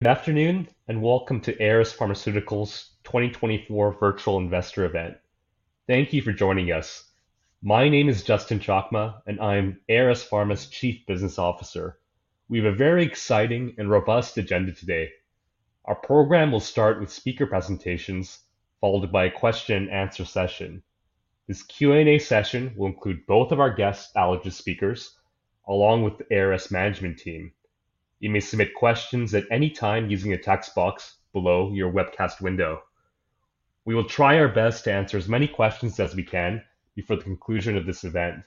Good afternoon and welcome to ARS Pharmaceuticals' 2024 Virtual Investor Event. Thank you for joining us. My name is Justin Chakma, and I'm ARS Pharmaceuticals' Chief Business Officer. We have a very exciting and robust agenda today. Our program will start with speaker presentations, followed by a question-and-answer session. This Q&A session will include both of our guest allergy speakers, along with the ARS management team. You may submit questions at any time using the text box below your webcast window. We will try our best to answer as many questions as we can before the conclusion of this event.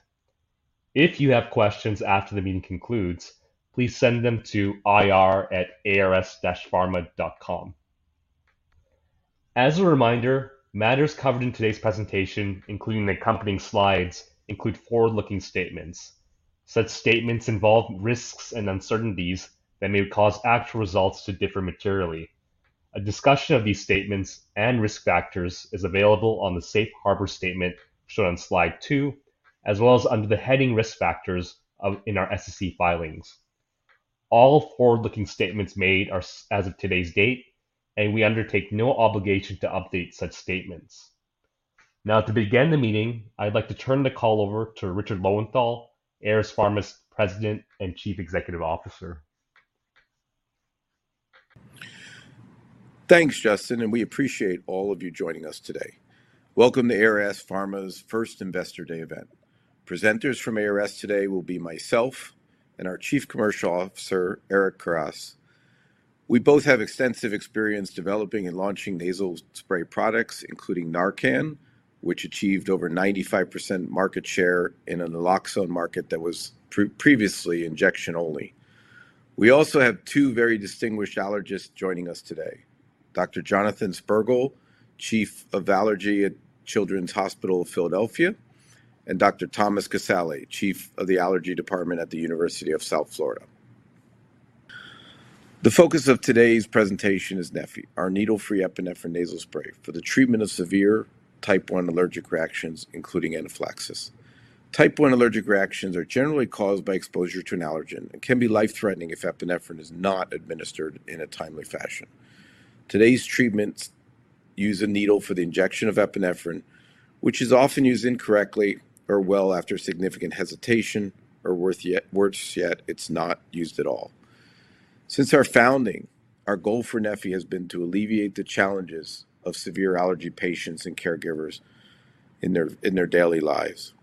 If you have questions after the meeting concludes, please send them to ir@ars-pharma.com. As a reminder, matters covered in today's presentation, including the accompanying slides, include forward-looking statements. Such statements involve risks and uncertainties that may cause actual results to differ materially. A discussion of these statements and risk factors is available on the Safe Harbor statement shown on slide two, as well as under the heading "Risk Factors" in our SEC filings. All forward-looking statements made are as of today's date, and we undertake no obligation to update such statements. Now, to begin the meeting, I'd like to turn the call over to Richard Lowenthal, ARS Pharma's President and Chief Executive Officer. Thanks, Justin, and we appreciate all of you joining us today. Welcome to ARS Pharmaceuticals' first investor day event. Presenters from ARS Pharmaceuticals today will be myself and our Chief Commercial Officer, Eric Karas. We both have extensive experience developing and launching nasal spray products, including NARCAN, which achieved over 95% market share in a naloxone market that was previously injection-only. We also have two very distinguished allergists joining us today: Dr. Jonathan Spergel, Chief of Allergy at Children's Hospital of Philadelphia, and Dr. Thomas Casale, Chief of the Allergy Department at the University of South Florida. The focus of today's presentation is neffy, our needle-free epinephrine nasal spray for the treatment of severe Type I allergic reactions, including anaphylaxis. Type I allergic reactions are generally caused by exposure to an allergen and can be life-threatening if epinephrine is not administered in a timely fashion. Today's treatments use a needle for the injection of epinephrine, which is often used incorrectly or well after significant hesitation, or worse yet, it's not used at all. Since our founding, our goal for neffy has been to alleviate the challenges of severe allergy patients and caregivers in their daily lives.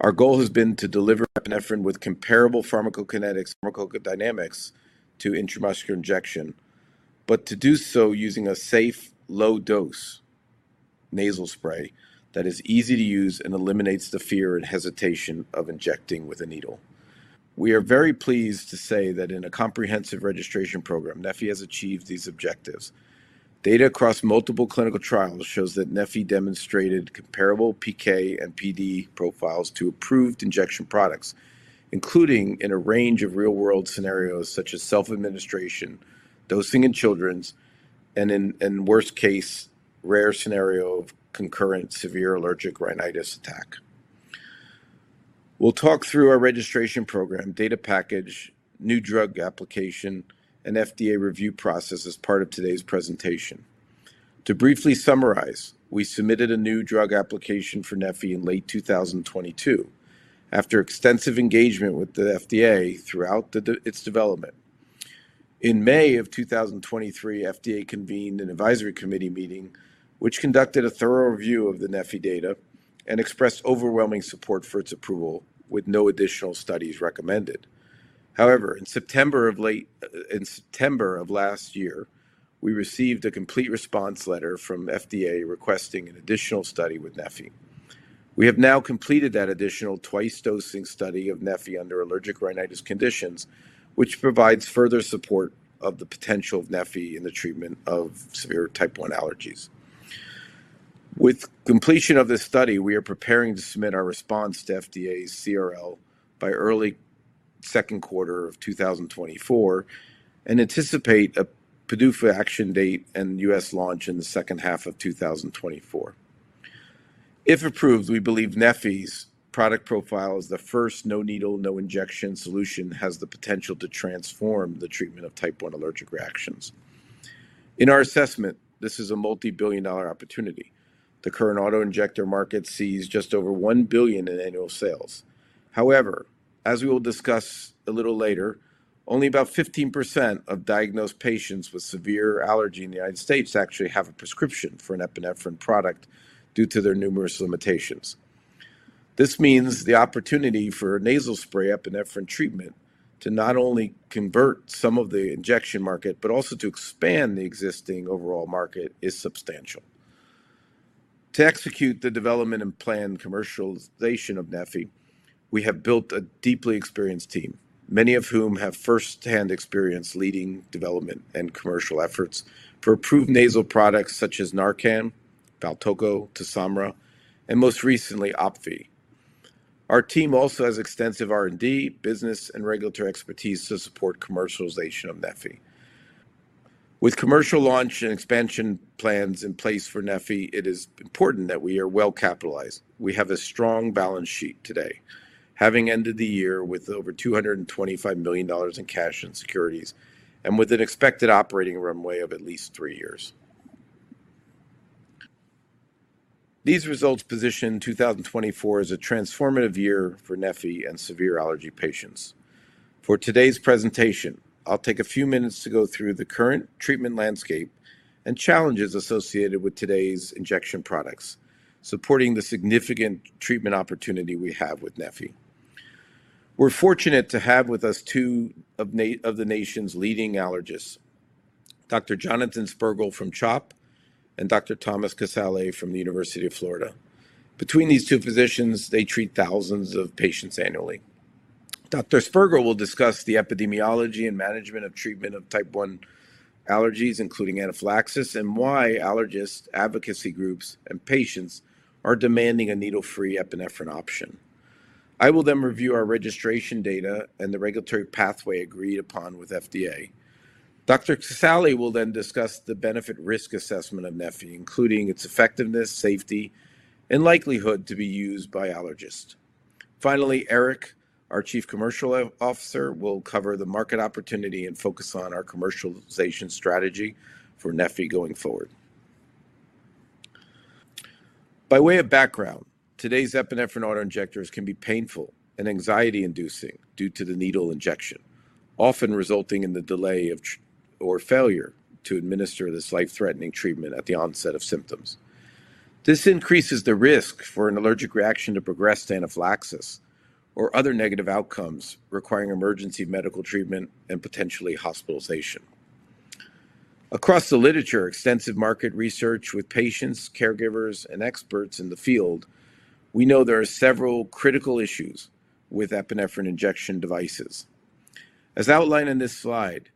Our goal has been to deliver epinephrine with comparable pharmacokinetics and pharmacodynamics to intramuscular injection, but to do so using a safe, low-dose nasal spray that is easy to use and eliminates the fear and hesitation of injecting with a needle. We are very pleased to say that in a comprehensive registration program, neffy has achieved these objectives. Data across multiple clinical trials shows that neffy demonstrated comparable PK and PD profiles to approved injection products, including in a range of real-world scenarios such as self-administration, dosing in children, and in worst case, rare scenario of concurrent severe allergic rhinitis attack. We'll talk through our registration program, data package, new drug application, and FDA review process as part of today's presentation. To briefly summarize, we submitted a new drug application for neffy in late 2022 after extensive engagement with the FDA throughout its development. In May of 2023, FDA convened an advisory committee meeting, which conducted a thorough review of the neffy data and expressed overwhelming support for its approval, with no additional studies recommended. However, in late September of last year, we received a complete response letter from FDA requesting an additional study with neffy. We have now completed that additional twice-dosing study of neffy under allergic rhinitis conditions, which provides further support of the potential of neffy in the treatment of severe Type I allergies. With completion of this study, we are preparing to submit our response to FDA's CRL by early second quarter of 2024 and anticipate a PDUFA action date and U.S. launch in the second half of 2024. If approved, we believe neffy's product profile as the first no-needle, no-injection solution has the potential to transform the treatment of Type I allergic reactions. In our assessment, this is a multi-billion dollar opportunity. The current autoinjector market sees just over $1 billion in annual sales. However, as we will discuss a little later, only about 15% of diagnosed patients with severe allergy in the United States actually have a prescription for an epinephrine product due to their numerous limitations. This means the opportunity for nasal spray epinephrine treatment to not only convert some of the injection market but also to expand the existing overall market is substantial. To execute the development and planned commercialization of neffy, we have built a deeply experienced team, many of whom have firsthand experience leading development and commercial efforts for approved nasal products such as NARCAN, VALTOCO, TOSYMRA, and most recently OPVEE. Our team also has extensive R&D, business, and regulatory expertise to support commercialization of neffy. With commercial launch and expansion plans in place for neffy, it is important that we are well capitalized. We have a strong balance sheet today, having ended the year with over $225 million in cash and securities, and with an expected operating runway of at least three years. These results position 2024 as a transformative year for neffy and severe allergy patients. For today's presentation, I'll take a few minutes to go through the current treatment landscape and challenges associated with today's injection products, supporting the significant treatment opportunity we have with neffy. We're fortunate to have with us two of the nation's leading allergists, Dr. Jonathan Spergel from CHOP and Dr. Thomas Casale from the University of South Florida. Between these two physicians, they treat thousands of patients annually. Dr. Spergel will discuss the epidemiology and management of treatment of Type I allergies, including anaphylaxis, and why allergist advocacy groups and patients are demanding a needle-free epinephrine option. I will then review our registration data and the regulatory pathway agreed upon with FDA. Dr. Casale will then discuss the benefit-risk assessment of neffy, including its effectiveness, safety, and likelihood to be used by allergists. Finally, Eric, our Chief Commercial Officer, will cover the market opportunity and focus on our commercialization strategy for neffy going forward. By way of background, today's epinephrine auto injectors can be painful and anxiety-inducing due to the needle injection, often resulting in the delay or failure to administer this life-threatening treatment at the onset of symptoms. This increases the risk for an allergic reaction to progressed anaphylaxis or other negative outcomes requiring emergency medical treatment and potentially hospitalization. Across the literature, extensive market research with patients, caregivers, and experts in the field, we know there are several critical issues with epinephrine injection devices. As outlined in this slide,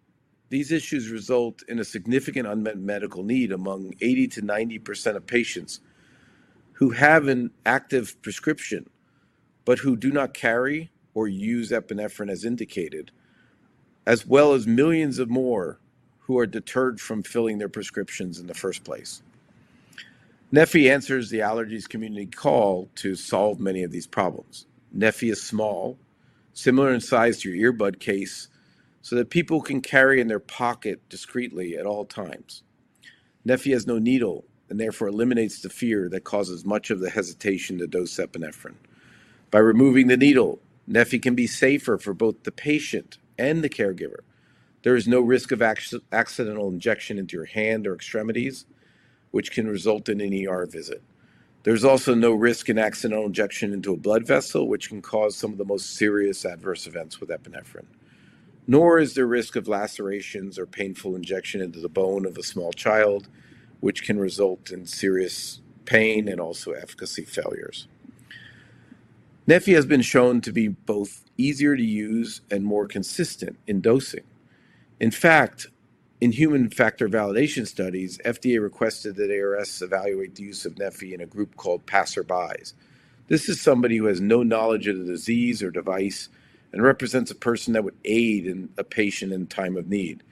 these issues result in a significant unmet medical need among 80%-90% of patients who have an active prescription but who do not carry or use epinephrine as indicated, as well as millions of more who are deterred from filling their prescriptions in the first place. neffy answers the allergies community call to solve many of these problems. neffy is small, similar in size to your earbud case, so that people can carry in their pocket discreetly at all times. neffy has no needle and therefore eliminates the fear that causes much of the hesitation to dose epinephrine. By removing the needle, neffy can be safer for both the patient and the caregiver. There is no risk of accidental injection into your hand or extremities, which can result in an ER visit. There's also no risk in accidental injection into a blood vessel, which can cause some of the most serious adverse events with epinephrine. Nor is there risk of lacerations or painful injection into the bone of a small child, which can result in serious pain and also efficacy failures. neffy has been shown to be both easier to use and more consistent in dosing. In fact, in human factor validation studies, FDA requested that ARS evaluate the use of neffy in a group called passersby. This is somebody who has no knowledge of the disease or device and represents a person that would aid a patient in time of need.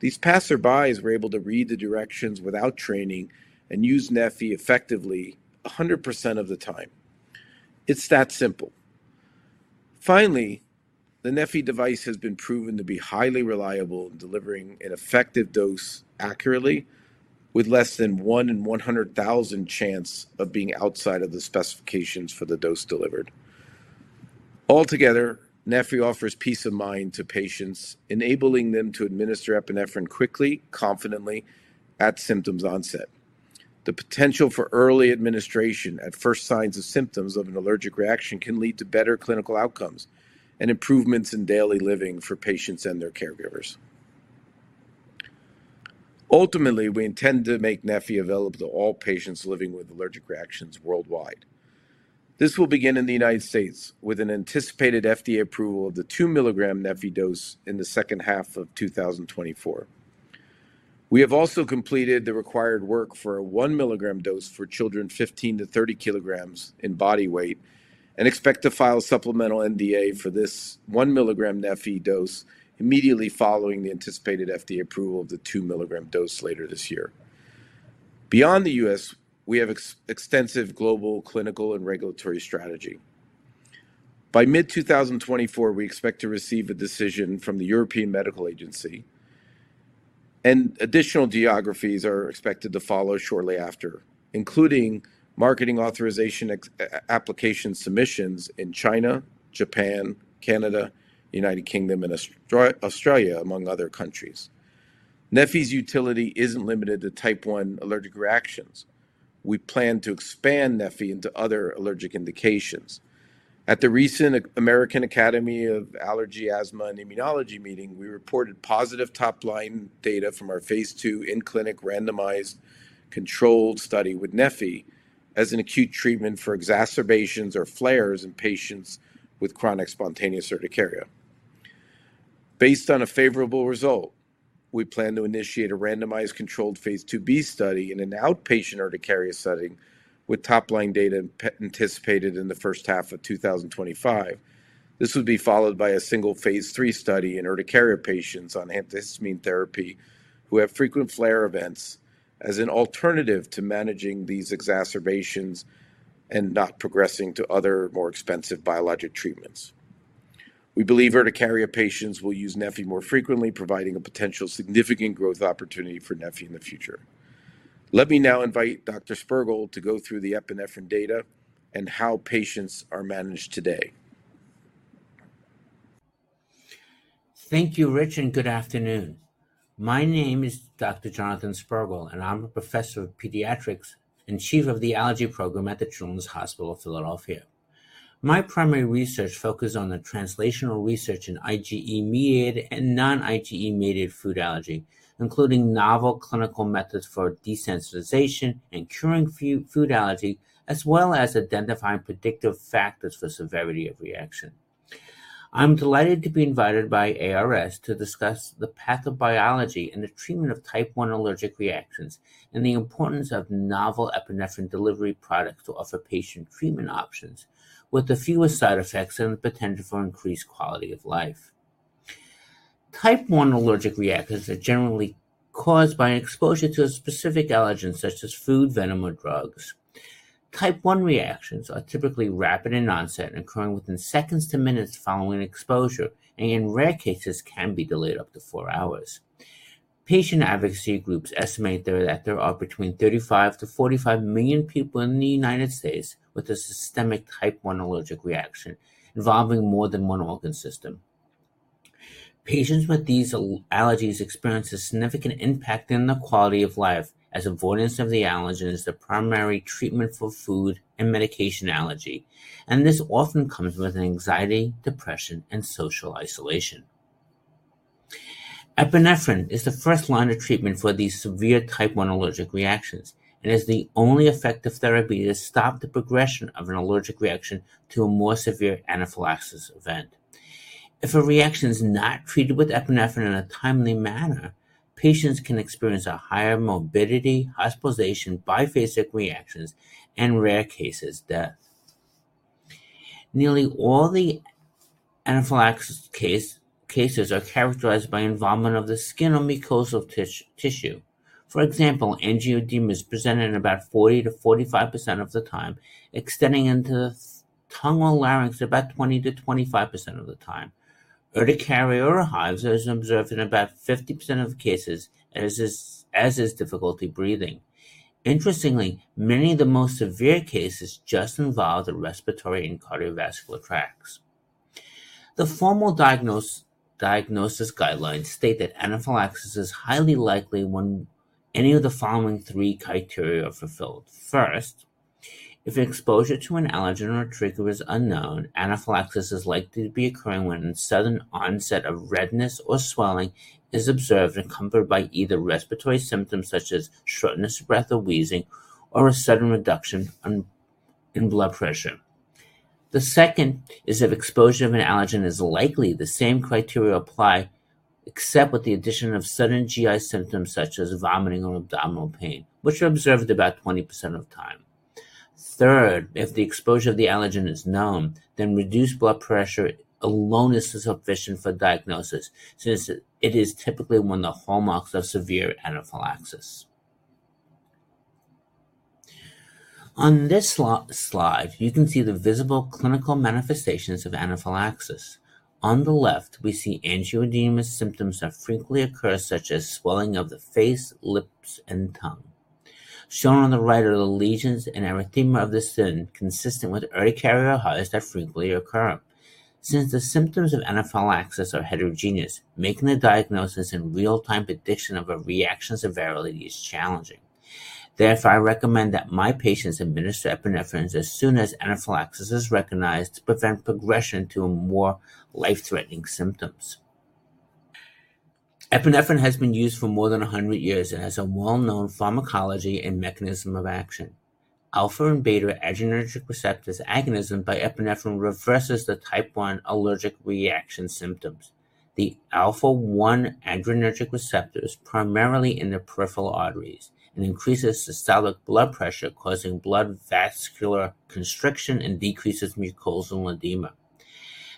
These passersby were able to read the directions without training and use neffy effectively 100% of the time. It's that simple. Finally, the neffy device has been proven to be highly reliable in delivering an effective dose accurately, with less than one in 100,000 chance of being outside of the specifications for the dose delivered. Altogether, neffy offers peace of mind to patients, enabling them to administer epinephrine quickly, confidently, at symptoms onset. The potential for early administration at first signs of symptoms of an allergic reaction can lead to better clinical outcomes and improvements in daily living for patients and their caregivers. Ultimately, we intend to make neffy available to all patients living with allergic reactions worldwide. This will begin in the United States with an anticipated FDA approval of the 2 mg neffy dose in the second half of 2024. We have also completed the required work for a 1 mg dose for children 15 kg-30 kg in body weight and expect to file supplemental NDA for this 1 mg neffy dose immediately following the anticipated FDA approval of the 2 mg dose later this year. Beyond the U.S., we have extensive global clinical and regulatory strategy. By mid-2024, we expect to receive a decision from the European Medicines Agency, and additional geographies are expected to follow shortly after, including marketing authorization application submissions in China, Japan, Canada, United Kingdom, and Australia, among other countries. neffy's utility isn't limited to Type I allergic reactions. We plan to expand neffy into other allergic indications. At the recent American Academy of Allergy, Asthma, and Immunology meeting, we reported positive top-line data from our phase II in-clinic randomized controlled study with neffy as an acute treatment for exacerbations or flares in patients with chronic spontaneous urticaria. Based on a favorable result, we plan to initiate a randomized controlled phase 2b study in an outpatient urticaria setting with top-line data anticipated in the first half of 2025. This would be followed by a single phase III study in urticaria patients on antihistamine therapy who have frequent flare events as an alternative to managing these exacerbations and not progressing to other more expensive biologic treatments. We believe urticaria patients will use neffy more frequently, providing a potential significant growth opportunity for neffy in the future. Let me now invite Dr. Spergel to go through the epinephrine data and how patients are managed today. Thank you, Rich, and good afternoon. My name is Dr. Jonathan Spergel, and I'm a professor of pediatrics and Chief of the Allergy program at the Children's Hospital of Philadelphia. My primary research focuses on the translational research in IgE-mediated and non-IgE-mediated food allergy, including novel clinical methods for desensitization and curing food allergy, as well as identifying predictive factors for severity of reaction. I'm delighted to be invited by ARS to discuss the pathobiology and the treatment of Type I allergic reactions and the importance of novel epinephrine delivery products to offer patient treatment options with the fewest side effects and the potential for increased quality of life. Type I allergic reactions are generally caused by exposure to a specific allergen such as food, venom, or drugs. Type I reactions are typically rapid in onset, occurring within seconds to minutes following exposure, and in rare cases can be delayed up to four hours. Patient advocacy groups estimate that there are between 35 million-45 million people in the United States with a systemic Type I allergic reaction involving more than one organ system. Patients with these allergies experience a significant impact in the quality of life, as avoidance of the allergen is the primary treatment for food and medication allergy, and this often comes with anxiety, depression, and social isolation. Epinephrine is the first line of treatment for these severe Type I allergic reactions and is the only effective therapy to stop the progression of an allergic reaction to a more severe anaphylaxis event. If a reaction is not treated with epinephrine in a timely manner, patients can experience a higher morbidity, hospitalization, biphasic reactions, and in rare cases, death. Nearly all the anaphylaxis cases are characterized by involvement of the skin or mucosal tissue. For example, angioedema is present in about 40%-45% of the time, extending into the tongue or larynx about 20%-25% of the time. Urticaria or hives are observed in about 50% of cases, as is difficulty breathing. Interestingly, many of the most severe cases just involve the respiratory and cardiovascular tracts. The formal diagnosis guidelines state that anaphylaxis is highly likely when any of the following three criteria are fulfilled: First, if exposure to an allergen or trigger is unknown, anaphylaxis is likely to be occurring when a sudden onset of redness or swelling is observed and accompanied by either respiratory symptoms such as shortness of breath or wheezing, or a sudden reduction in blood pressure. The second is if exposure to an allergen is likely, the same criteria apply, except with the addition of sudden GI symptoms such as vomiting or abdominal pain, which are observed about 20% of the time. Third, if the exposure to the allergen is known, then reduced blood pressure alone is sufficient for diagnosis, since it is typically one of the hallmarks of severe anaphylaxis. On this slide, you can see the visible clinical manifestations of anaphylaxis. On the left, we see angioedema symptoms that frequently occur, such as swelling of the face, lips, and tongue. Shown on the right are the lesions and erythema of the skin consistent with urticaria or hives that frequently occur. Since the symptoms of anaphylaxis are heterogeneous, making the diagnosis and real-time prediction of a reaction severity is challenging. Therefore, I recommend that my patients administer epinephrine as soon as anaphylaxis is recognized to prevent progression to more life-threatening symptoms. Epinephrine has been used for more than 100 years and has a well-known pharmacology and mechanism of action. Alpha and beta adrenergic receptors agonism by epinephrine reverses the Type I allergic reaction symptoms. The alpha-1 adrenergic receptor is primarily in the peripheral arteries and increases systolic blood pressure, causing vasoconstriction and decreases mucosal edema.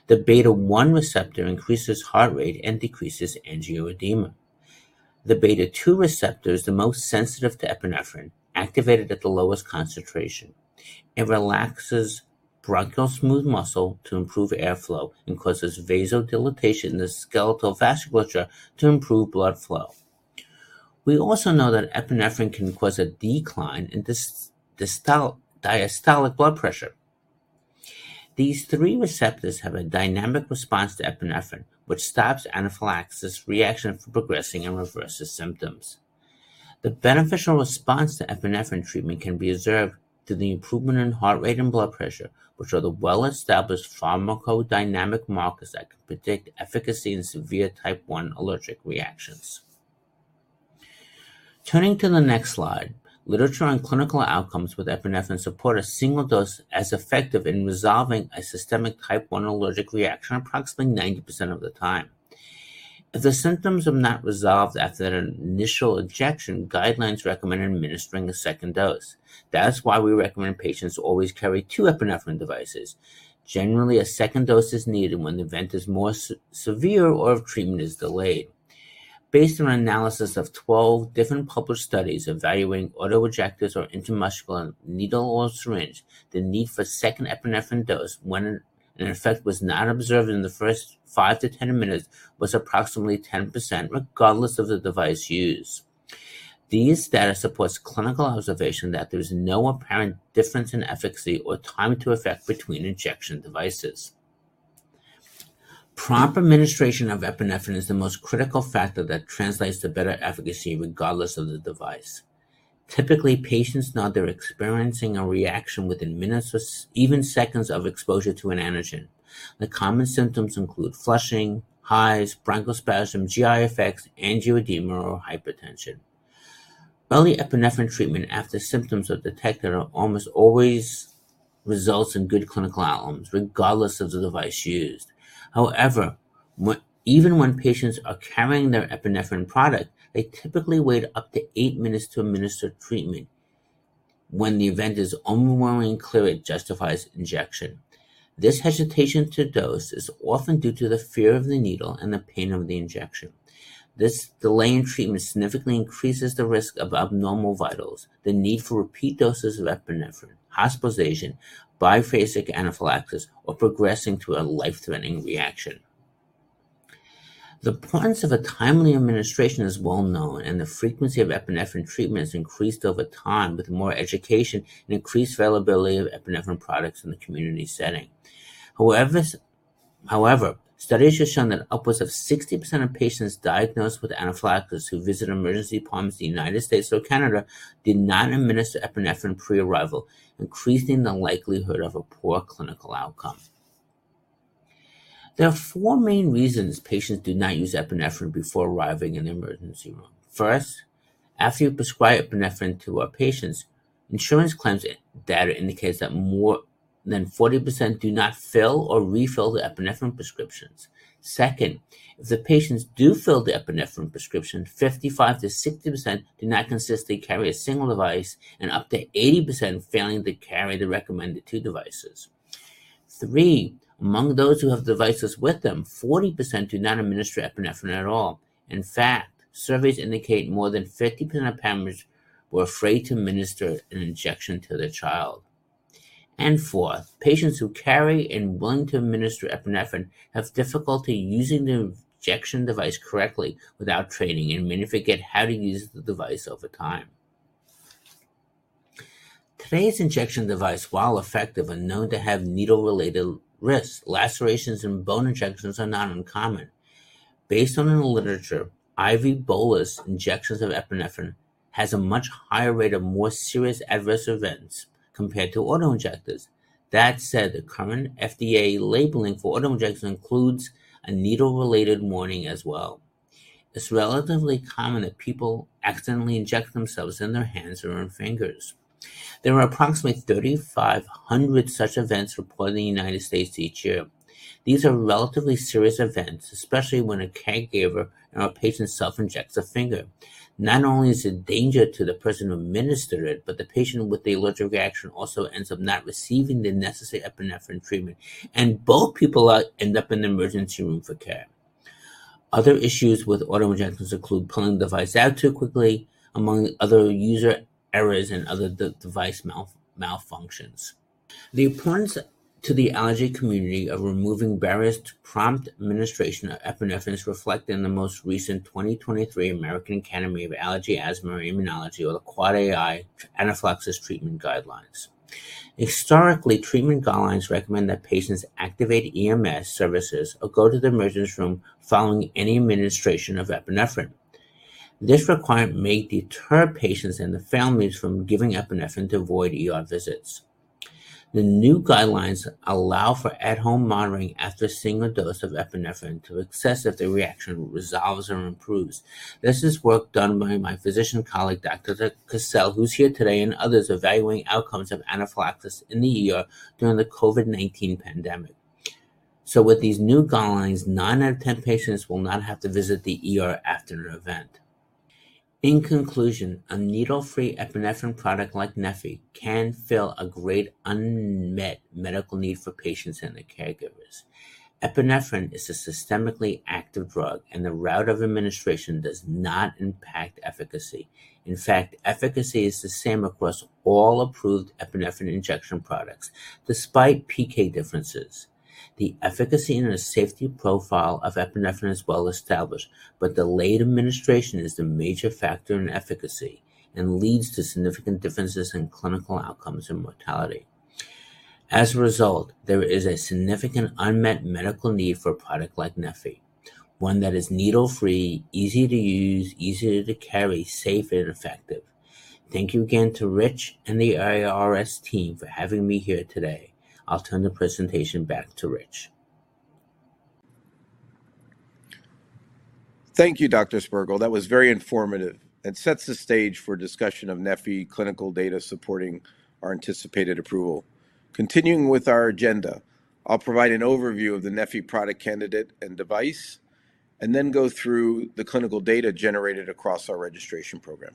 The beta-1 receptor increases heart rate and decreases angioedema. The beta-2 receptor is the most sensitive to epinephrine, activated at the lowest concentration. It relaxes bronchial smooth muscle to improve airflow and causes vasodilatation in the skeletal vasculature to improve blood flow. We also know that epinephrine can cause a decline in diastolic blood pressure. These three receptors have a dynamic response to epinephrine, which stops anaphylaxis reaction from progressing and reverses symptoms. The beneficial response to epinephrine treatment can be observed through the improvement in heart rate and blood pressure, which are the well-established pharmacodynamic markers that can predict efficacy in severe Type I allergic reactions. Turning to the next slide, literature on clinical outcomes with epinephrine support a single dose as effective in resolving a systemic Type I allergic reaction approximately 90% of the time. If the symptoms are not resolved after that initial injection, guidelines recommend administering a second dose. That's why we recommend patients always carry two epinephrine devices. Generally, a second dose is needed when the event is more severe or if treatment is delayed. Based on analysis of 12 different published studies evaluating auto-injectors or intramuscular needle or syringe, the need for a second epinephrine dose when an effect was not observed in the first five-10 minutes was approximately 10%, regardless of the device used. This data supports clinical observation that there is no apparent difference in efficacy or time to effect between injection devices. Proper administration of epinephrine is the most critical factor that translates to better efficacy regardless of the device. Typically, patients know they're experiencing a reaction within minutes or even seconds of exposure to an antigen. The common symptoms include flushing, hives, bronchospasm, GI effects, angioedema, or hypertension. Early epinephrine treatment after symptoms are detected almost always results in good clinical outcomes, regardless of the device used. However, even when patients are carrying their epinephrine product, they typically wait up to eight minutes to administer treatment when the event is warranted and clearly it justifies injection. This hesitation to dose is often due to the fear of the needle and the pain of the injection. This delay in treatment significantly increases the risk of abnormal vitals, the need for repeat doses of epinephrine, hospitalization, biphasic anaphylaxis, or progressing to a life-threatening reaction. The importance of a timely administration is well known, and the frequency of epinephrine treatment has increased over time with more education and increased availability of epinephrine products in the community setting. However, studies have shown that upwards of 60% of patients diagnosed with anaphylaxis who visit emergency departments in the United States or Canada did not administer epinephrine pre-arrival, increasing the likelihood of a poor clinical outcome. There are four main reasons patients do not use epinephrine before arriving in the emergency room. First, after you prescribe epinephrine to our patients, insurance claims data indicates that more than 40% do not fill or refill the epinephrine prescriptions. Second, if the patients do fill the epinephrine prescription, 55%-60% do not consistently carry a single device, and up to 80% failing to carry the recommended two devices. Three, among those who have devices with them, 40% do not administer epinephrine at all. In fact, surveys indicate more than 50% of parents were afraid to administer an injection to their child. Fourth, patients who carry and are willing to administer epinephrine have difficulty using the injection device correctly without training and may forget how to use the device over time. Today's injection device, while effective and known to have needle-related risks. Lacerations and bone injections are not uncommon. Based on the literature, I.V. bolus injections of epinephrine have a much higher rate of more serious adverse events compared to autoinjectors. That said, the current FDA labeling for autoinjections includes a needle-related warning as well. It's relatively common that people accidentally inject themselves in their hands or in fingers. There are approximately 3,500 such events reported in the United States each year. These are relatively serious events, especially when a caregiver or a patient self-injects a finger. Not only is it a danger to the person who administered it, but the patient with the allergic reaction also ends up not receiving the necessary epinephrine treatment, and both people end up in the emergency room for care. Other issues with auto-injectors include pulling the device out too quickly, among other user errors, and other device malfunctions. The importance to the allergy community of removing barriers to prompt administration of epinephrine is reflected in the most recent 2023 American Academy of Allergy, Asthma, and Immunology or the AAAAI Anaphylaxis Treatment Guidelines. Historically, treatment guidelines recommend that patients activate EMS services or go to the emergency room following any administration of epinephrine. This requirement may deter patients and their families from giving epinephrine to avoid visits. The new guidelines allow for at-home monitoring after a single dose of epinephrine to assess if the reaction resolves or improves. This is work done by my physician colleague, Dr. Casale, who's here today, and others evaluating outcomes of anaphylaxis in the ED during the COVID-19 pandemic. With these new guidelines, nine out of 10 patients will not have to visit the ED after an event. In conclusion, a needle-free epinephrine product like neffy can fill a great unmet medical need for patients and their caregivers. Epinephrine is a systemically active drug, and the route of administration does not impact efficacy. In fact, efficacy is the same across all approved epinephrine injection products, despite PK differences. The efficacy and the safety profile of epinephrine is well established, but delayed administration is the major factor in efficacy and leads to significant differences in clinical outcomes and mortality. As a result, there is a significant unmet medical need for a product like neffy, one that is needle-free, easy to use, easy to carry, safe, and effective. Thank you again to Rich and the ARS team for having me here today. I'll turn the presentation back to Rich. Thank you, Dr. Spergel. That was very informative and sets the stage for discussion of neffy clinical data supporting our anticipated approval. Continuing with our agenda, I'll provide an overview of the neffy product candidate and device, and then go through the clinical data generated across our registration program.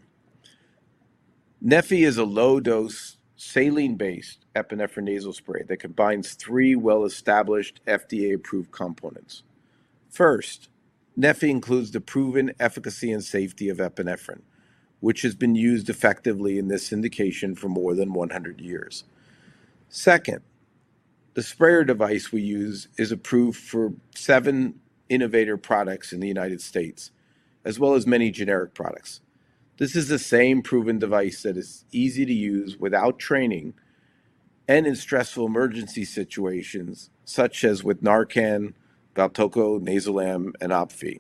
neffy is a low-dose, saline-based epinephrine nasal spray that combines three well-established FDA-approved components. First, neffy includes the proven efficacy and safety of epinephrine, which has been used effectively in this indication for more than 100 years. Second, the sprayer device we use is approved for seven innovator products in the United States, as well as many generic products. This is the same proven device that is easy to use without training and in stressful emergency situations, such as with NARCAN, VALTOCO, NAYZILAM, and OPVEE.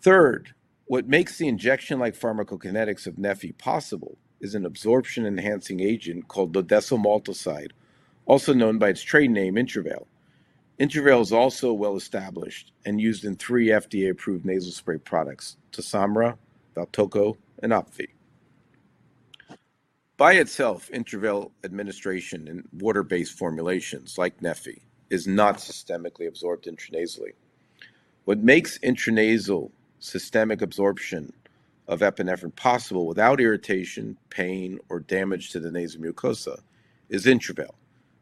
Third, what makes the injection-like pharmacokinetics of neffy possible is an absorption-enhancing agent called dodecyl maltoside, also known by its trade name Intravail. Intravail is also well-established and used in three FDA-approved nasal spray products: TOSYMRA, VALTOCO, and OPVEE. By itself, Intravail administration in water-based formulations like neffy is not systemically absorbed intranasally. What makes intranasal systemic absorption of epinephrine possible without irritation, pain, or damage to the nasal mucosa is Intravail,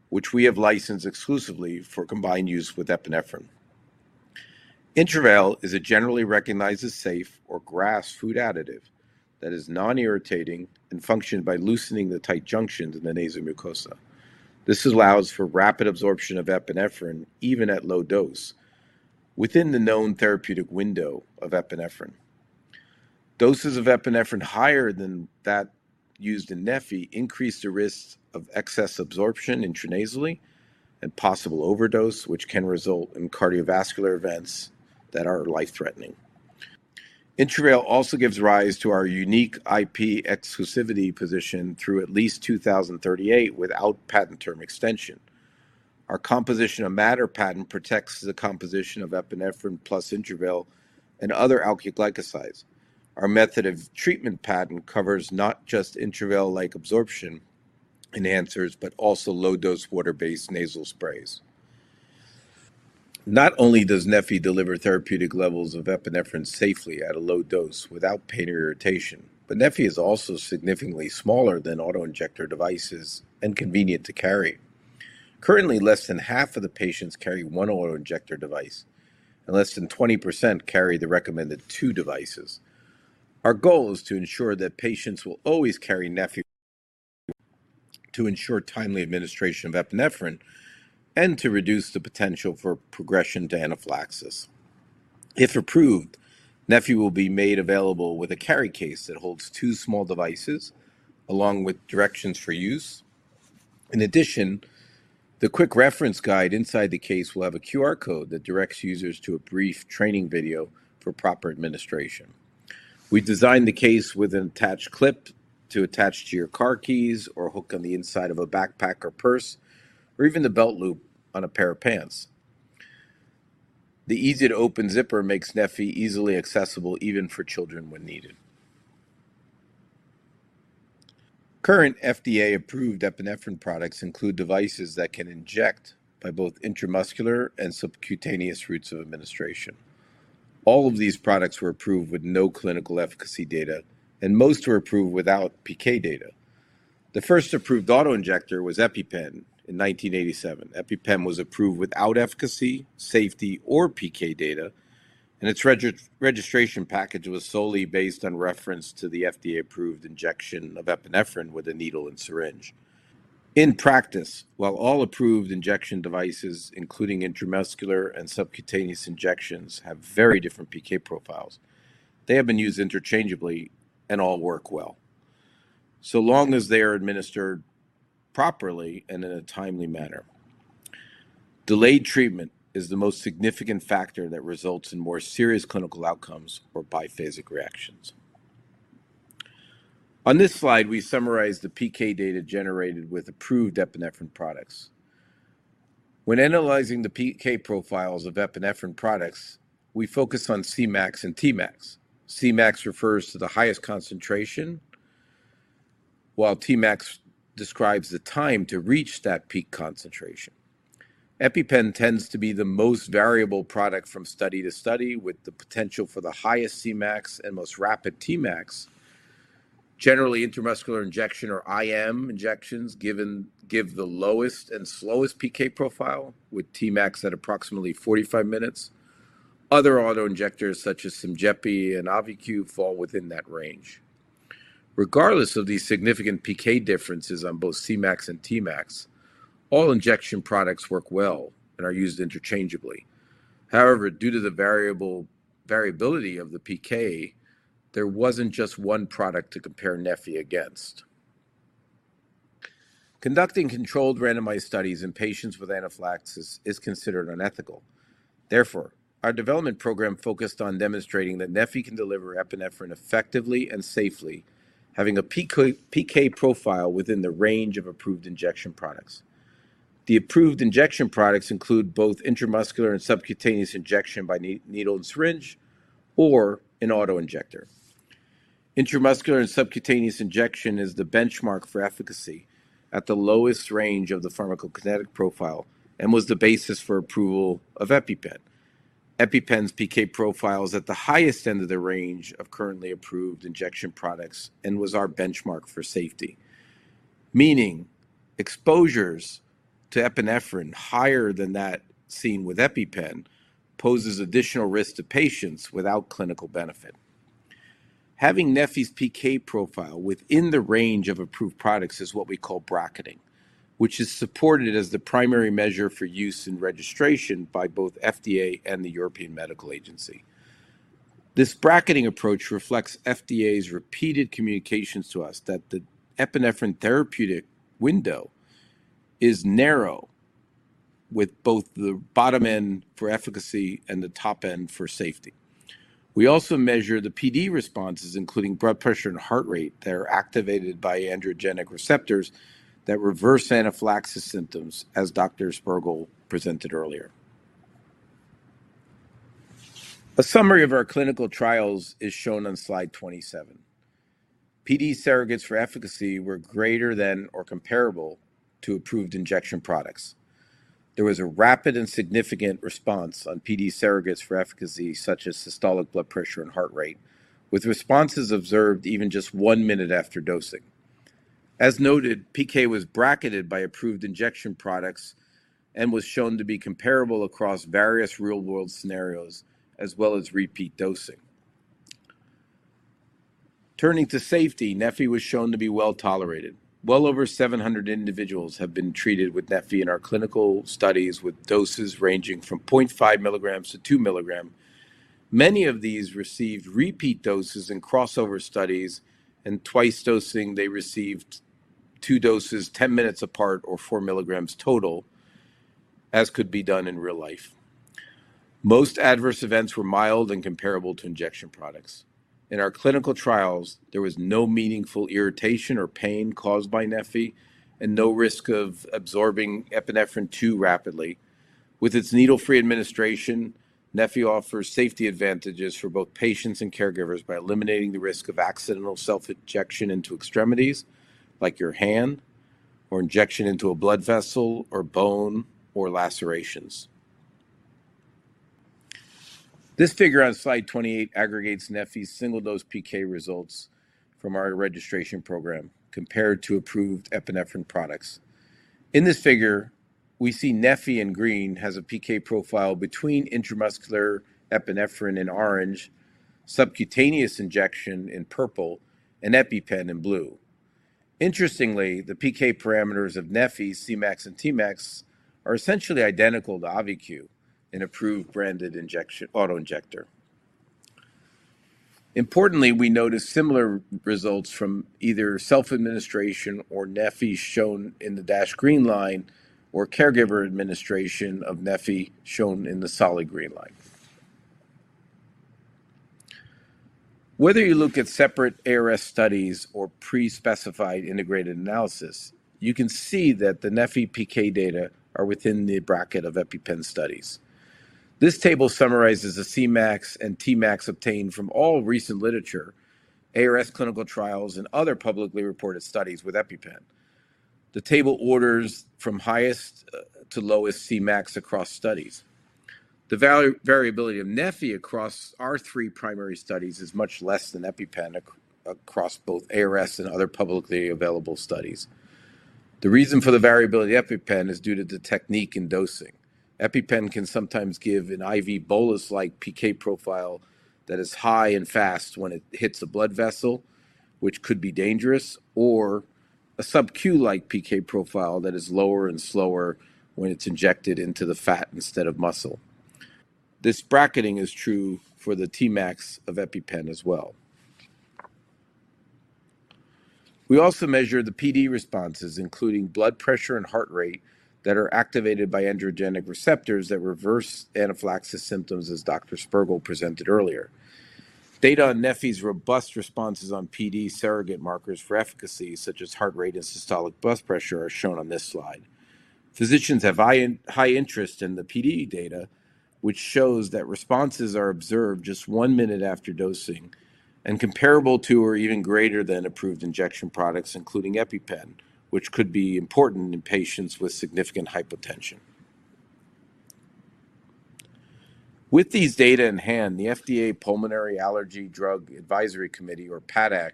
which we have licensed exclusively for combined use with epinephrine. Intravail is a generally recognized as safe GRAS food additive that is non-irritating and functions by loosening the tight junctions in the nasal mucosa. This allows for rapid absorption of epinephrine even at low dose, within the known therapeutic window of epinephrine. Doses of epinephrine higher than that used in neffy increase the risks of excess absorption intranasally and possible overdose, which can result in cardiovascular events that are life-threatening. Intravail also gives rise to our unique IP exclusivity position through at least 2038 without patent term extension. Our composition of matter patent protects the composition of epinephrine plus Intravail and other alkyl glycosides. Our method of treatment patent covers not just Intravail-like absorption enhancers but also low-dose water-based nasal sprays. Not only does neffy deliver therapeutic levels of epinephrine safely at a low dose without pain or irritation, but neffy is also significantly smaller than autoinjector devices and convenient to carry. Currently, less than half of the patients carry one autoinjector device, and less than 20% carry the recommended two devices. Our goal is to ensure that patients will always carry neffy to ensure timely administration of epinephrine and to reduce the potential for progression to anaphylaxis. If approved, neffy will be made available with a carry case that holds two small devices along with directions for use. In addition, the quick reference guide inside the case will have a QR code that directs users to a brief training video for proper administration. We designed the case with an attached clip to attach to your car keys or hook on the inside of a backpack or purse, or even the belt loop on a pair of pants. The easy-to-open zipper makes neffy easily accessible even for children when needed. Current FDA-approved epinephrine products include devices that can inject by both intramuscular and subcutaneous routes of administration. All of these products were approved with no clinical efficacy data, and most were approved without PK data. The first approved autoinjector was EpiPen in 1987. EpiPen was approved without efficacy, safety, or PK data, and its registration package was solely based on reference to the FDA-approved injection of epinephrine with a needle and syringe. In practice, while all approved injection devices, including intramuscular and subcutaneous injections, have very different PK profiles, they have been used interchangeably and all work well, so long as they are administered properly and in a timely manner. Delayed treatment is the most significant factor that results in more serious clinical outcomes or biphasic reactions. On this slide, we summarize the PK data generated with approved epinephrine products. When analyzing the PK profiles of epinephrine products, we focus on Cmax and Tmax. Cmax refers to the highest concentration, while Tmax describes the time to reach that peak concentration. EpiPen tends to be the most variable product from study to study, with the potential for the highest Cmax and most rapid Tmax. Generally, intramuscular injection or IM injections give the lowest and slowest PK profile, with Tmax at approximately 45 minutes. Other autoinjectors, such as SYMJEPI and AUVI-Q, fall within that range. Regardless of these significant PK differences on both Cmax and Tmax, all injection products work well and are used interchangeably. However, due to the variability of the PK, there wasn't just one product to compare neffy against. Conducting controlled randomized studies in patients with anaphylaxis is considered unethical. Therefore, our development program focused on demonstrating that neffy can deliver epinephrine effectively and safely, having a PK profile within the range of approved injection products. The approved injection products include both intramuscular and subcutaneous injection by needle and syringe or an autoinjector. Intramuscular and subcutaneous injection is the benchmark for efficacy at the lowest range of the pharmacokinetic profile and was the basis for approval of EpiPen. EpiPen's PK profile is at the highest end of the range of currently approved injection products and was our benchmark for safety. Meaning, exposures to epinephrine higher than that seen with EpiPen poses additional risk to patients without clinical benefit. Having neffy's PK profile within the range of approved products is what we call bracketing, which is supported as the primary measure for use in registration by both FDA and the European Medicines Agency. This bracketing approach reflects FDA's repeated communications to us that the epinephrine therapeutic window is narrow, with both the bottom end for efficacy and the top end for safety. We also measure the PD responses, including blood pressure and heart rate that are activated by adrenergic receptors that reverse anaphylaxis symptoms, as Dr. Spergel presented earlier. A summary of our clinical trials is shown on slide 27. PD surrogates for efficacy were greater than or comparable to approved injection products. There was a rapid and significant response on PD surrogates for efficacy, such as systolic blood pressure and heart rate, with responses observed even just one minute after dosing. As noted, PK was bracketed by approved injection products and was shown to be comparable across various real-world scenarios, as well as repeat dosing. Turning to safety, neffy was shown to be well tolerated. Well over 700 individuals have been treated with neffy in our clinical studies with doses ranging from 0.5 mgs to 2 mgs. Many of these received repeat doses in crossover studies, and twice dosing, they received two doses 10 minutes apart or 4 mgs total, as could be done in real life. Most adverse events were mild and comparable to injection products. In our clinical trials, there was no meaningful irritation or pain caused by neffy and no risk of absorbing epinephrine too rapidly. With its needle-free administration, neffy offers safety advantages for both patients and caregivers by eliminating the risk of accidental self-injection into extremities like your hand or injection into a blood vessel or bone or lacerations. This figure on slide 28 aggregates neffy's single-dose PK results from our registration program compared to approved epinephrine products. In this figure, we see neffy in green has a PK profile between intramuscular epinephrine in orange, subcutaneous injection in purple, and EpiPen in blue. Interestingly, the PK parameters of neffy, Cmax, and Tmax are essentially identical to AUVI-Q, an approved branded autoinjector. Importantly, we notice similar results from either self-administration or neffy shown in the dash green line or caregiver administration of neffy shown in the solid green line. Whether you look at separate ARS studies or pre-specified integrated analysis, you can see that the neffy PK data are within the bracket of EpiPen studies. This table summarizes the Cmax and Tmax obtained from all recent literature, ARS clinical trials, and other publicly reported studies with EpiPen. The table orders from highest to lowest Cmax across studies. The variability of neffy across our three primary studies is much less than EpiPen across both ARS and other publicly available studies. The reason for the variability of EpiPen is due to the technique in dosing. EpiPen can sometimes give an I.V. bolus-like PK profile that is high and fast when it hits a blood vessel, which could be dangerous, or a subQ-like PK profile that is lower and slower when it's injected into the fat instead of muscle. This bracketing is true for the Tmax of EpiPen as well. We also measure the PD responses, including blood pressure and heart rate, that are activated by adrenergic receptors that reverse anaphylaxis symptoms, as Dr. Spergel presented earlier. Data on neffy's robust responses on PD surrogate markers for efficacy, such as heart rate and systolic blood pressure, are shown on this slide. Physicians have high interest in the PD data, which shows that responses are observed just one minute after dosing and comparable to or even greater than approved injection products, including EpiPen, which could be important in patients with significant hypotension. With these data in hand, the FDA Pulmonary-Allergy Drugs Advisory Committee, or PADAC,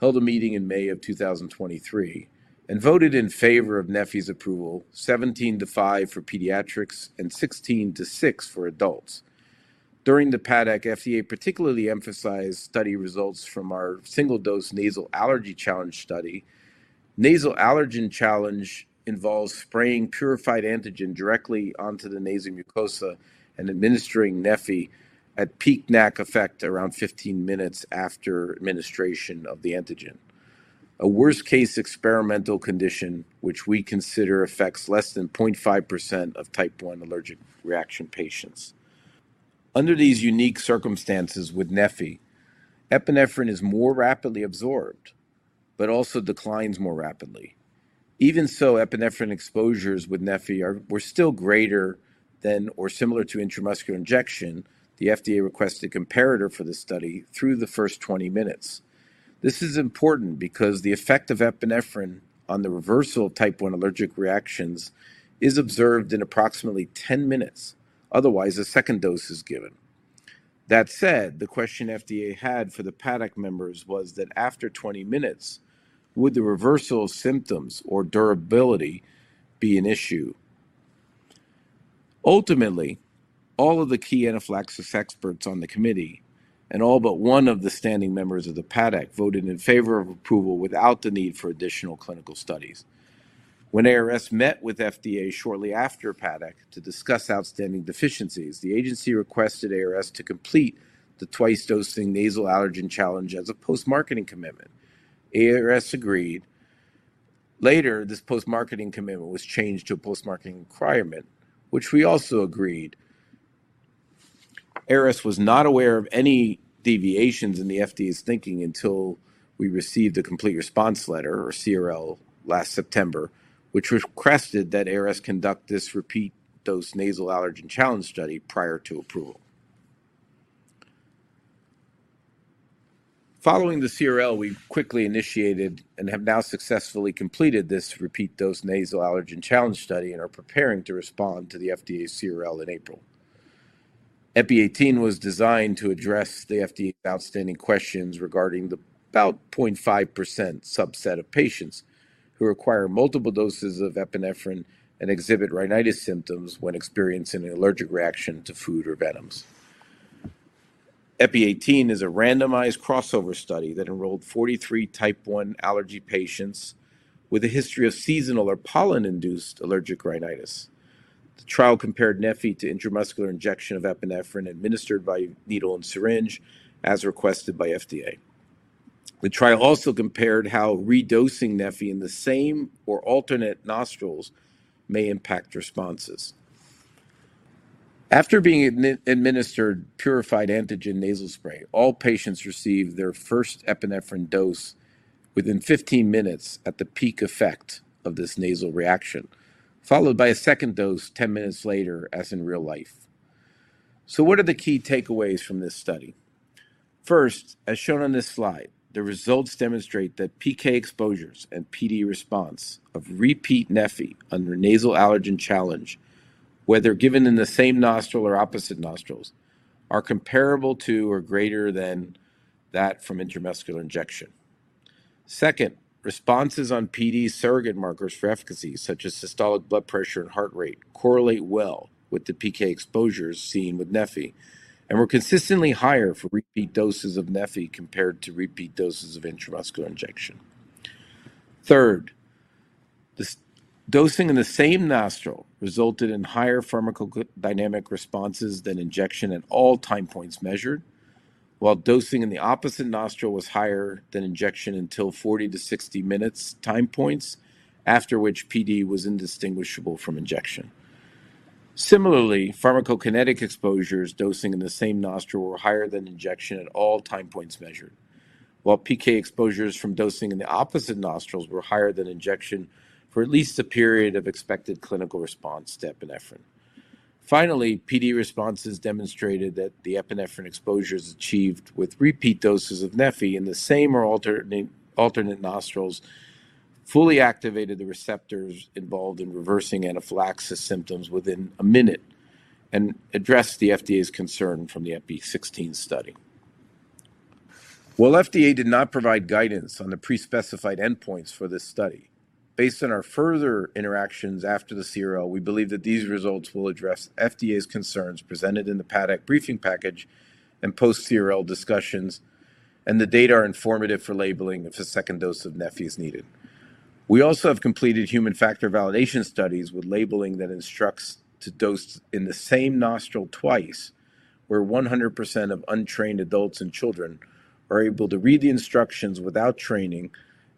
held a meeting in May of 2023 and voted in favor of neffy's approval, 17-five for pediatrics and 16- six for adults. During the PADAC, FDA particularly emphasized study results from our single-dose nasal allergen challenge study. Nasal allergen challenge involves spraying purified antigen directly onto the nasal mucosa and administering neffy at peak NAC effect around 15 minutes after administration of the antigen, a worst-case experimental condition which we consider affects less than 0.5% of Type I allergic reaction patients. Under these unique circumstances with neffy, epinephrine is more rapidly absorbed but also declines more rapidly. Even so, epinephrine exposures with neffy were still greater than or similar to intramuscular injection. The FDA requested a comparator for this study through the first 20 minutes. This is important because the effect of epinephrine on the reversal of Type I allergic reactions is observed in approximately 10 minutes; otherwise, a second dose is given. That said, the question FDA had for the PADAC members was that after 20 minutes, would the reversal symptoms or durability be an issue? Ultimately, all of the key anaphylaxis experts on the committee and all but one of the standing members of the PADAC voted in favor of approval without the need for additional clinical studies. When ARS met with FDA shortly after PADAC to discuss outstanding deficiencies, the agency requested ARS to complete the twice-dosing nasal allergen challenge as a post-marketing commitment. ARS agreed. Later, this post-marketing commitment was changed to a post-marketing requirement, which we also agreed. ARS was not aware of any deviations in the FDA's thinking until we received the complete response letter, or CRL, last September, which requested that ARS conduct this repeat-dose nasal allergen challenge study prior to approval. Following the CRL, we quickly initiated and have now successfully completed this repeat-dose nasal allergen challenge study and are preparing to respond to the FDA's CRL in April. Epi18 was designed to address the FDA's outstanding questions regarding the about 0.5% subset of patients who require multiple doses of epinephrine and exhibit rhinitis symptoms when experiencing an allergic reaction to food or venoms. Epi18 is a randomized crossover study that enrolled 43 Type I allergy patients with a history of seasonal or pollen-induced allergic rhinitis. The trial compared neffy to intramuscular injection of epinephrine administered by needle and syringe as requested by FDA. The trial also compared how redosing neffy in the same or alternate nostrils may impact responses. After being administered purified antigen nasal spray, all patients received their first epinephrine dose within 15 minutes at the peak effect of this nasal reaction, followed by a second dose 10 minutes later as in real life. What are the key takeaways from this study? First, as shown on this slide, the results demonstrate that PK exposures and PD response of repeat neffy under nasal allergen challenge, whether given in the same nostril or opposite nostrils, are comparable to or greater than that from intramuscular injection. Second, responses on PD surrogate markers for efficacy, such as systolic blood pressure and heart rate, correlate well with the PK exposures seen with neffy and were consistently higher for repeat doses of neffy compared to repeat doses of intramuscular injection. Third, dosing in the same nostril resulted in higher pharmacodynamic responses than injection at all time points measured, while dosing in the opposite nostril was higher than injection until 40-60 minutes time points, after which PD was indistinguishable from injection. Similarly, pharmacokinetic exposures dosing in the same nostril were higher than injection at all time points measured, while PK exposures from dosing in the opposite nostrils were higher than injection for at least a period of expected clinical response to epinephrine. Finally, PD responses demonstrated that the epinephrine exposures achieved with repeat doses of neffy in the same or alternate nostrils fully activated the receptors involved in reversing anaphylaxis symptoms within a minute and addressed the FDA's concern from the Epi16 study. While FDA did not provide guidance on the pre-specified endpoints for this study, based on our further interactions after the CRL, we believe that these results will address FDA's concerns presented in the PADAC briefing package and post-CRL discussions, and the data are informative for labeling if a second dose of neffy is needed. We also have completed human factor validation studies with labeling that instructs to dose in the same nostril twice, where 100% of untrained adults and children are able to read the instructions without training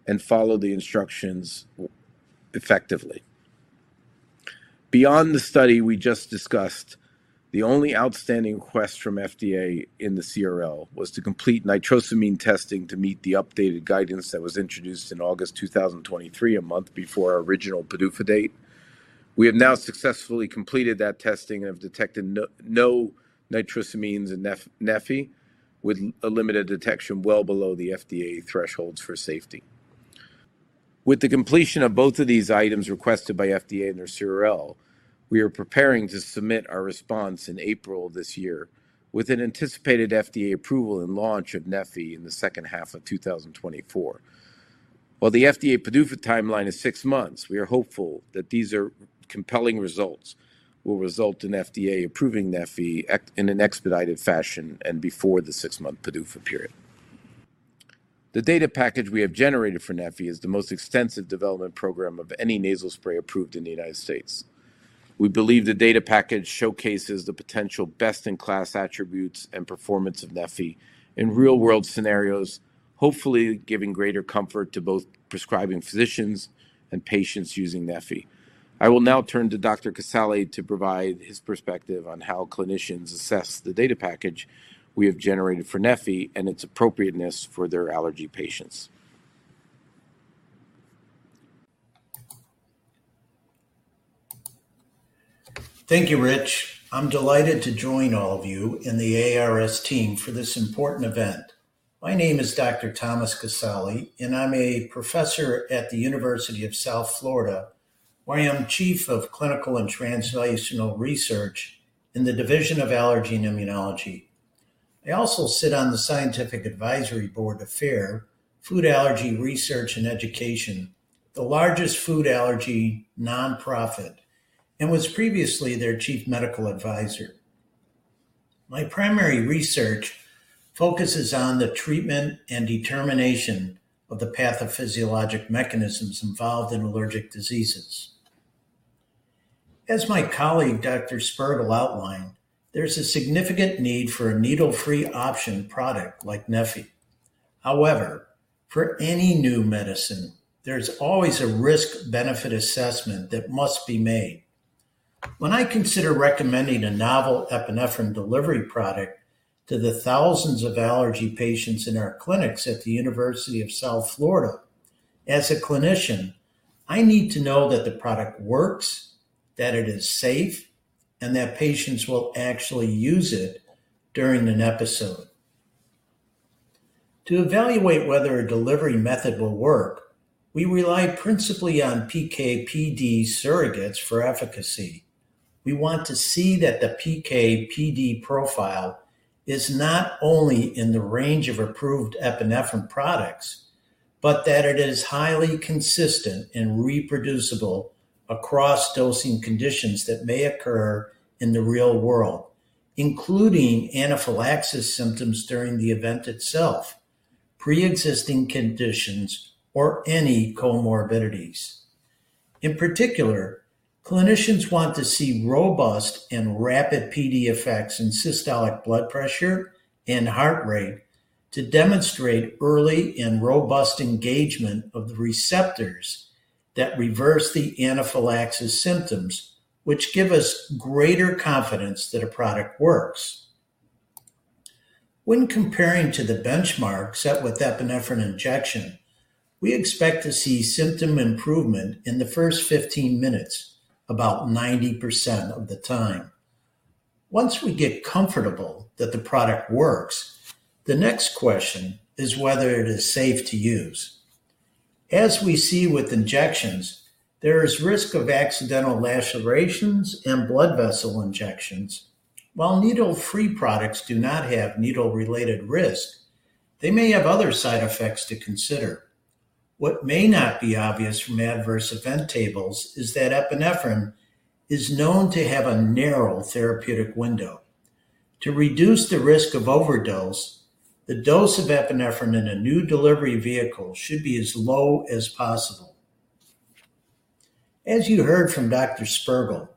and follow the instructions effectively. Beyond the study we just discussed, the only outstanding request from FDA in the CRL was to complete nitrosamine testing to meet the updated guidance that was introduced in August 2023, a month before our original PDUFA date. We have now successfully completed that testing and have detected no nitrosamines in neffy with a limited detection well below the FDA thresholds for safety. With the completion of both of these items requested by FDA in their CRL, we are preparing to submit our response in April this year with an anticipated FDA approval and launch of neffy in the second half of 2024. While the FDA PDUFA timeline is six months, we are hopeful that these compelling results will result in FDA approving neffy in an expedited fashion and before the six-month PDUFA period. The data package we have generated for neffy is the most extensive development program of any nasal spray approved in the United States. We believe the data package showcases the potential best-in-class attributes and performance of neffy in real-world scenarios, hopefully giving greater comfort to both prescribing physicians and patients using neffy. I will now turn to Dr. Casale to provide his perspective on how clinicians assess the data package we have generated for neffy and its appropriateness for their allergy patients. Thank you, Rich. I'm delighted to join all of you in the ARS team for this important event. My name is Dr. Thomas Casale, and I'm a professor at the University of South Florida, where I am Chief of Clinical and translational research in the Division of Allergy and Immunology. I also sit on the Scientific Advisory Board of FARE, Food Allergy Research and Education, the largest food allergy nonprofit, and was previously their Chief Medical Advisor. My primary research focuses on the treatment and determination of the pathophysiologic mechanisms involved in allergic diseases. As my colleague, Dr. Spergel, outlined, there's a significant need for a needle-free option product like neffy. However, for any new medicine, there's always a risk-benefit assessment that must be made. When I consider recommending a novel epinephrine delivery product to the thousands of allergy patients in our clinics at the University of South Florida, as a clinician, I need to know that the product works, that it is safe, and that patients will actually use it during an episode. To evaluate whether a delivery method will work, we rely principally on PK/PD surrogates for efficacy. We want to see that the PK/PD profile is not only in the range of approved epinephrine products but that it is highly consistent and reproducible across dosing conditions that may occur in the real world, including anaphylaxis symptoms during the event itself, pre-existing conditions, or any comorbidities. In particular, clinicians want to see robust and rapid PD effects in systolic blood pressure and heart rate to demonstrate early and robust engagement of the receptors that reverse the anaphylaxis symptoms, which give us greater confidence that a product works. When comparing to the benchmarks set with epinephrine injection, we expect to see symptom improvement in the first 15 minutes, about 90% of the time. Once we get comfortable that the product works, the next question is whether it is safe to use. As we see with injections, there is risk of accidental lacerations and blood vessel injections. While needle-free products do not have needle-related risk, they may have other side effects to consider. What may not be obvious from adverse event tables is that epinephrine is known to have a narrow therapeutic window. To reduce the risk of overdose, the dose of epinephrine in a new delivery vehicle should be as low as possible. As you heard from Dr. Spergel,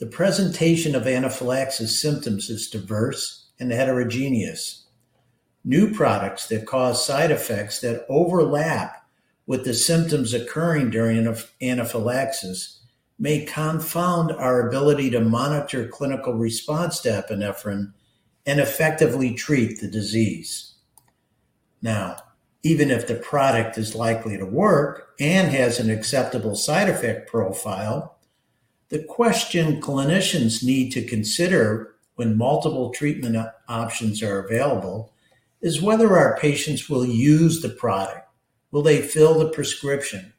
the presentation of anaphylaxis symptoms is diverse and heterogeneous. New products that cause side effects that overlap with the symptoms occurring during anaphylaxis may confound our ability to monitor clinical response to epinephrine and effectively treat the disease. Now, even if the product is likely to work and has an acceptable side effect profile, the question clinicians need to consider when multiple treatment options are available is whether our patients will use the product, will they fill the prescription,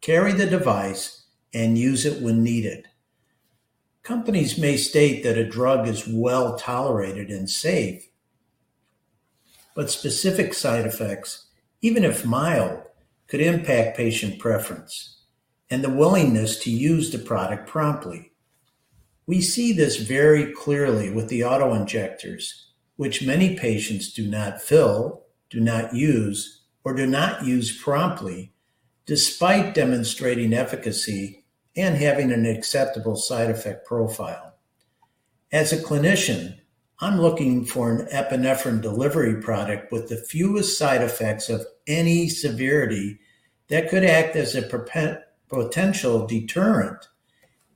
carry the device, and use it when needed. Companies may state that a drug is well tolerated and safe, but specific side effects, even if mild, could impact patient preference and the willingness to use the product promptly. We see this very clearly with the autoinjectors, which many patients do not fill, do not use, or do not use promptly despite demonstrating efficacy and having an acceptable side effect profile. As a clinician, I'm looking for an epinephrine delivery product with the fewest side effects of any severity that could act as a potential deterrent.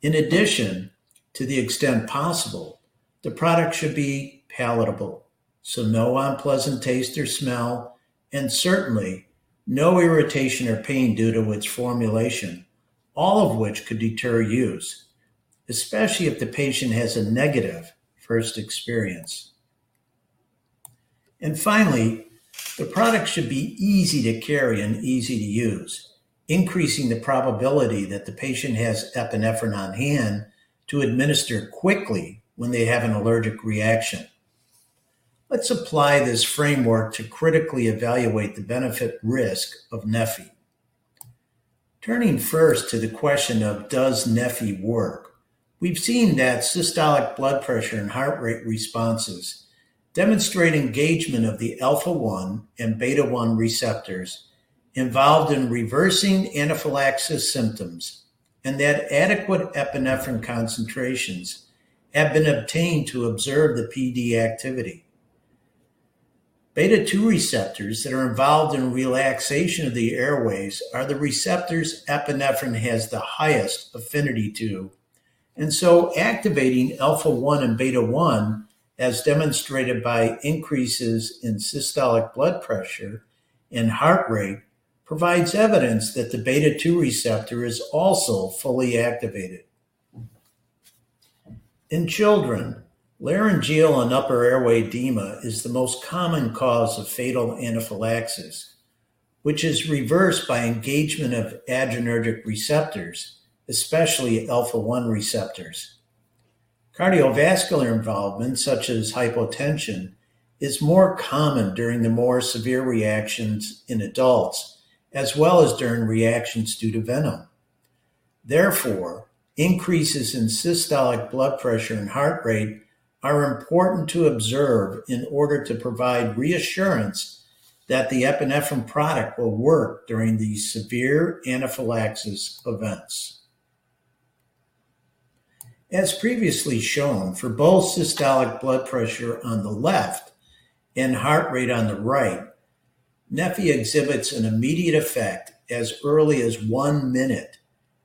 In addition, to the extent possible, the product should be palatable, so no unpleasant taste or smell, and certainly no irritation or pain due to its formulation, all of which could deter use, especially if the patient has a negative first experience. Finally, the product should be easy to carry and easy to use, increasing the probability that the patient has epinephrine on hand to administer quickly when they have an allergic reaction. Let's apply this framework to critically evaluate the benefit-risk of neffy. Turning first to the question of does neffy work, we've seen that systolic blood pressure and heart rate responses demonstrate engagement of the alpha-1 and beta-1 receptors involved in reversing anaphylaxis symptoms and that adequate epinephrine concentrations have been obtained to observe the PD activity. Beta-2 receptors that are involved in relaxation of the airways are the receptors epinephrine has the highest affinity to, and so activating alpha-1 and beta-1, as demonstrated by increases in systolic blood pressure and heart rate, provides evidence that the beta-2 receptor is also fully activated. In children, laryngeal and upper airway edema is the most common cause of fatal anaphylaxis, which is reversed by engagement of adrenergic receptors, especially alpha-1 receptors. Cardiovascular involvement, such as hypotension, is more common during the more severe reactions in adults as well as during reactions due to venom. Therefore, increases in systolic blood pressure and heart rate are important to observe in order to provide reassurance that the epinephrine product will work during these severe anaphylaxis events. As previously shown, for both systolic blood pressure on the left and heart rate on the right, neffy exhibits an immediate effect as early as one minute.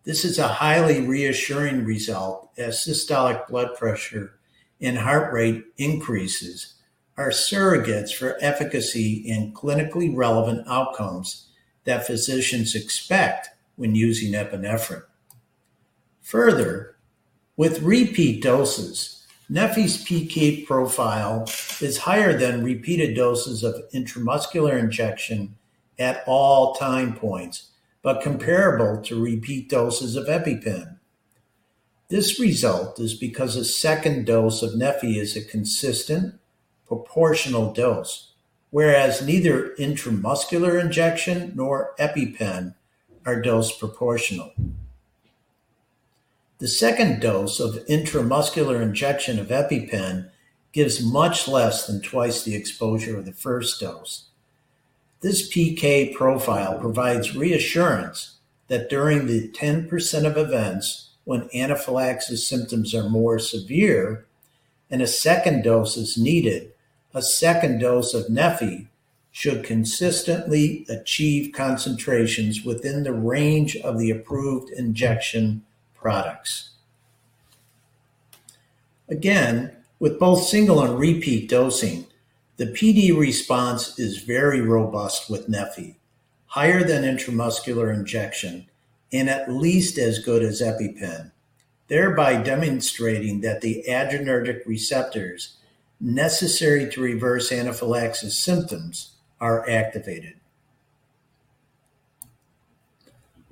This is a highly reassuring result as systolic blood pressure and heart rate increases are surrogates for efficacy and clinically relevant outcomes that physicians expect when using epinephrine. Further, with repeat doses, neffy's PK profile is higher than repeated doses of intramuscular injection at all time points but comparable to repeat doses of EpiPen. This result is because a second dose of neffy is a consistent, proportional dose, whereas neither intramuscular injection nor EpiPen are dose proportional. The second dose of intramuscular injection of EpiPen gives much less than twice the exposure of the first dose. This PK profile provides reassurance that during the 10% of events when anaphylaxis symptoms are more severe and a second dose is needed, a second dose of neffy should consistently achieve concentrations within the range of the approved injection products. Again, with both single and repeat dosing, the PD response is very robust with neffy, higher than intramuscular injection, and at least as good as EpiPen, thereby demonstrating that the adrenergic receptors necessary to reverse anaphylaxis symptoms are activated.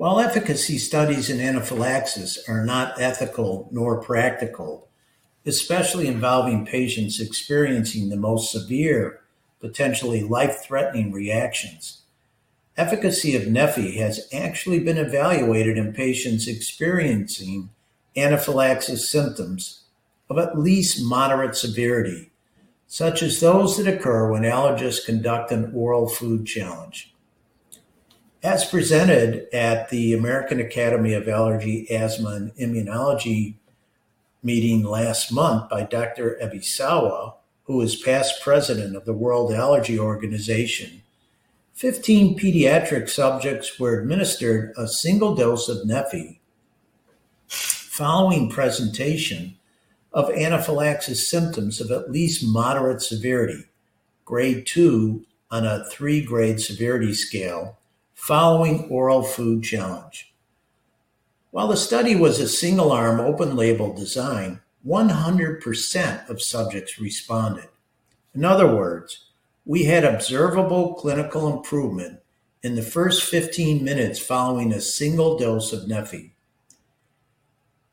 While efficacy studies in anaphylaxis are not ethical nor practical, especially involving patients experiencing the most severe, potentially life-threatening reactions, efficacy of neffy has actually been evaluated in patients experiencing anaphylaxis symptoms of at least moderate severity, such as those that occur when allergists conduct an oral food challenge. As presented at the American Academy of Allergy, Asthma, and Immunology meeting last month by Dr. Ebisawa, who is past president of the World Allergy Organization, 15 pediatric subjects were administered a single dose of neffy following presentation of anaphylaxis symptoms of at least moderate severity, grade 2 on a three-grade severity scale, following oral food challenge. While the study was a single-arm, open-label design, 100% of subjects responded. In other words, we had observable clinical improvement in the first 15 minutes following a single dose of neffy.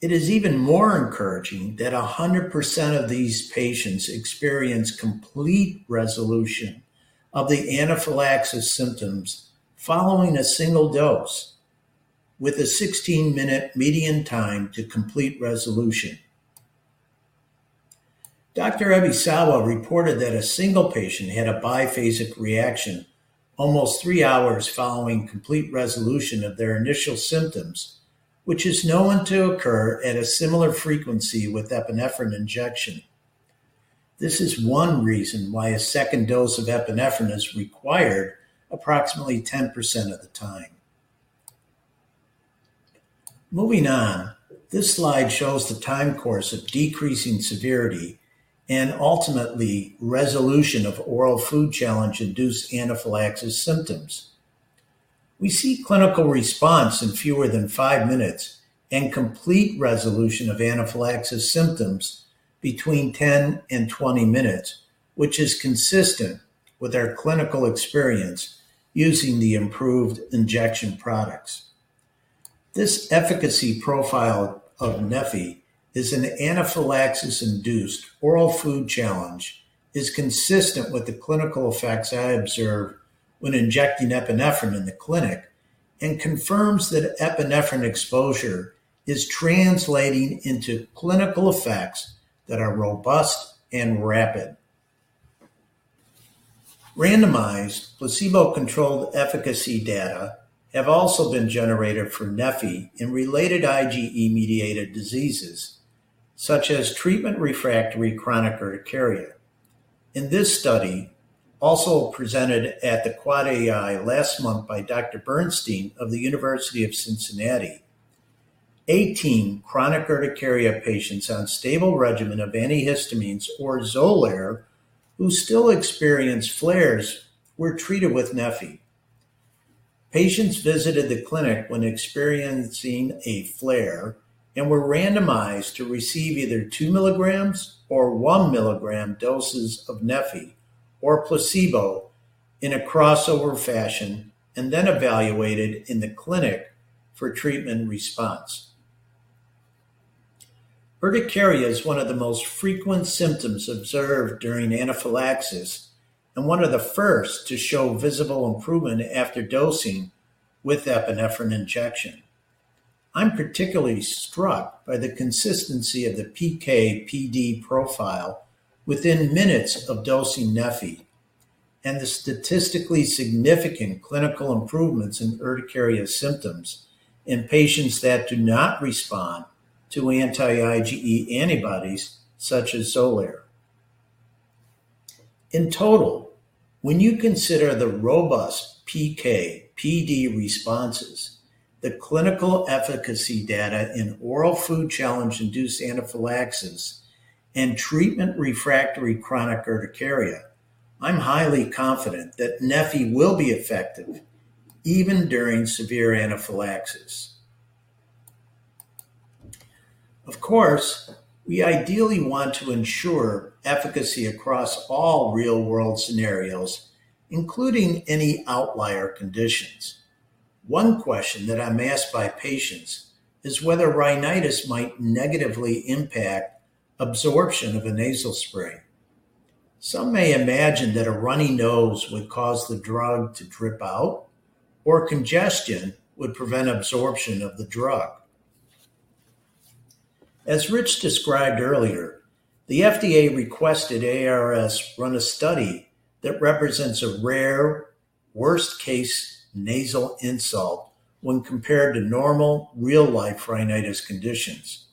It is even more encouraging that 100% of these patients experience complete resolution of the anaphylaxis symptoms following a single dose, with a 16-minute median time to complete resolution. Dr. Motohiro Ebisawa reported that a single patient had a biphasic reaction almost three hours following complete resolution of their initial symptoms, which is known to occur at a similar frequency with epinephrine injection. This is one reason why a second dose of epinephrine is required approximately 10% of the time. Moving on, this slide shows the time course of decreasing severity and ultimately resolution of oral food challenge-induced anaphylaxis symptoms. We see clinical response in fewer than five minutes and complete resolution of anaphylaxis symptoms between 10 and 20 minutes, which is consistent with our clinical experience using the improved injection products. This efficacy profile of neffy in an anaphylaxis-induced oral food challenge is consistent with the clinical effects I observe when injecting epinephrine in the clinic, and confirms that epinephrine exposure is translating into clinical effects that are robust and rapid. Randomized placebo-controlled efficacy data have also been generated for neffy in related IgE-mediated diseases, such as treatment refractory chronic urticaria. In this study, also presented at the AAAAI last month by Dr. Bernstein of the University of Cincinnati, 18 chronic urticaria patients on stable regimen of antihistamines or Xolair who still experience flares were treated with neffy. Patients visited the clinic when experiencing a flare and were randomized to receive either 2 mgs or 1 mg doses of neffy or placebo in a crossover fashion and then evaluated in the clinic for treatment response. Urticaria is one of the most frequent symptoms observed during anaphylaxis and one of the first to show visible improvement after dosing with epinephrine injection. I'm particularly struck by the consistency of the PK/PD profile within minutes of dosing neffy and the statistically significant clinical improvements in urticaria symptoms in patients that do not respond to anti-IgE antibodies such as Xolair. In total, when you consider the robust PK/PD responses, the clinical efficacy data in oral food challenge-induced anaphylaxis and treatment refractory chronic urticaria, I'm highly confident that neffy will be effective even during severe anaphylaxis. Of course, we ideally want to ensure efficacy across all real-world scenarios, including any outlier conditions. One question that I'm asked by patients is whether rhinitis might negatively impact absorption of a nasal spray. Some may imagine that a runny nose would cause the drug to drip out or congestion would prevent absorption of the drug. As Rich described earlier, the FDA requested ARS run a study that represents a rare, worst-case nasal insult when compared to normal, real-life rhinitis conditions.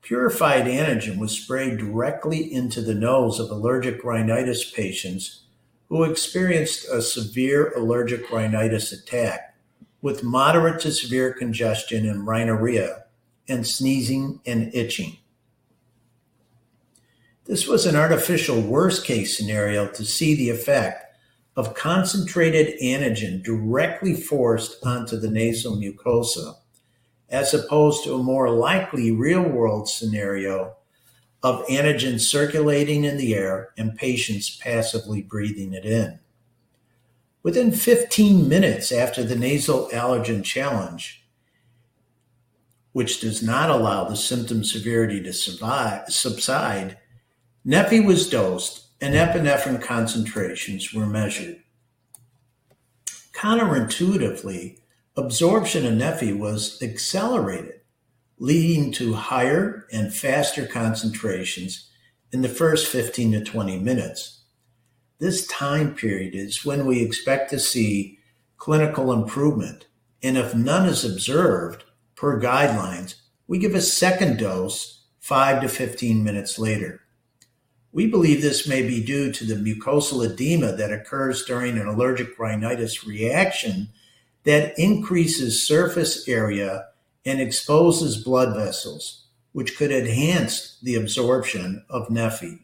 Purified antigen was sprayed directly into the nose of allergic rhinitis patients who experienced a severe allergic rhinitis attack with moderate to severe congestion and rhinorrhea and sneezing and itching. This was an artificial worst-case scenario to see the effect of concentrated antigen directly forced onto the nasal mucosa as opposed to a more likely real-world scenario of antigen circulating in the air and patients passively breathing it in. Within 15 minutes after the nasal allergen challenge, which does not allow the symptom severity to subside, neffy was dosed and epinephrine concentrations were measured. Counterintuitively, absorption of neffy was accelerated, leading to higher and faster concentrations in the first 15-20 minutes. This time period is when we expect to see clinical improvement and if none is observed per guidelines, we give a second dose five-15 minutes later. We believe this may be due to the mucosal edema that occurs during an allergic rhinitis reaction that increases surface area and exposes blood vessels, which could enhance the absorption of neffy.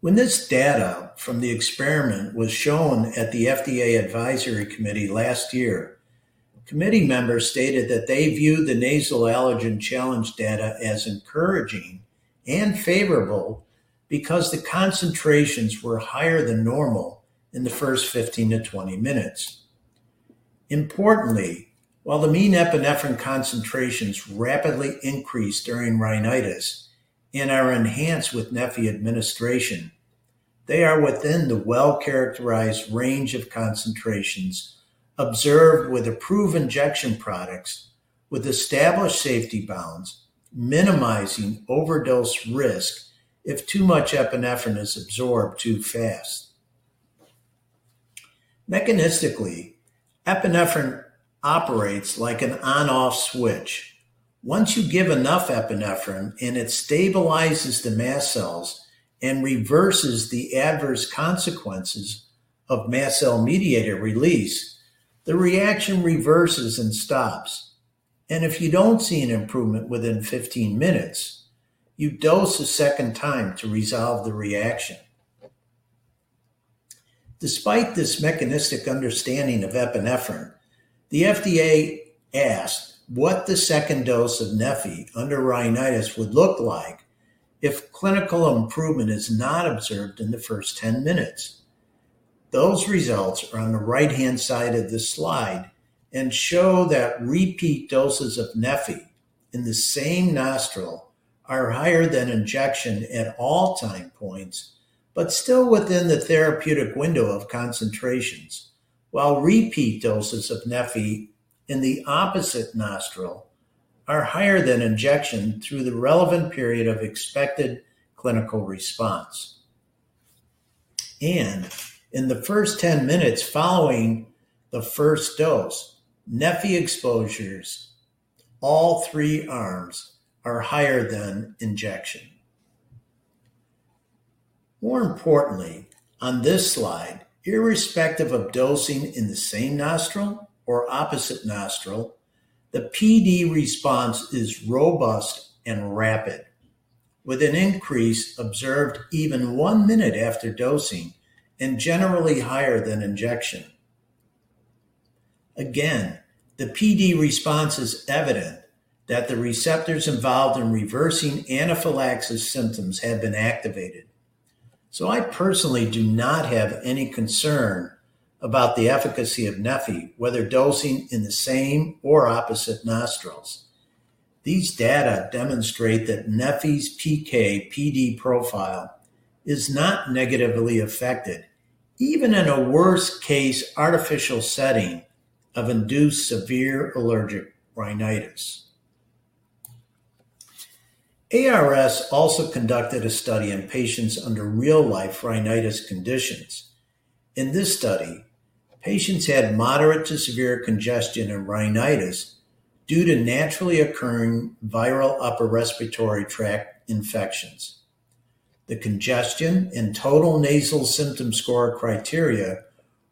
When this data from the experiment was shown at the FDA Advisory Committee last year, committee members stated that they viewed the nasal allergen challenge data as encouraging and favorable because the concentrations were higher than normal in the first 15-20 minutes. Importantly, while the mean epinephrine concentrations rapidly increased during rhinitis and are enhanced with neffy administration, they are within the well-characterized range of concentrations observed with approved injection products with established safety bounds, minimizing overdose risk if too much epinephrine is absorbed too fast. Mechanistically, epinephrine operates like an on/off switch. Once you give enough epinephrine and it stabilizes the mast cells and reverses the adverse consequences of mast cell mediated release, the reaction reverses and stops and if you don't see an improvement within 15 minutes, you dose a second time to resolve the reaction. Despite this mechanistic understanding of epinephrine, the FDA asked what the second dose of neffy under rhinitis would look like if clinical improvement is not observed in the first 10 minutes. Those results are on the right-hand side of this slide and show that repeat doses of neffy in the same nostril are higher than injection at all time points but still within the therapeutic window of concentrations, while repeat doses of neffy in the opposite nostril are higher than injection through the relevant period of expected clinical response. In the first 10 minutes following the first dose, neffy exposures all three arms are higher than injection. More importantly, on this slide, irrespective of dosing in the same nostril or opposite nostril, the PD response is robust and rapid, with an increase observed even one minute after dosing and generally higher than injection. Again, the PD response is evident that the receptors involved in reversing anaphylaxis symptoms have been activated, so I personally do not have any concern about the efficacy of neffy whether dosing in the same or opposite nostrils. These data demonstrate that neffy's PK/PD profile is not negatively affected even in a worst-case artificial setting of induced severe allergic rhinitis. ARS also conducted a study in patients under real-life rhinitis conditions. In this study, patients had moderate to severe congestion and rhinitis due to naturally occurring viral upper respiratory tract infections. The congestion and total nasal symptom score criteria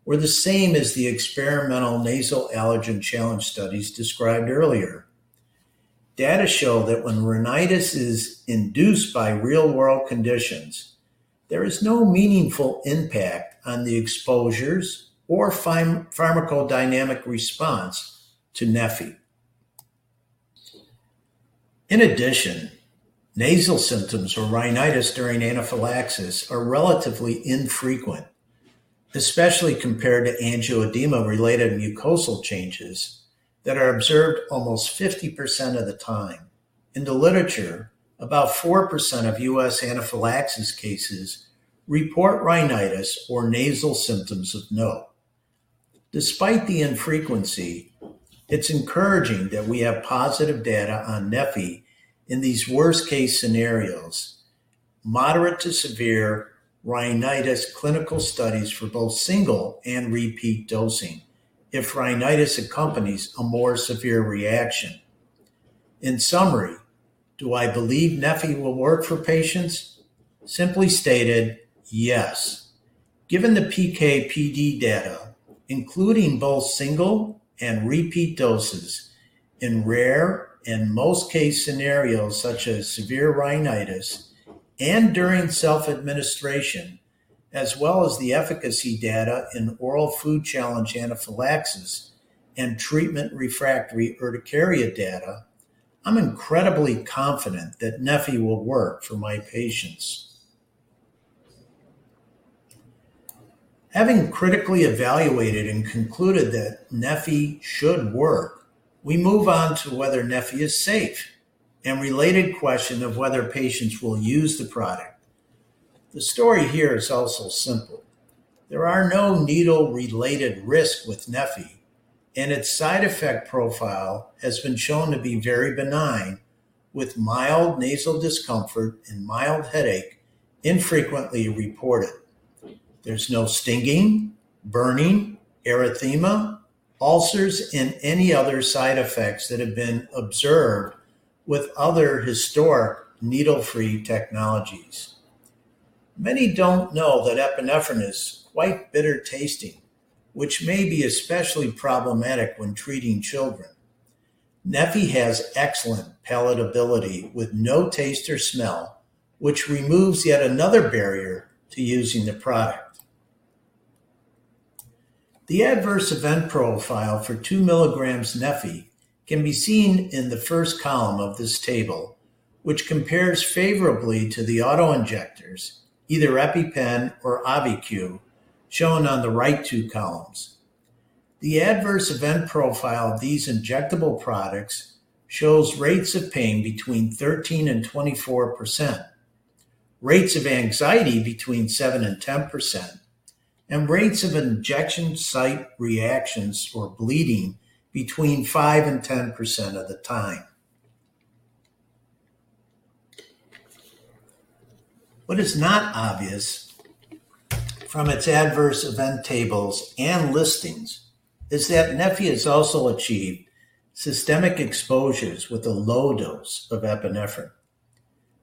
were the same as the experimental nasal allergen challenge studies described earlier. Data show that when rhinitis is induced by real-world conditions, there is no meaningful impact on the exposures or pharmacodynamic response to neffy. In addition, nasal symptoms or rhinitis during anaphylaxis are relatively infrequent, especially compared to angioedema-related mucosal changes that are observed almost 50% of the time. In the literature, about 4% of U.S. anaphylaxis cases report rhinitis or nasal symptoms of note. Despite the infrequency, it's encouraging that we have positive data on neffy in these worst-case scenarios: moderate to severe rhinitis clinical studies for both single and repeat dosing if rhinitis accompanies a more severe reaction. In summary, do I believe neffy will work for patients? Simply stated, yes. Given the PK/PD data, including both single and repeat doses in rare and most-case scenarios such as severe rhinitis and during self-administration, as well as the efficacy data in oral food challenge anaphylaxis and treatment refractory urticaria data, I'm incredibly confident that neffy will work for my patients. Having critically evaluated and concluded that neffy should work, we move on to whether neffy is safe and related question of whether patients will use the product. The story here is also simple. There are no needle-related risks with neffy and its side effect profile has been shown to be very benign, with mild nasal discomfort and mild headache infrequently reported. There's no stinging, burning, erythema, ulcers, and any other side effects that have been observed with other historic needle-free technologies. Many don't know that epinephrine is quite bitter-tasting, which may be especially problematic when treating children. neffy has excellent palatability with no taste or smell, which removes yet another barrier to using the product. The adverse event profile for 2 mgs neffy can be seen in the first column of this table, which compares favorably to the autoinjectors, either EpiPen or AUVI-Q, shown on the right two columns. The adverse event profile of these injectable products shows rates of pain between 13%-24%, rates of anxiety between 7%-10%, and rates of injection site reactions or bleeding between 5%-10% of the time. What is not obvious from its adverse event tables and listings is that neffy has also achieved systemic exposures with a low dose of epinephrine.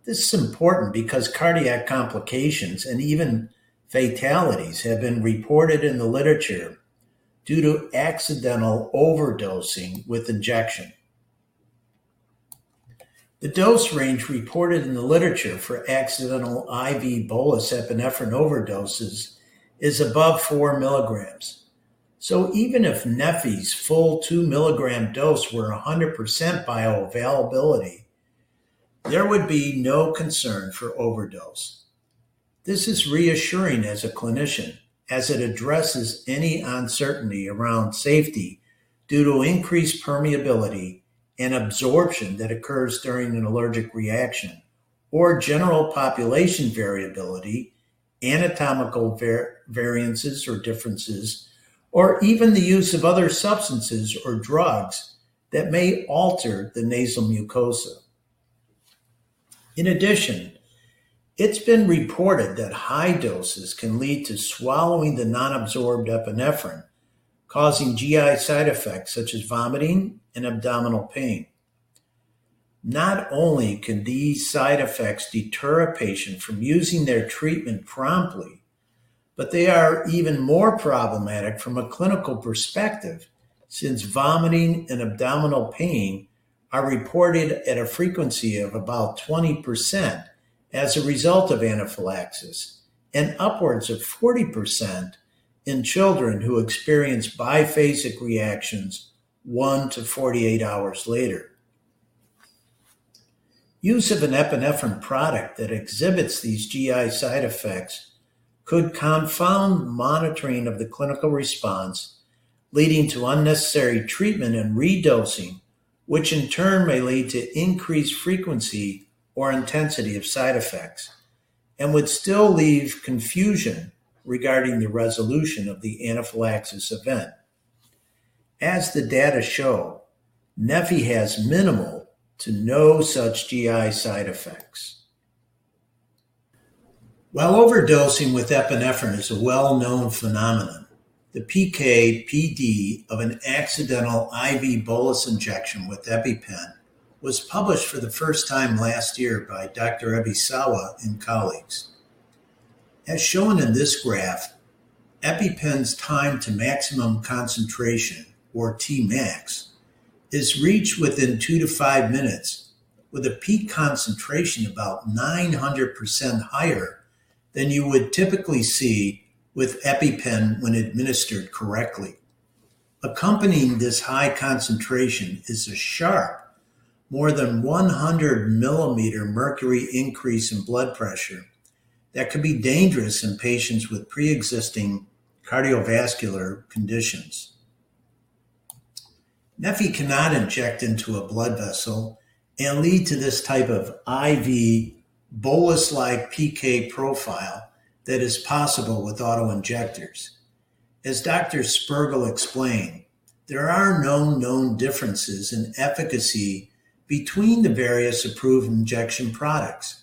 This is important because cardiac complications and even fatalities have been reported in the literature due to accidental overdosing with injection. The dose range reported in the literature for accidental I.V. bolus epinephrine overdoses is above 4 mgs, so even if neffy's full 2-mg dose were 100% bioavailability, there would be no concern for overdose. This is reassuring as a clinician as it addresses any uncertainty around safety due to increased permeability and absorption that occurs during an allergic reaction or general population variability, anatomical variances or differences, or even the use of other substances or drugs that may alter the nasal mucosa. In addition, it's been reported that high doses can lead to swallowing the non-absorbed epinephrine, causing GI side effects such as vomiting and abdominal pain. Not only can these side effects deter a patient from using their treatment promptly, but they are even more problematic from a clinical perspective since vomiting and abdominal pain are reported at a frequency of about 20% as a result of anaphylaxis and upwards of 40% in children who experience biphasic reactions one-48 hours later. Use of an epinephrine product that exhibits these GI side effects could confound monitoring of the clinical response, leading to unnecessary treatment and redosing, which in turn may lead to increased frequency or intensity of side effects and would still leave confusion regarding the resolution of the anaphylaxis event. As the data show, neffy has minimal to no such GI side effects. While overdosing with epinephrine is a well-known phenomenon, the PK/PD of an accidental I.V. bolus injection with EpiPen was published for the first time last year by Dr. Ebisawa and colleagues. As shown in this graph, EpiPen's time to maximum concentration or Tmax is reached within two-five minutes, with a peak concentration about 900% higher than you would typically see with EpiPen when administered correctly. Accompanying this high concentration is a sharp, more than 100 mm Hg increase in blood pressure that could be dangerous in patients with preexisting cardiovascular conditions. neffy cannot inject into a blood vessel and lead to this type of I.V. bolus-like PK profile that is possible with autoinjectors. As Dr. Spergel explained, there are no known differences in efficacy between the various approved injection products.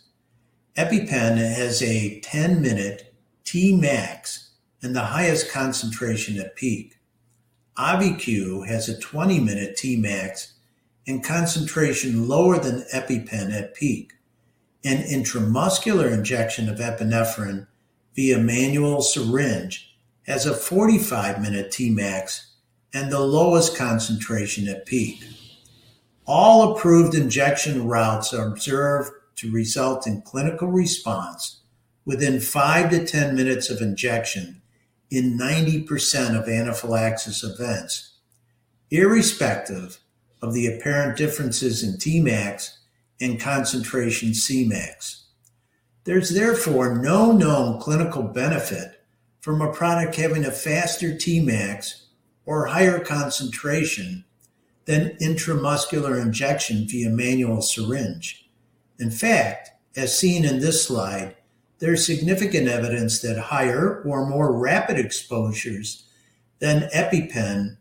EpiPen has a 10-minute Tmax and the highest concentration at peak. AUVI-Q has a 20-minute Tmax and concentration lower than EpiPen at peak. An intramuscular injection of epinephrine via manual syringe has a 45-minute Tmax and the lowest concentration at peak. All approved injection routes are observed to result in clincal response within five-10 minutes of injection in 90% of anaphylaxis events, irrespective of the apparent differences in Tmax and concentration Cmax. There is therefore no known clinical benefit from a product having a faster Tmax or higher concentration than intramuscular injection via manual syringe. In fact, as seen in this slide, there is significant evidence that higher or more rapid exposures than EpiPen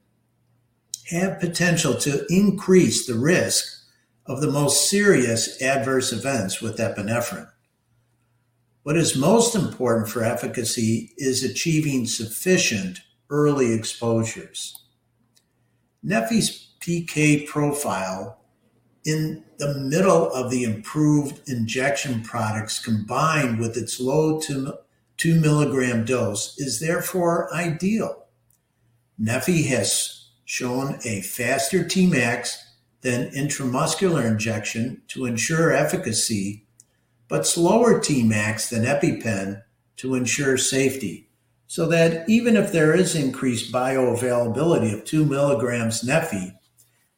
have potential to increase the risk of the most serious adverse events with epinephrine. What is most important for efficacy is achieving sufficient early exposures. neffy's PK profile in the middle of the improved injection products combined with its low 2 mg dose is therefore ideal. neffy has shown a faster Tmax than intramuscular injection to ensure efficacy but slower Tmax than EpiPen to ensure safety so that even if there is increased bioavailability of 2 mg neffy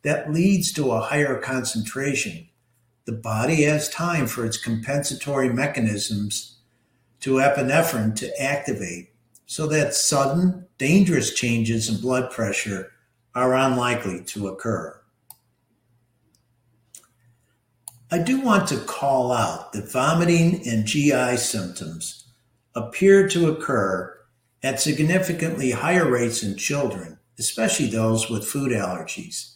that leads to a higher concentration, the body has time for its compensatory mechanisms to epinephrine to activate so that sudden, dangerous changes in blood pressure are unlikely to occur. I do want to call out that vomiting and GI symptoms appear to occur at significantly higher rates in children, especially those with food allergies.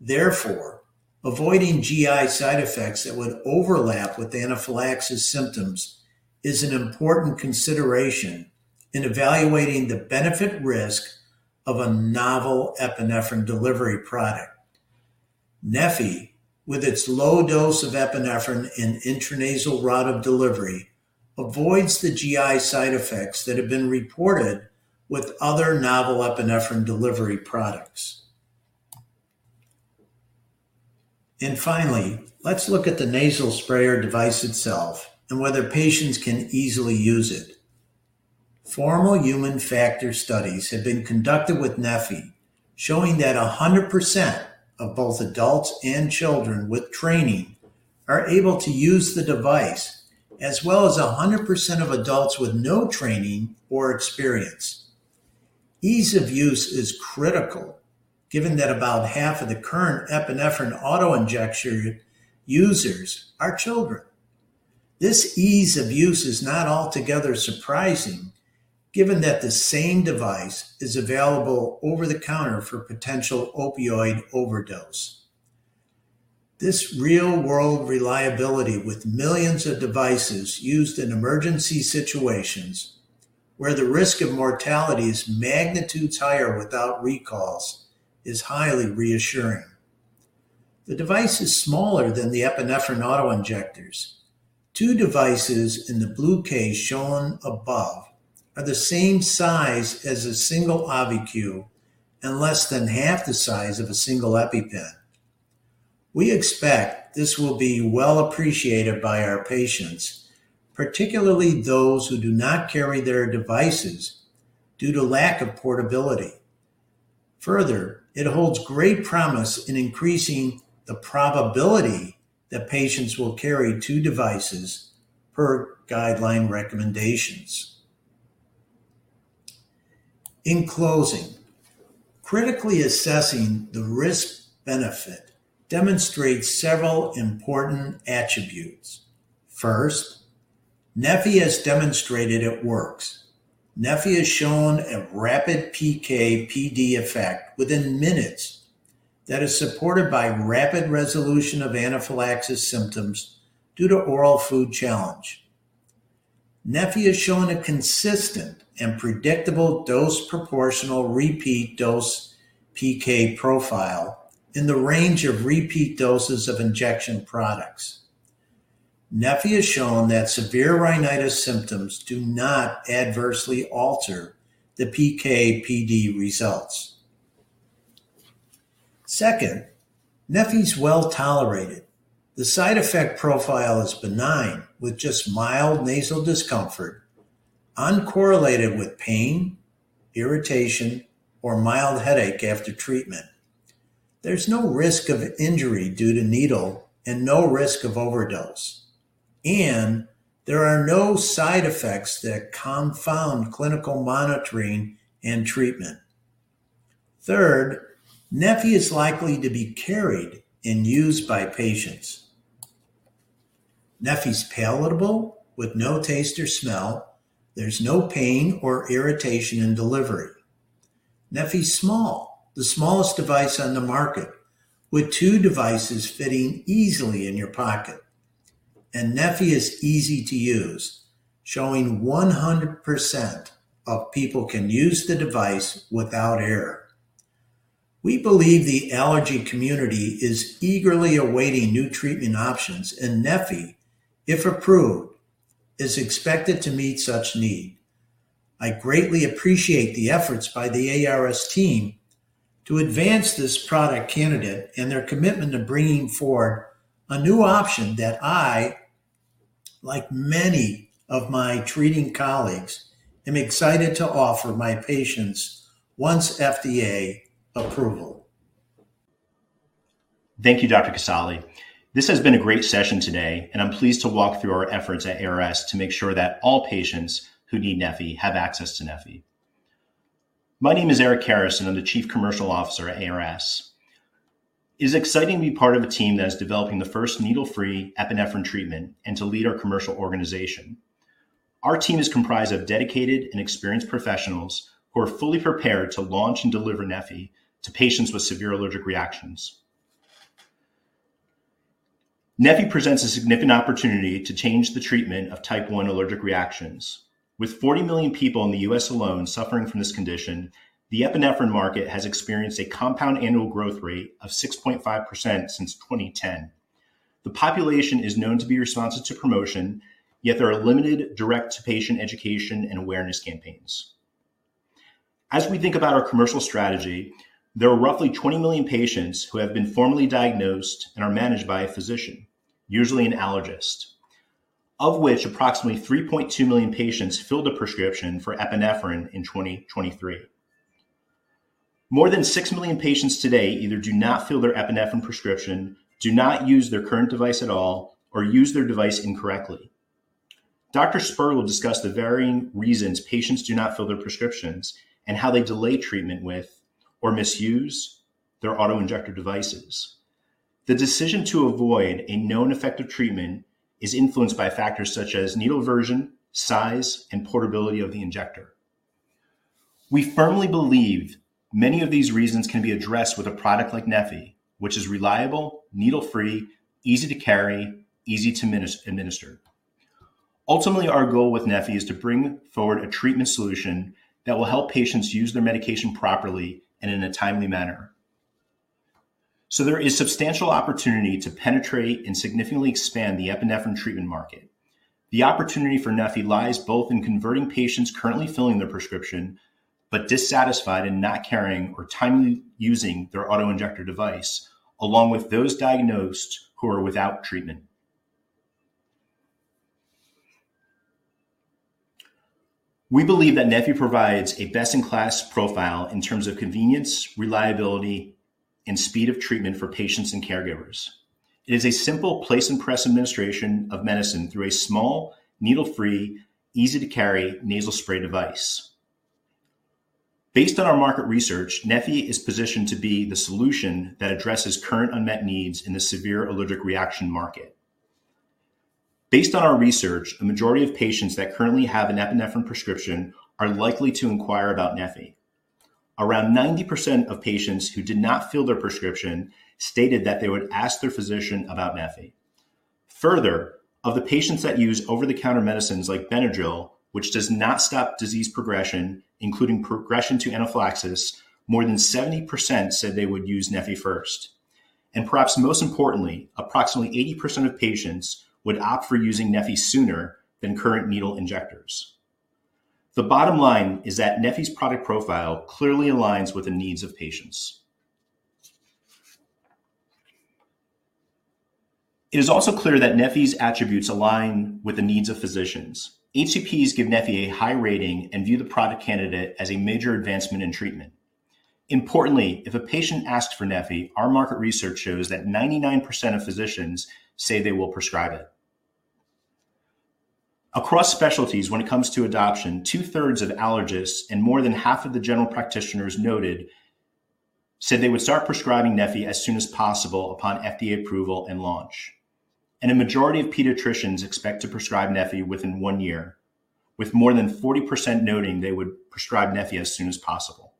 Therefore, avoiding GI side effects that would overlap with anaphylaxis symptoms is an important consideration in evaluating the benefit-risk of a novel epinephrine delivery product. neffy, with its low dose of epinephrine in intranasal route of delivery, avoids the GI side effects that have been reported with other novel epinephrine delivery products. Finally, let's look at the nasal sprayer device itself and whether patients can easily use it. Formal human factor studies have been conducted with neffy showing that 100% of both adults and children with training are able to use the device as well as 100% of adults with no training or experience. Ease of use is critical given that about half of the current epinephrine autoinjection users are children. This ease of use is not altogether surprising given that the same device is available over-the-counter for potential opioid overdose. This real-world reliability with millions of devices used in emergency situations where the risk of mortality is magnitudes higher without recalls is highly reassuring. The device is smaller than the epinephrine autoinjectors. Two devices in the blue case shown above are the same size as a single AUVI-Q and less than half the size of a single EpiPen. We expect this will be well appreciated by our patients, particularly those who do not carry their devices due to lack of portability. Further, it holds great promise in increasing the probability that patients will carry two devices per guideline recommendations. In closing, critically assessing the risk-benefit demonstrates several important attributes. First, neffy has demonstrated it works. neffy has shown a rapid PK/PD effect within minutes that is supported by rapid resolution of anaphylaxis symptoms due to oral food challenge. neffy has shown a consistent and predictable dose-proportional repeat dose PK profile in the range of repeat doses of injection products. neffy has shown that severe rhinitis symptoms do not adversely alter the PK/PD results. Second, neffy is well tolerated. The side effect profile is benign with just mild nasal discomfort uncorrelated with pain, irritation, or mild headache after treatment. There is no risk of injury due to needle and no risk of overdose. There are no side effects that confound clinical monitoring and treatment. Third, neffy is likely to be carried and used by patients. neffy is palatable with no taste or smell. There is no pain or irritation in delivery. neffy is small, the smallest device on the market, with two devices fitting easily in your pocket. neffy is easy to use, showing 100% of people can use the device without error. We believe the allergy community is eagerly awaiting new treatment options and neffy, if approved, is expected to meet such need. I greatly appreciate the efforts by the ARS team to advance this product candidate and their commitment to bringing forward a new option that I, like many of my treating colleagues, am excited to offer my patients once FDA approval. Thank you, Dr. Casale. This has been a great session today and I am pleased to walk through our efforts at ARS to make sure that all patients who need neffy have access to neffy. My name is Eric Karas and I am the Chief Commercial Officer at ARS. It is exciting to be part of a team that is developing the first needle-free epinephrine treatment and to lead our commercial organization. Our team is comprised of dedicated and experienced professionals who are fully prepared to launch and deliver neffy to patients with severe allergic reactions. neffy presents a significant opportunity to change the treatment of Type I allergic reactions. With 40 million people in the U.S. alone suffering from this condition, the epinephrine market has experienced a compound annual growth rate of 6.5% since 2010. The population is known to be responsive to promotion, yet there are limited direct-to-patient education and awareness campaigns. As we think about our commercial strategy, there are roughly 20 million patients who have been formally diagnosed and are managed by a physician, usually an allergist, of which approximately 3.2 million patients filled a prescription for epinephrine in 2023. More than 6 million patients today either do not fill their epinephrine prescription, do not use their current device at all, or use their device incorrectly. Dr. Spergel discussed the varying reasons patients do not fill their prescriptions and how they delay treatment with or misuse their autoinjector devices. The decision to avoid a known effective treatment is influenced by factors such as needle aversion, size, and portability of the injector. We firmly believe many of these reasons can be addressed with a product like neffy, which is reliable, needle-free, easy to carry, easy to administer it. Ultimately, our goal with neffy is to bring forward a treatment solution that will help patients use their medication properly and in a timely manner. There is substantial opportunity to penetrate and significantly expand the epinephrine treatment market. The opportunity for neffy lies both in converting patients currently filling their prescription but dissatisfied and not carrying or timely using their auto-injector device, along with those diagnosed who are without treatment. We believe that neffy provides a best-in-class profile in terms of convenience, reliability, and speed of treatment for patients and caregivers. It is a simple place-and-press administration of medicine through a small, needle-free, easy-to-carry nasal spray device. Based on our market research, neffy is positioned to be the solution that addresses current unmet needs in the severe allergic reaction market. Based on our research, a majority of patients that currently have an epinephrine prescription are likely to inquire about neffy. Around 90% of patients who did not fill their prescription stated that they would ask their physician about neffy. Further, of the patients that use over-the-counter medicines like Benadryl, which does not stop disease progression, including progression to anaphylaxis, more than 70% said they would use neffy first. And perhaps most importantly, approximately 80% of patients would opt for using neffy sooner than current needle injectors. The bottom line is that neffy's product profile clearly aligns with the needs of patients. It is also clear that neffy's attributes align with the needs of physicians. HCPs give neffy a high rating and view the product candidate as a major advancement in treatment. Importantly, if a patient asks for neffy, our market research shows that 99% of physicians say they will prescribe it. Across specialties, when it comes to adoption, 2/3s of allergists and more than half of the general practitioners said they would start prescribing neffy as soon as possible upon FDA approval and launch. A majority of pediatricians expect to prescribe neffy within one year, with more than 40% noting they would prescribe neffy as soon as possible.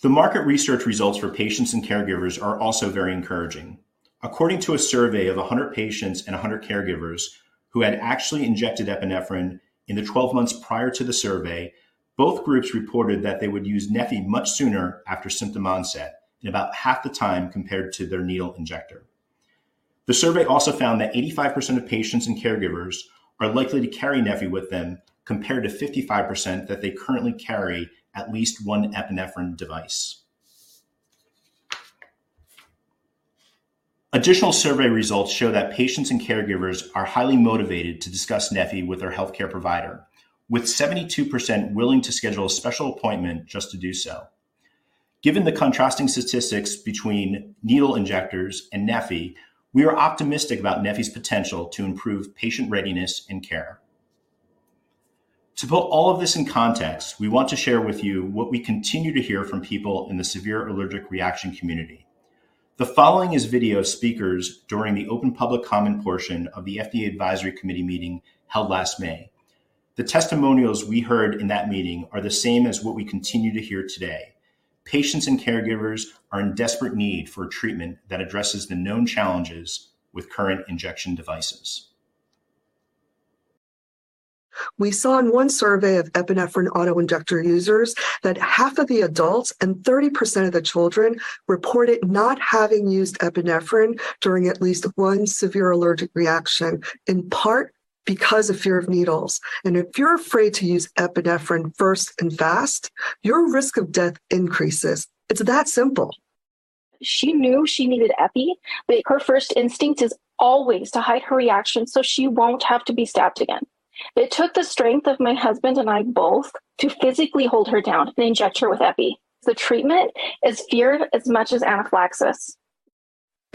The market research results for patients and caregivers are also very encouraging. According to a survey of 100 patients and 100 caregivers who had actually injected epinephrine in the 12 months prior to the survey, both groups reported that they would use neffy much sooner after symptom onset in about half the time compared to their needle injector. The survey also found that 85% of patients and caregivers are likely to carry neffy with them compared to 55% that they currently carry at least one epinephrine device. Additional survey results show that patients and caregivers are highly motivated to discuss neffy with their healthcare provider, with 72% willing to schedule a special appointment just to do so. Given the contrasting statistics between needle injectors and neffy, we are optimistic about neffy's potential to improve patient readiness and care. To put all of this in context, we want to share with you what we continue to hear from people in the severe allergic reaction community. The following is video speakers during the open public comment portion of the FDA advisory committee meeting held last May. The testimonials we heard in that meeting are the same as what we continue to hear today. Patients and caregivers are in desperate need for treatment that addresses the known challenges with current injection devices. We saw in one survey of epinephrine autoinjector users that half of the adults and 30% of the children reported not having used epinephrine during at least one severe allergic reaction, in part because of fear of needles. And if you're afraid to use epinephrine first and fast, your risk of death increases. It's that simple. She knew she needed EPI, but her first instinct is always to hide her reaction so she won't have to be stabbed again. It took the strength of my husband and I both to physically hold her down and inject her with EPI. The treatment is fear as much as anaphylaxis.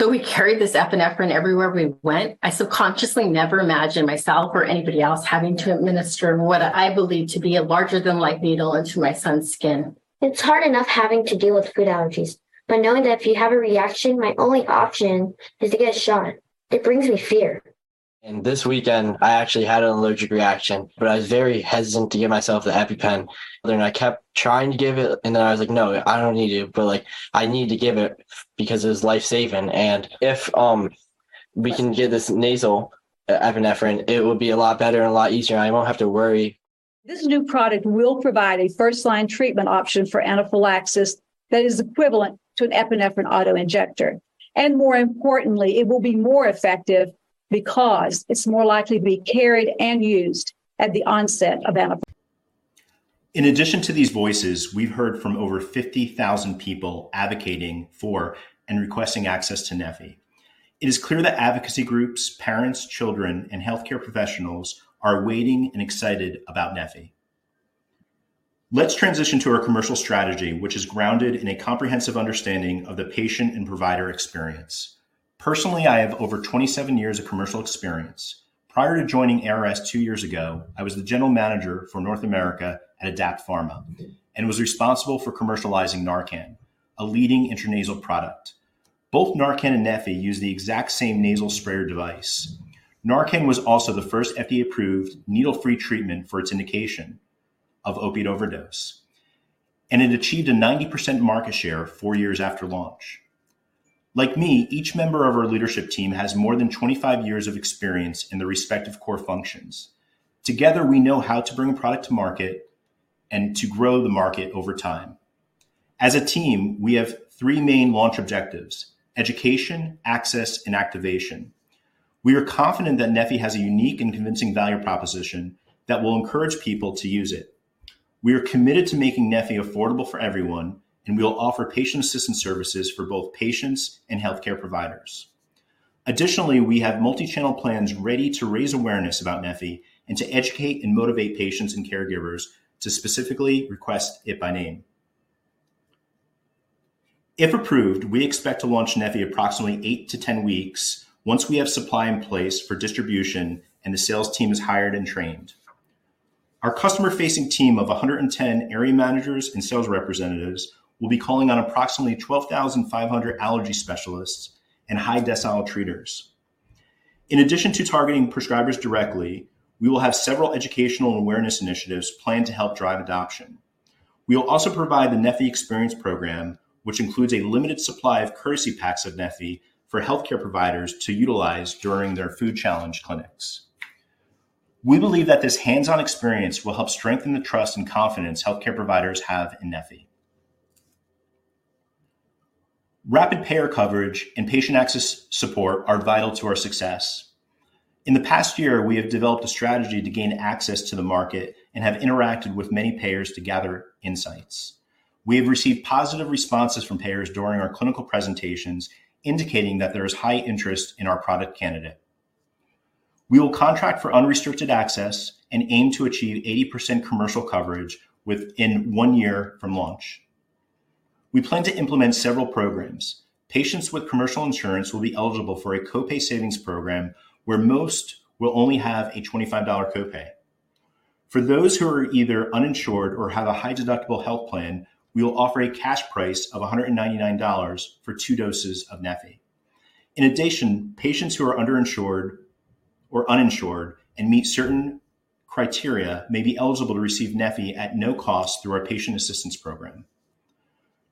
Though we carried this epinephrine everywhere we went, I subconsciously never imagined myself or anybody else having to administer what I believe to be a larger-than-life needle into my son's skin. It's hard enough having to deal with food allergies, but knowing that if you have a reaction, my only option is to get a shot. It brings me fear. This weekend, I actually had an allergic reaction, but I was very hesitant to give myself the EpiPen. And I kept trying to give it, and then I was like, "No, I don't need to," but, like, "I need to give it because it was life-saving." And if we can get this nasal epinephrine, it would be a lot better and a lot easier. I won't have to worry. This new product will provide a first-line treatment option for anaphylaxis that is equivalent to an epinephrine autoinjector. And more importantly, it will be more effective because it's more likely to be carried and used at the onset of anaphylaxis. In addition to these voices, we've heard from over 50,000 people advocating for and requesting access to neffy. It is clear that advocacy groups, parents, children, and healthcare professionals are waiting and excited about neffy. Let's transition to our commercial strategy, which is grounded in a comprehensive understanding of the patient and provider experience. Personally, I have over 27 years of commercial experience. Prior to joining ARS two years ago, I was the general manager for North America at ADAPT Pharma and was responsible for commercializing NARCAN, a leading intranasal product. Both NARCAN and neffy use the exact same nasal sprayer device. NARCAN was also the first FDA-approved needle-free treatment for its indication of opiate overdose, and it achieved a 90% market share four years after launch. Like me, each member of our leadership team has more than 25 years of experience in the respective core functions. Together, we know how to bring a product to market and to grow the market over time. As a team, we have three main launch objectives: education, access, and activation. We are confident that neffy has a unique and convincing value proposition that will encourage people to use it. We are committed to making neffy affordable for everyone, and we will offer patient assistance services for both patients and healthcare providers. Additionally, we have multi-channel plans ready to raise awareness about neffy and to educate and motivate patients and caregivers to specifically request it by name. If approved, we expect to launch neffy approximately eight-10 weeks once we have supply in place for distribution and the sales team is hired and trained. Our customer-facing team of 110 area managers and sales representatives will be calling on approximately 12,500 allergy specialists and high-volume treaters. In addition to targeting prescribers directly, we will have several educational and awareness initiatives planned to help drive adoption. We will also provide the neffy Experience Program, which includes a limited supply of courtesy packs of neffy for healthcare providers to utilize during their food challenge clinics. We believe that this hands-on experience will help strengthen the trust and confidence healthcare providers have in neffy. Rapid payer coverage and patient access support are vital to our success. In the past year, we have developed a strategy to gain access to the market and have interacted with many payers to gather insights. We have received positive responses from payers during our clinical presentations, indicating that there is high interest in our product candidate. We will contract for unrestricted access and aim to achieve 80% commercial coverage within one year from launch. We plan to implement several programs. Patients with commercial insurance will be eligible for a copay savings program where most will only have a $25 copay. For those who are either uninsured or have a high-deductible health plan, we will offer a cash price of $199 for two doses of neffy. In addition, patients who are underinsured or uninsured and meet certain criteria may be eligible to receive neffy at no cost through our patient assistance program.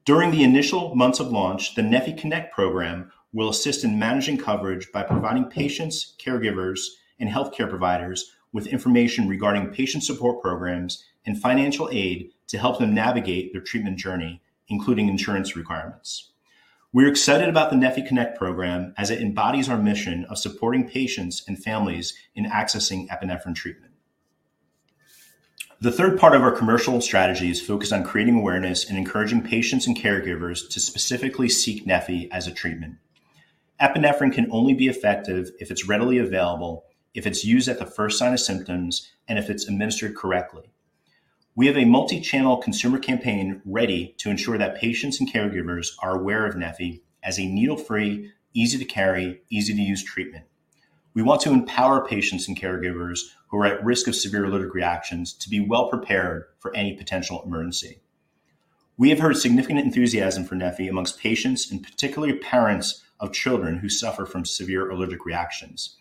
During the initial months of launch, the neffy Connect Program will assist in managing coverage by providing patients, caregivers, and healthcare providers with information regarding patient support programs and financial aid to help them navigate their treatment journey, including insurance requirements. We're excited about the neffy Connect Program as it embodies our mission of supporting patients and families in accessing epinephrine treatment. The third part of our commercial strategy is focused on creating awareness and encouraging patients and caregivers to specifically seek neffy as a treatment. Epinephrine can only be effective if it's readily available, if it's used at the first sign of symptoms, and if it's administered correctly. We have a multi-channel consumer campaign ready to ensure that patients and caregivers are aware of neffy as a needle-free, easy-to-carry, easy-to-use treatment. We want to empower patients and caregivers who are at risk of severe allergic reactions to be well-prepared for any potential emergency. We have heard significant enthusiasm for neffy among patients and particularly parents of children who suffer from severe allergic reactions.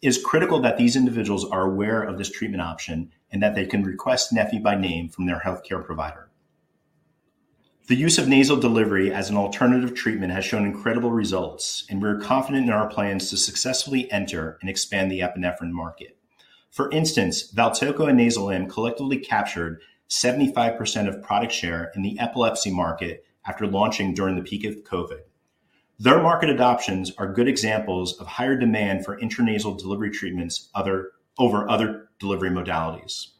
It is critical that these individuals are aware of this treatment option and that they can request neffy by name from their healthcare provider. The use of nasal delivery as an alternative treatment has shown incredible results, and we're confident in our plans to successfully enter and expand the epinephrine market. For instance, VALTOCO and NAYZILAM collectively captured 75% of product share in the epilepsy market after launching during the peak of COVID. Their market adoptions are good examples of higher demand for intranasal delivery treatments over other delivery modalities.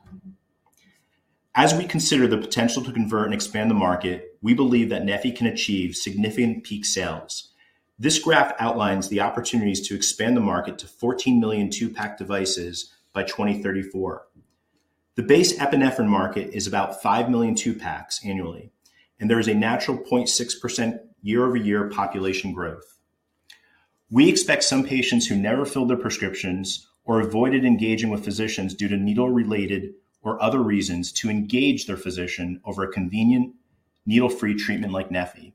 As we consider the potential to convert and expand the market, we believe that neffy can achieve significant peak sales. This graph outlines the opportunities to expand the market to 14 million two-pack devices by 2034. The base epinephrine market is about 5 million two-packs annually, and there is a natural 0.6% year-over-year population growth. We expect some patients who never filled their prescriptions or avoided engaging with physicians due to needle-related or other reasons to engage their physician over a convenient needle-free treatment like neffy.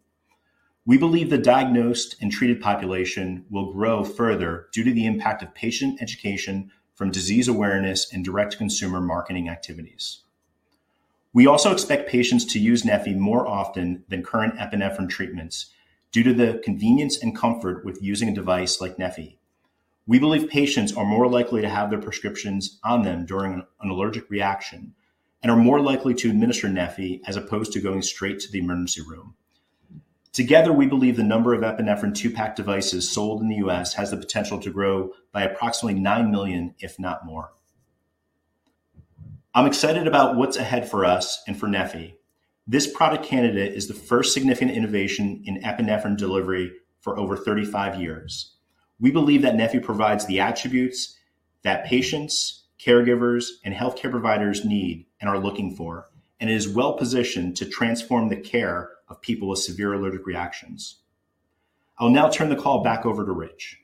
We believe the diagnosed and treated population will grow further due to the impact of patient education from disease awareness and direct consumer marketing activities. We also expect patients to use neffy more often than current epinephrine treatments due to the convenience and comfort with using a device like neffy. We believe patients are more likely to have their prescriptions on them during an allergic reaction and are more likely to administer neffy as opposed to going straight to the emergency room. Together, we believe the number of epinephrine two-pack devices sold in the U.S. has the potential to grow by approximately 9 million, if not more. I'm excited about what's ahead for us and for neffy. This product candidate is the first significant innovation in epinephrine delivery for over 35 years. We believe that neffy provides the attributes that patients, caregivers, and healthcare providers need and are looking for, and it is well-positioned to transform the care of people with severe allergic reactions. I'll now turn the call back over to Rich.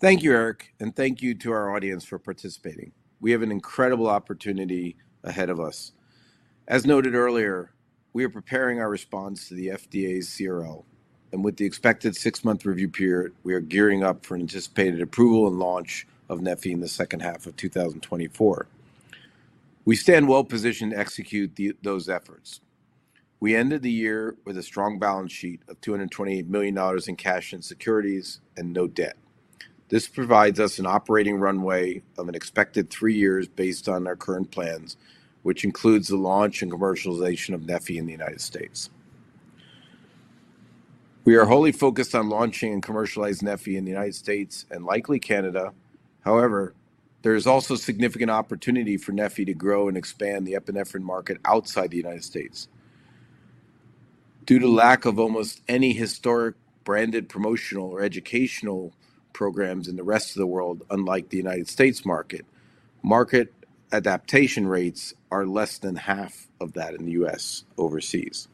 Thank you, Eric, and thank you to our audience for participating. We have an incredible opportunity ahead of us. As noted earlier, we are preparing our response to the FDA's CRL, and with the expected six-month review period, we are gearing up for anticipated approval and launch of neffy in the second half of 2024. We stand well-positioned to execute those efforts. We ended the year with a strong balance sheet of $228 million in cash and securities and no debt. This provides us an operating runway of an expected three years based on our current plans, which includes the launch and commercialization of neffy in the United States. We are wholly focused on launching and commercializing neffy in the United States and likely Canada. However, there is also significant opportunity for neffy to grow and expand the epinephrine market outside the United States. Due to lack of almost any historic branded promotional or educational programs in the rest of the world, unlike the United States market, market adaptation rates are less than half of that in the U.S. overseas.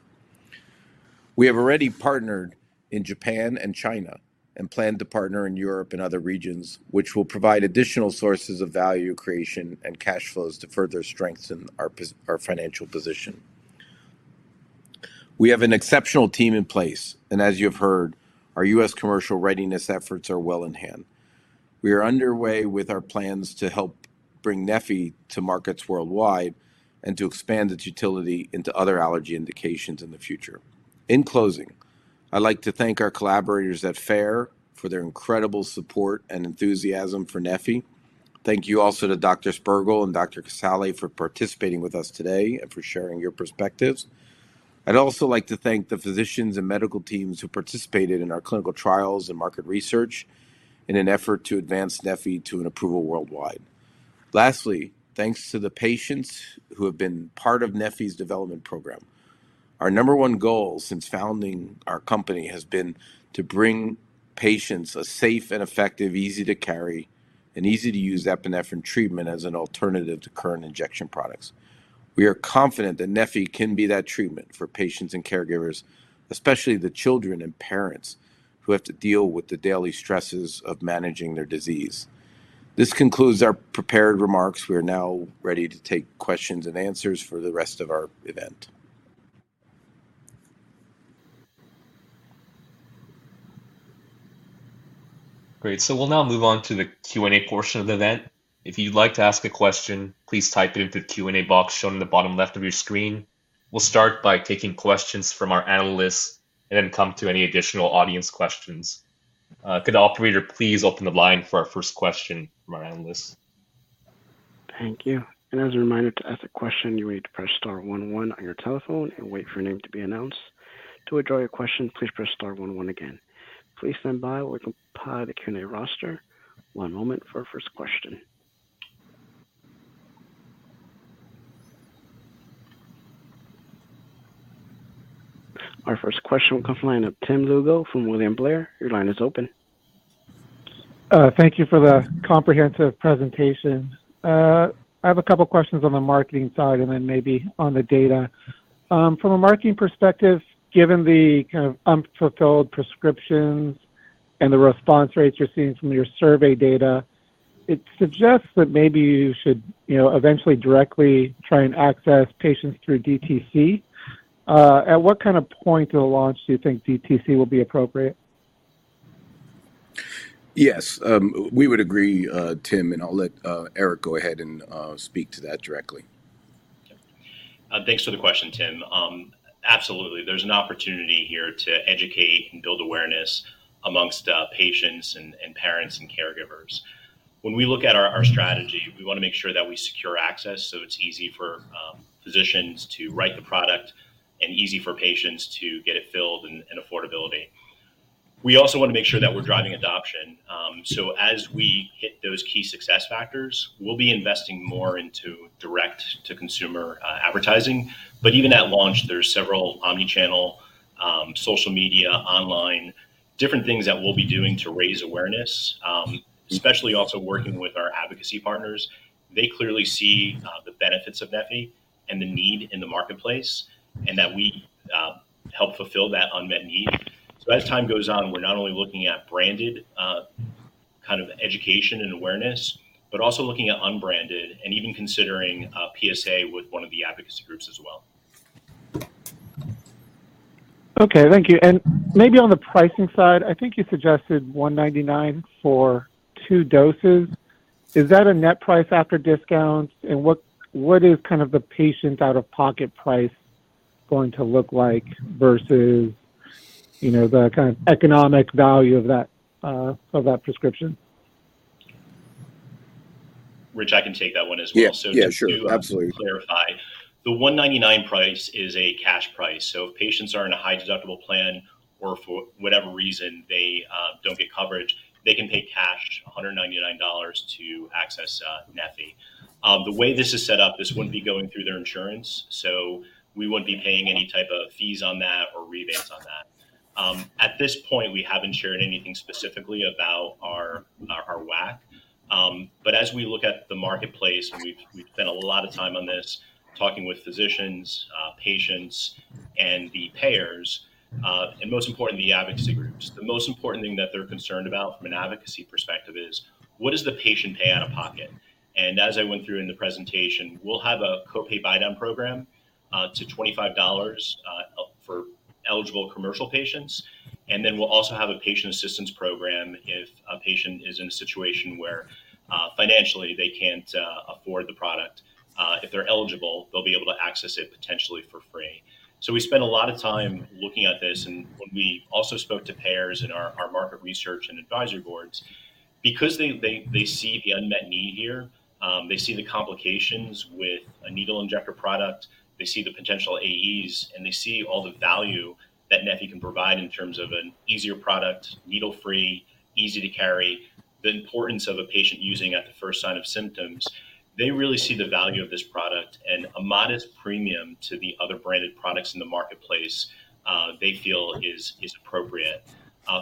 We have already partnered in Japan and China and plan to partner in Europe and other regions, which will provide additional sources of value creation and cash flows to further strengthen our financial position. We have an exceptional team in place, and as you have heard, our U.S. commercial readiness efforts are well in hand. We are underway with our plans to help bring neffy to markets worldwide and to expand its utility into other allergy indications in the future. In closing, I'd like to thank our collaborators at FARE for their incredible support and enthusiasm for neffy. Thank you also to Dr. Spergel and Dr. Casale for participating with us today and for sharing your perspectives. I'd also like to thank the physicians and medical teams who participated in our clinical trials and market research in an effort to advance neffy to an approval worldwide. Lastly, thanks to the patients who have been part of neffy's development program. Our number one goal since founding our company has been to bring patients a safe and effective, easy-to-carry, and easy-to-use epinephrine treatment as an alternative to current injection products. We are confident that neffy can be that treatment for patients and caregivers, especially the children and parents who have to deal with the daily stresses of managing their disease. This concludes our prepared remarks. We are now ready to take questions and answers for the rest of our event. Great. So we'll now move on to the Q&A portion of the event. If you'd like to ask a question, please type it into the Q&A box shown in the bottom left of your screen. We'll start by taking questions from our analysts and then come to any additional audience questions. Could the operator please open the line for our first question from our analysts? Thank you. And as a reminder, to ask a question, you will need to press star one one on your telephone and wait for your name to be announced. To withdraw your question, please press star one one again. Please stand by while we compile the Q&A roster. One moment for our first question. Our first question will come from analyst Tim Lugo from William Blair. Your line is open. Thank you for the comprehensive presentation. I have a couple of questions on the marketing side and then maybe on the data. From a marketing perspective, given the kind of unfulfilled prescriptions and the response rates you're seeing from your survey data, it suggests that maybe you should eventually directly try and access patients through DTC. At what kind of point of the launch do you think DTC will be appropriate? Yes. We would agree, Tim, and I'll let Eric go ahead and speak to that directly. Thanks for the question, Tim. Absolutely. There's an opportunity here to educate and build awareness among patients and parents and caregivers. When we look at our strategy, we want to make sure that we secure access so it's easy for physicians to write the product and easy for patients to get it filled and affordability. We also want to make sure that we're driving adoption. So as we hit those key success factors, we'll be investing more into direct-to-consumer advertising. But even at launch, there's several omnichannel social media, online, different things that we'll be doing to raise awareness, especially also working with our advocacy partners. They clearly see the benefits of neffy and the need in the marketplace and that we help fulfill that unmet need. So as time goes on, we're not only looking at branded kind of education and awareness, but also looking at unbranded and even considering PSA with one of the advocacy groups as well. Okay. Thank you. And maybe on the pricing side, I think you suggested $199 for two doses. Is that a net price after discounts? And what is kind of the patient's out-of-pocket price going to look like versus the kind of economic value of that prescription? Rich, I can take that one as well. So just to clarify, the $199 price is a cash price. So if patients are in a high-deductible plan or for whatever reason they don't get coverage, they can pay cash $199 to access neffy. The way this is set up, this wouldn't be going through their insurance, so we wouldn't be paying any type of fees on that or rebates on that. At this point, we haven't shared anything specifically about our WAC. But as we look at the marketplace, and we've spent a lot of time on this talking with physicians, patients, and the payers, and most important, the advocacy groups, the most important thing that they're concerned about from an advocacy perspective is, what does the patient pay out of pocket? And as I went through in the presentation, we'll have a copay buy-down program to $25 for eligible commercial patients. Then we'll also have a patient assistance program if a patient is in a situation where financially they can't afford the product. If they're eligible, they'll be able to access it potentially for free. So we spent a lot of time looking at this. And when we also spoke to payers in our market research and advisory boards, because they see the unmet need here, they see the complications with a needle injector product, they see the potential AEs, and they see all the value that neffy can provide in terms of an easier product, needle-free, easy to carry, the importance of a patient using at the first sign of symptoms, they really see the value of this product. And a modest premium to the other branded products in the marketplace, they feel, is appropriate.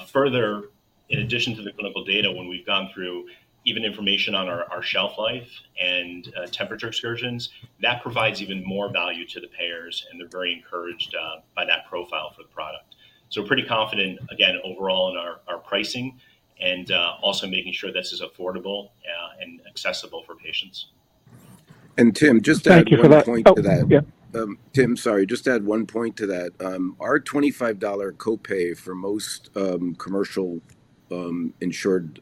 Further, in addition to the clinical data, when we've gone through even information on our shelf life and temperature excursions, that provides even more value to the payers, and they're very encouraged by that profile for the product. So we're pretty confident, again, overall in our pricing and also making sure this is affordable and accessible for patients. And Tim, just to add one point to that. Thank you for that. Tim, sorry. Just to add one point to that. Our $25 copay for most commercial-insured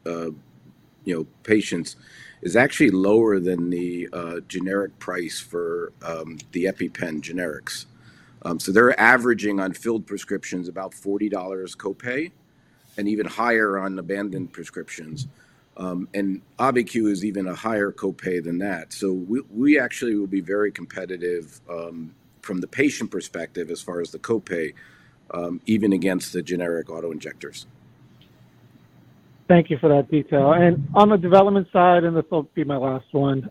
patients is actually lower than the generic price for the EpiPen generics. So they're averaging on filled prescriptions about $40 copay and even higher on abandoned prescriptions. And AUVI-Q is even a higher copay than that. So we actually will be very competitive from the patient perspective as far as the copay, even against the generic autoinjectors. Thank you for that detail. On the development side, and this will be my last one,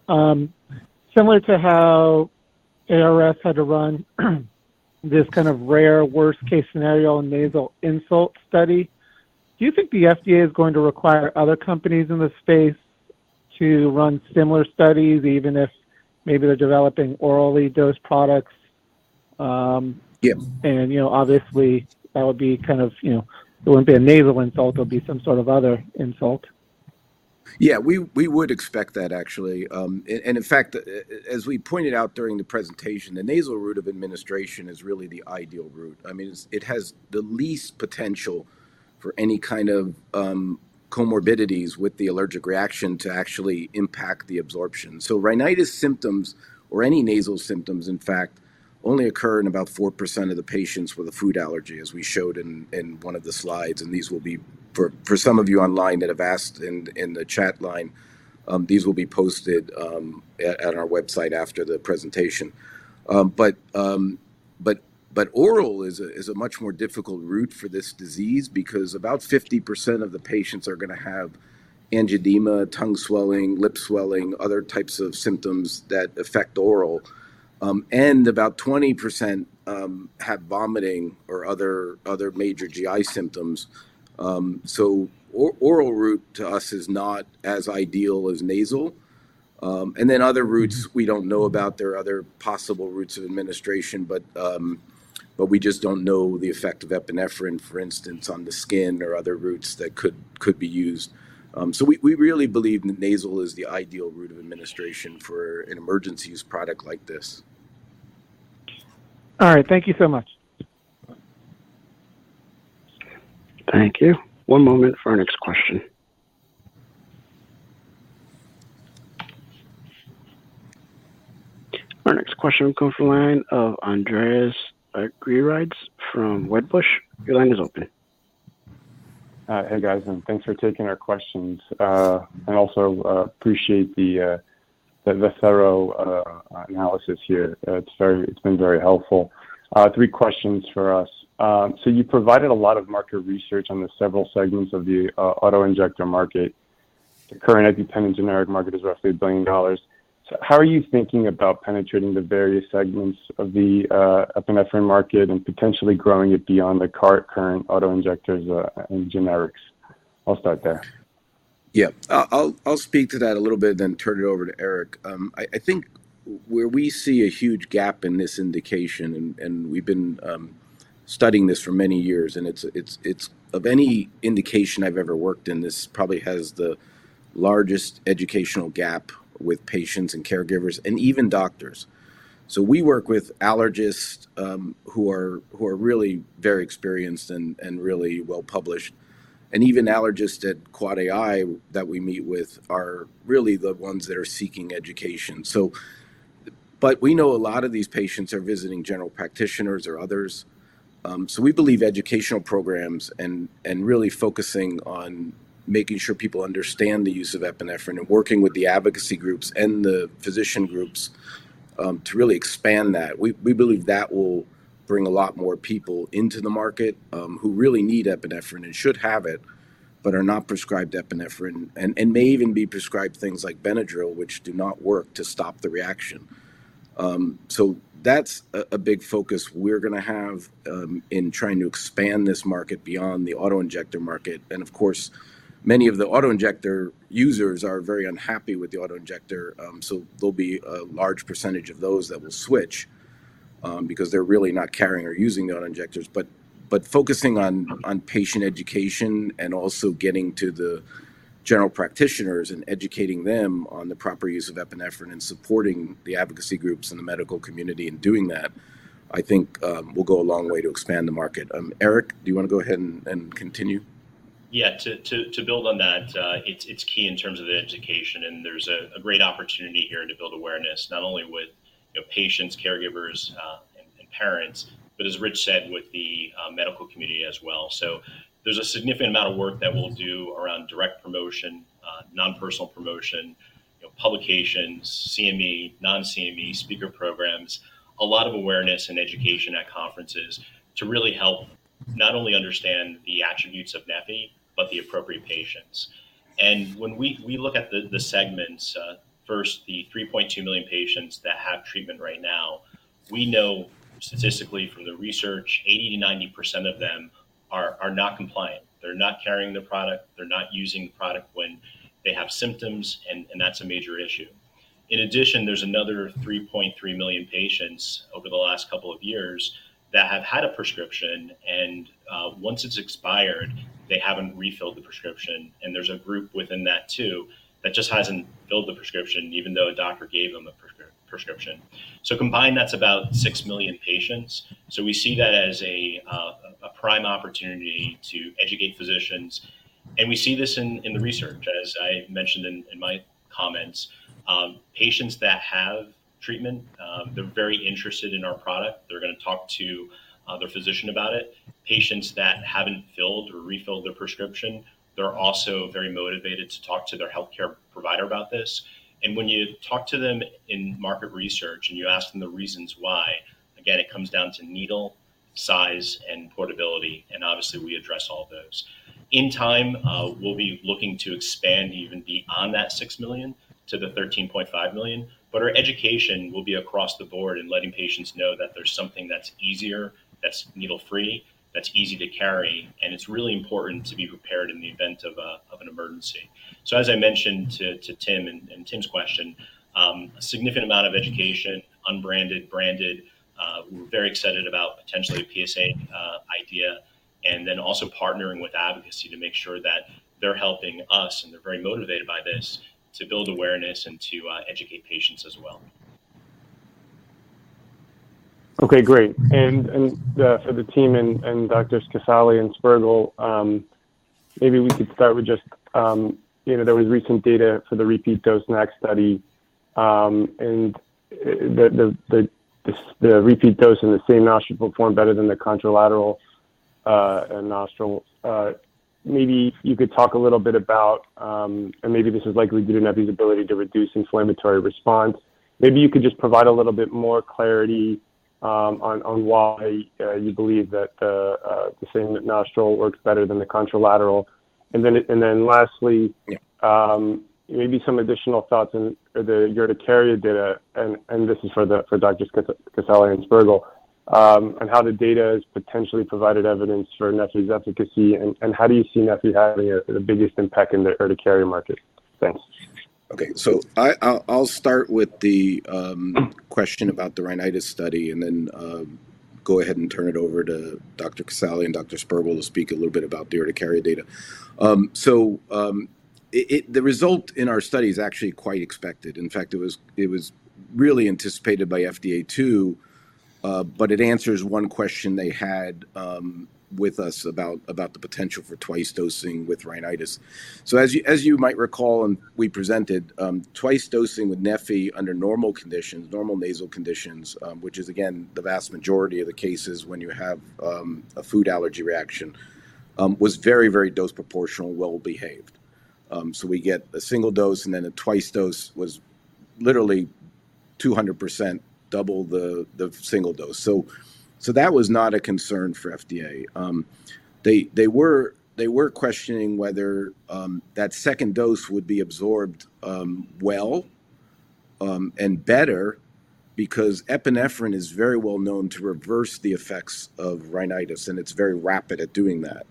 similar to how ARS had to run this kind of rare worst-case scenario and nasal insult study, do you think the FDA is going to require other companies in the space to run similar studies, even if maybe they're developing orally dosed products? And obviously, that would be kind of it wouldn't be a nasal insult. It would be some sort of other insult. Yeah. We would expect that, actually. And in fact, as we pointed out during the presentation, the nasal route of administration is really the ideal route. I mean, it has the least potential for any kind of comorbidities with the allergic reaction to actually impact the absorption. So rhinitis symptoms or any nasal symptoms, in fact, only occur in about 4% of the patients with a food allergy, as we showed in one of the slides. And these will be for some of you online that have asked in the chat line, these will be posted at our website after the presentation. But oral is a much more difficult route for this disease because about 50% of the patients are going to have angioedema, tongue swelling, lip swelling, other types of symptoms that affect oral. And about 20% have vomiting or other major GI symptoms. So oral route to us is not as ideal as nasal. And then other routes, we don't know about. There are other possible routes of administration, but we just don't know the effect of epinephrine, for instance, on the skin or other routes that could be used. So we really believe that nasal is the ideal route of administration for an emergency use product like this. All right. Thank you so much. Thank you. One moment for our next question. Our next question will come from the line of Andreas Argyrides from Wedbush. Your line is open. Hey, guys. And thanks for taking our questions. And also appreciate the thorough analysis here. It's been very helpful. Three questions for us. So you provided a lot of market research on the several segments of the autoinjector market. The current EpiPen and generic market is roughly $1 billion. So how are you thinking about penetrating the various segments of the epinephrine market and potentially growing it beyond the current autoinjectors and generics? I'll start there. Yeah. I'll speak to that a little bit and then turn it over to Eric. I think where we see a huge gap in this indication, and we've been studying this for many years, and it's of any indication I've ever worked in, this probably has the largest educational gap with patients and caregivers and even doctors. So we work with allergists who are really very experienced and really well-published. And even allergists at AAAAI that we meet with are really the ones that are seeking education. But we know a lot of these patients are visiting general practitioners or others. So we believe educational programs and really focusing on making sure people understand the use of epinephrine and working with the advocacy groups and the physician groups to really expand that, we believe that will bring a lot more people into the market who really need epinephrine and should have it but are not prescribed epinephrine and may even be prescribed things like Benadryl, which do not work to stop the reaction. So that's a big focus we're going to have in trying to expand this market beyond the auto-injector market. And of course, many of the auto-injector users are very unhappy with the auto-injector. So there'll be a large percentage of those that will switch because they're really not carrying or using the auto-injectors. But focusing on patient education and also getting to the general practitioners and educating them on the proper use of epinephrine and supporting the advocacy groups and the medical community in doing that, I think, will go a long way to expand the market. Eric, do you want to go ahead and continue? Yeah. To build on that, it's key in terms of the education. There's a great opportunity here to build awareness, not only with patients, caregivers, and parents, but as Rich said, with the medical community as well. There's a significant amount of work that we'll do around direct promotion, nonpersonal promotion, publications, CME, non-CME, speaker programs, a lot of awareness and education at conferences to really help not only understand the attributes of neffy but the appropriate patients. When we look at the segments, first, the 3.2 million patients that have treatment right now, we know statistically from the research, 80%-90% of them are not compliant. They're not carrying the product. They're not using the product when they have symptoms. That's a major issue. In addition, there's another 3.3 million patients over the last couple of years that have had a prescription. Once it's expired, they haven't refilled the prescription. There's a group within that too that just hasn't filled the prescription, even though a doctor gave them a prescription. Combined, that's about 6 million patients. We see that as a prime opportunity to educate physicians. We see this in the research, as I mentioned in my comments. Patients that have treatment, they're very interested in our product. They're going to talk to their physician about it. Patients that haven't filled or refilled their prescription, they're also very motivated to talk to their healthcare provider about this. And when you talk to them in market research and you ask them the reasons why, again, it comes down to needle, size, and portability. And obviously, we address all of those. In time, we'll be looking to expand even beyond that 6 million to the 13.5 million. But our education will be across the board in letting patients know that there's something that's easier, that's needle-free, that's easy to carry. And it's really important to be prepared in the event of an emergency. So as I mentioned to Tim and Tim's question, a significant amount of education, unbranded, branded. We're very excited about potentially a PSA idea and then also partnering with advocacy to make sure that they're helping us, and they're very motivated by this, to build awareness and to educate patients as well. Okay. Great. And for the team and Doctors Casale and Spergel, maybe we could start with just there was recent data for the repeat dose nasal study. And the repeat dose in the same nostril performed better than the contralateral nostril. Maybe you could talk a little bit about and maybe this is likely due to neffy's ability to reduce inflammatory response. Maybe you could just provide a little bit more clarity on why you believe that the same nostril works better than the contralateral. And then lastly, maybe some additional thoughts on the Urticaria data. This is for Doctors Casale and Spergel, on how the data has potentially provided evidence for neffy's efficacy. And how do you see neffy having the biggest impact in the urticaria market? Thanks. Okay. So I'll start with the question about the rhinitis study and then go ahead and turn it over to Doctor Casale and Doctor Spergel to speak a little bit about the urticaria data. So the result in our study is actually quite expected. In fact, it was really anticipated by FDA too. But it answers one question they had with us about the potential for twice dosing with rhinitis. So as you might recall and we presented, twice dosing with neffy under normal conditions, normal nasal conditions, which is, again, the vast majority of the cases when you have a food allergy reaction, was very, very dose proportional, well behaved. So we get a single dose, and then a twice dose was literally 200% double the single dose. So that was not a concern for FDA. They were questioning whether that second dose would be absorbed well and better because epinephrine is very well known to reverse the effects of rhinitis, and it's very rapid at doing that.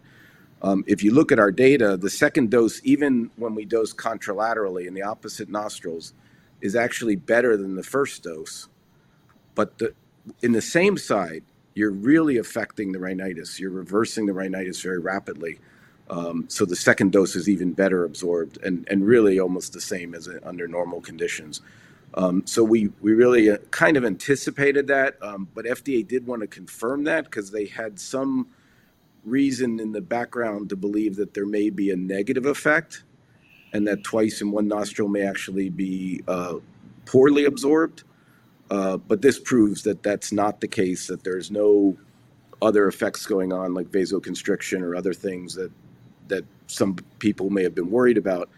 If you look at our data, the second dose, even when we dose contralaterally in the opposite nostrils, is actually better than the first dose. But in the same side, you're really affecting the rhinitis. You're reversing the rhinitis very rapidly. So the second dose is even better absorbed and really almost the same as under normal conditions. So we really kind of anticipated that. But FDA did want to confirm that because they had some reason in the background to believe that there may be a negative effect and that twice in one nostril may actually be poorly absorbed. But this proves that that's not the case, that there's no other effects going on like vasoconstriction or other things that some people may have been worried about.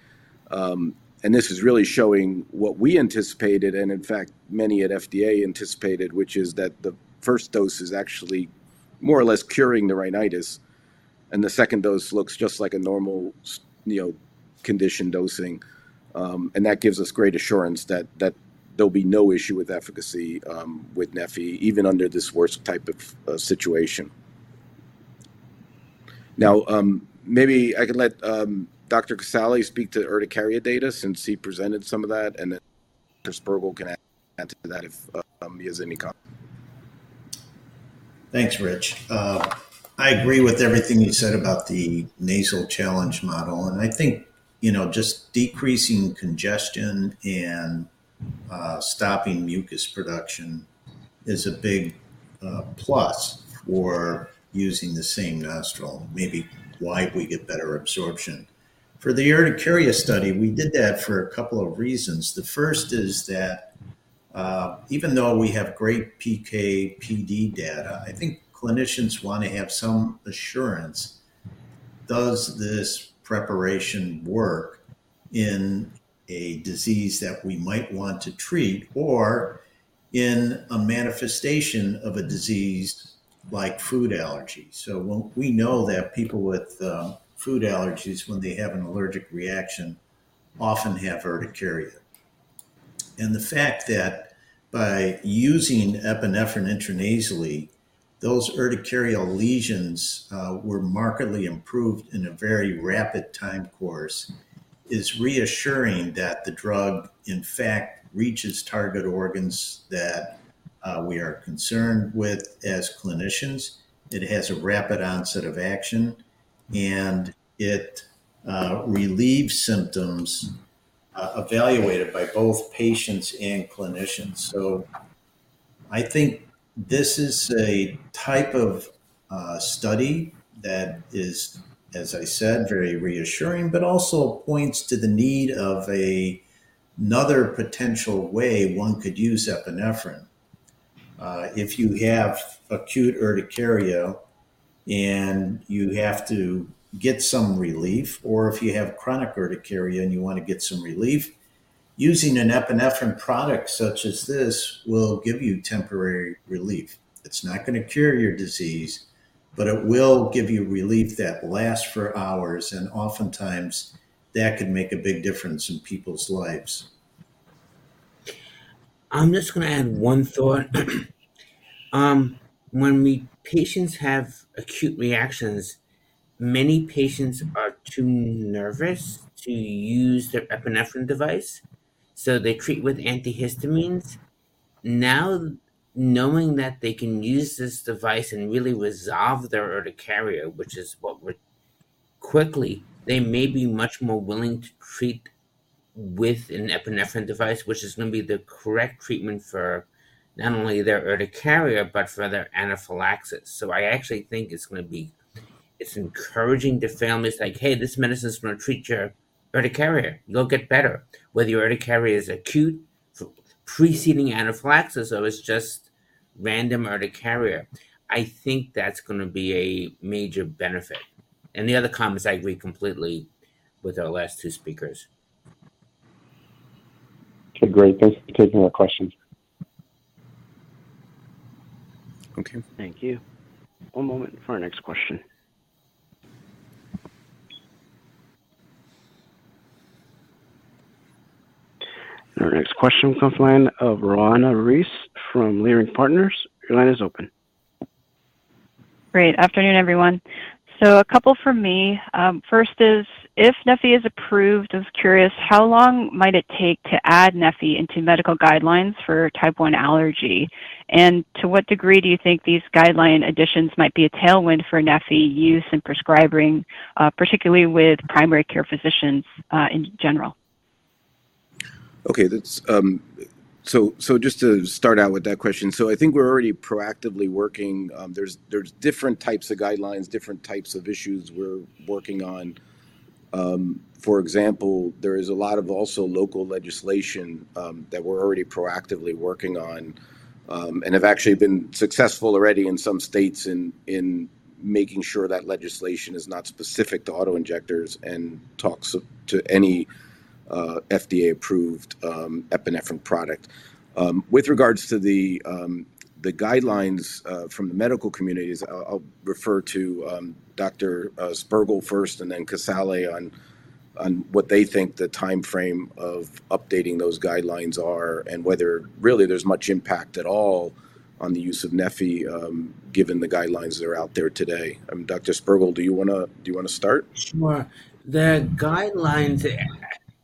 And this is really showing what we anticipated and, in fact, many at FDA anticipated, which is that the first dose is actually more or less curing the rhinitis. And the second dose looks just like a normal condition dosing. And that gives us great assurance that there'll be no issue with efficacy with neffy, even under this worst type of situation. Now, maybe I could let Dr. Casale speak to urticaria data since he presented some of that. And then Doctor Spergel can add to that if he has any comments. Thanks, Rich. I agree with everything you said about the nasal challenge model. And I think just decreasing congestion and stopping mucus production is a big plus for using the same nostril, maybe why we get better absorption. For the urticaria study, we did that for a couple of reasons. The first is that even though we have great PK/PD data, I think clinicians want to have some assurance, does this preparation work in a disease that we might want to treat or in a manifestation of a disease like food allergy? So we know that people with food allergies, when they have an allergic reaction, often have urticaria. The fact that by using epinephrine intranasally, those urticarial lesions were markedly improved in a very rapid time course is reassuring that the drug, in fact, reaches target organs that we are concerned with as clinicians. It has a rapid onset of action, and it relieves symptoms evaluated by both patients and clinicians. So I think this is a type of study that is, as I said, very reassuring but also points to the need of another potential way one could use epinephrine. If you have acute urticaria and you have to get some relief, or if you have chronic urticaria and you want to get some relief, using an epinephrine product such as this will give you temporary relief. It's not going to cure your disease, but it will give you relief that lasts for hours. And oftentimes, that could make a big difference in people's lives. I'm just going to add one thought. When patients have acute reactions, many patients are too nervous to use their epinephrine device. So they treat with antihistamines. Now, knowing that they can use this device and really resolve their urticaria. They may be much more willing to treat with an epinephrine device, which is going to be the correct treatment for not only their urticaria but for their anaphylaxis. So I actually think it's going to be encouraging to families like, "Hey, this medicine is going to treat your urticaria. You'll get better," whether your urticaria is acute, preceding anaphylaxis, or it's just random urticaria. I think that's going to be a major benefit. And the other comments I agree completely with our last two speakers. Okay. Great. Thanks for taking our questions. Okay. Thank you. One moment for our next question. And our next question comes from Roanna Ruiz from Leerink Partners. Your line is open. Great. Afternoon, everyone. So a couple from me. First is, if neffy is approved, I was curious, how long might it take to add neffy into medical guidelines for Type I allergy? And to what degree do you think these guideline additions might be a tailwind for neffy use and prescribing, particularly with primary care physicians in general? Okay. So just to start out with that question, so I think we're already proactively working. There's different types of guidelines, different types of issues we're working on. For example, there is a lot of also local legislation that we're already proactively working on and have actually been successful already in some states in making sure that legislation is not specific to autoinjectors and talks to any FDA-approved epinephrine product. With regards to the guidelines from the medical communities, I'll refer to Doctor Spergel first and then Casale on what they think the time frame of updating those guidelines are and whether really there's much impact at all on the use of neffy given the guidelines that are out there today. Doctor Spergel, do you want to do you want to start? Sure.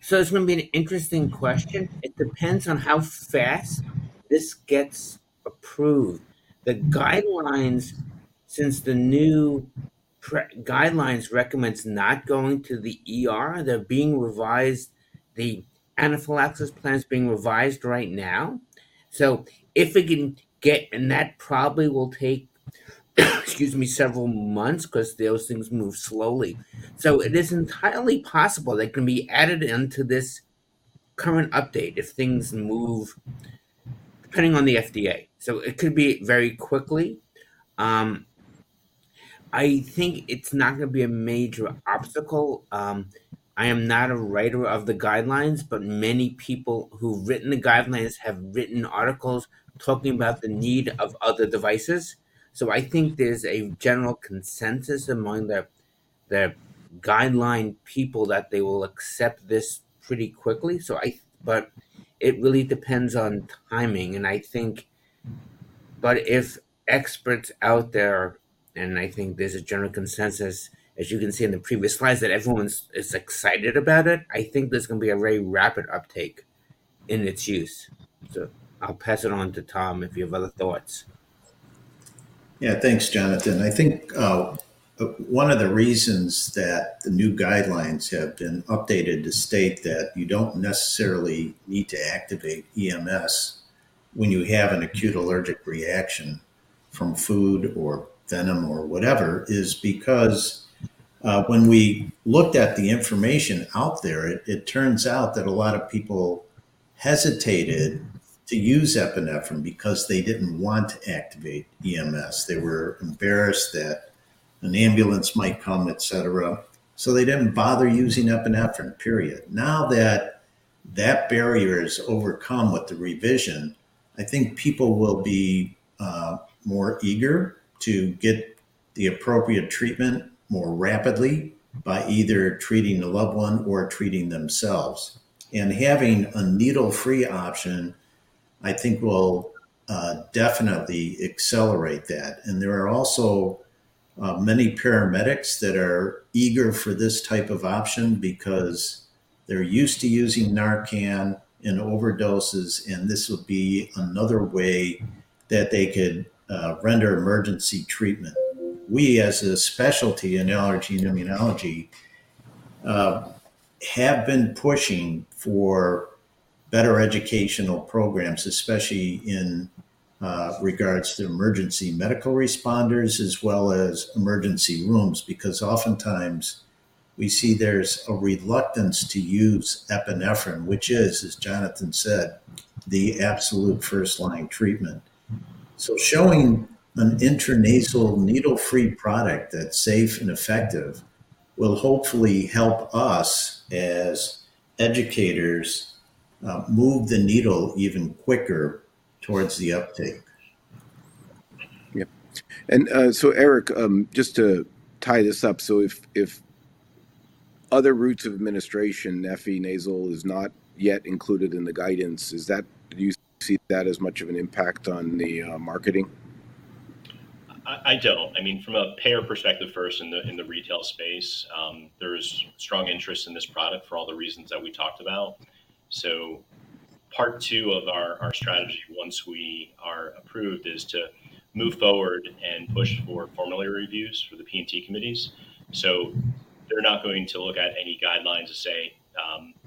So it's going to be an interesting question. It depends on how fast this gets approved. The guidelines, since the new guidelines recommend not going to the they're being revised. The anaphylaxis plan is being revised right now. So if it can get and that probably will take, excuse me, several months because those things move slowly. So it is entirely possible they can be added into this current update if things move, depending on the FDA. So it could be very quickly. I think it's not going to be a major obstacle. I am not a writer of the guidelines, but many people who've written the guidelines have written articles talking about the need of other devices. So I think there's a general consensus among the guideline people that they will accept this pretty quickly. But it really depends on timing. But if experts out there and I think there's a general consensus, as you can see in the previous slides, that everyone is excited about it, I think there's going to be a very rapid uptake in its use. So I'll pass it on to Tom if you have other thoughts. Yeah. Thanks, Jonathan. I think one of the reasons that the new guidelines have been updated to state that you don't necessarily need to activate EMS when you have an acute allergic reaction from food or venom or whatever is because when we looked at the information out there, it turns out that a lot of people hesitated to use epinephrine because they didn't want to activate EMS. They were embarrassed that an ambulance might come, etc. So they didn't bother using epinephrine, period. Now that that barrier is overcome with the revision, I think people will be more eager to get the appropriate treatment more rapidly by either treating a loved one or treating themselves. And having a needle-free option, I think, will definitely accelerate that. And there are also many paramedics that are eager for this type of option because they're used to using NARCAN in overdoses. This would be another way that they could render emergency treatment. We, as a specialty in allergy and immunology, have been pushing for better educational programs, especially in regards to emergency medical responders as well as emergency rooms because oftentimes we see there's a reluctance to use epinephrine, which is, as Jonathan said, the absolute first-line treatment. So showing an intranasal needle-free product that's safe and effective will hopefully help us as educators move the needle even quicker towards the uptake. Yep. And so, Eric, just to tie this up, so if other routes of administration, neffy nasal, is not yet included in the guidance, do you see that as much of an impact on the marketing? I don't. I mean, from a payer perspective first in the retail space, there's strong interest in this product for all the reasons that we talked about. So part two of our strategy, once we are approved, is to move forward and push for formulary reviews for the P&T committees. So they're not going to look at any guidelines to say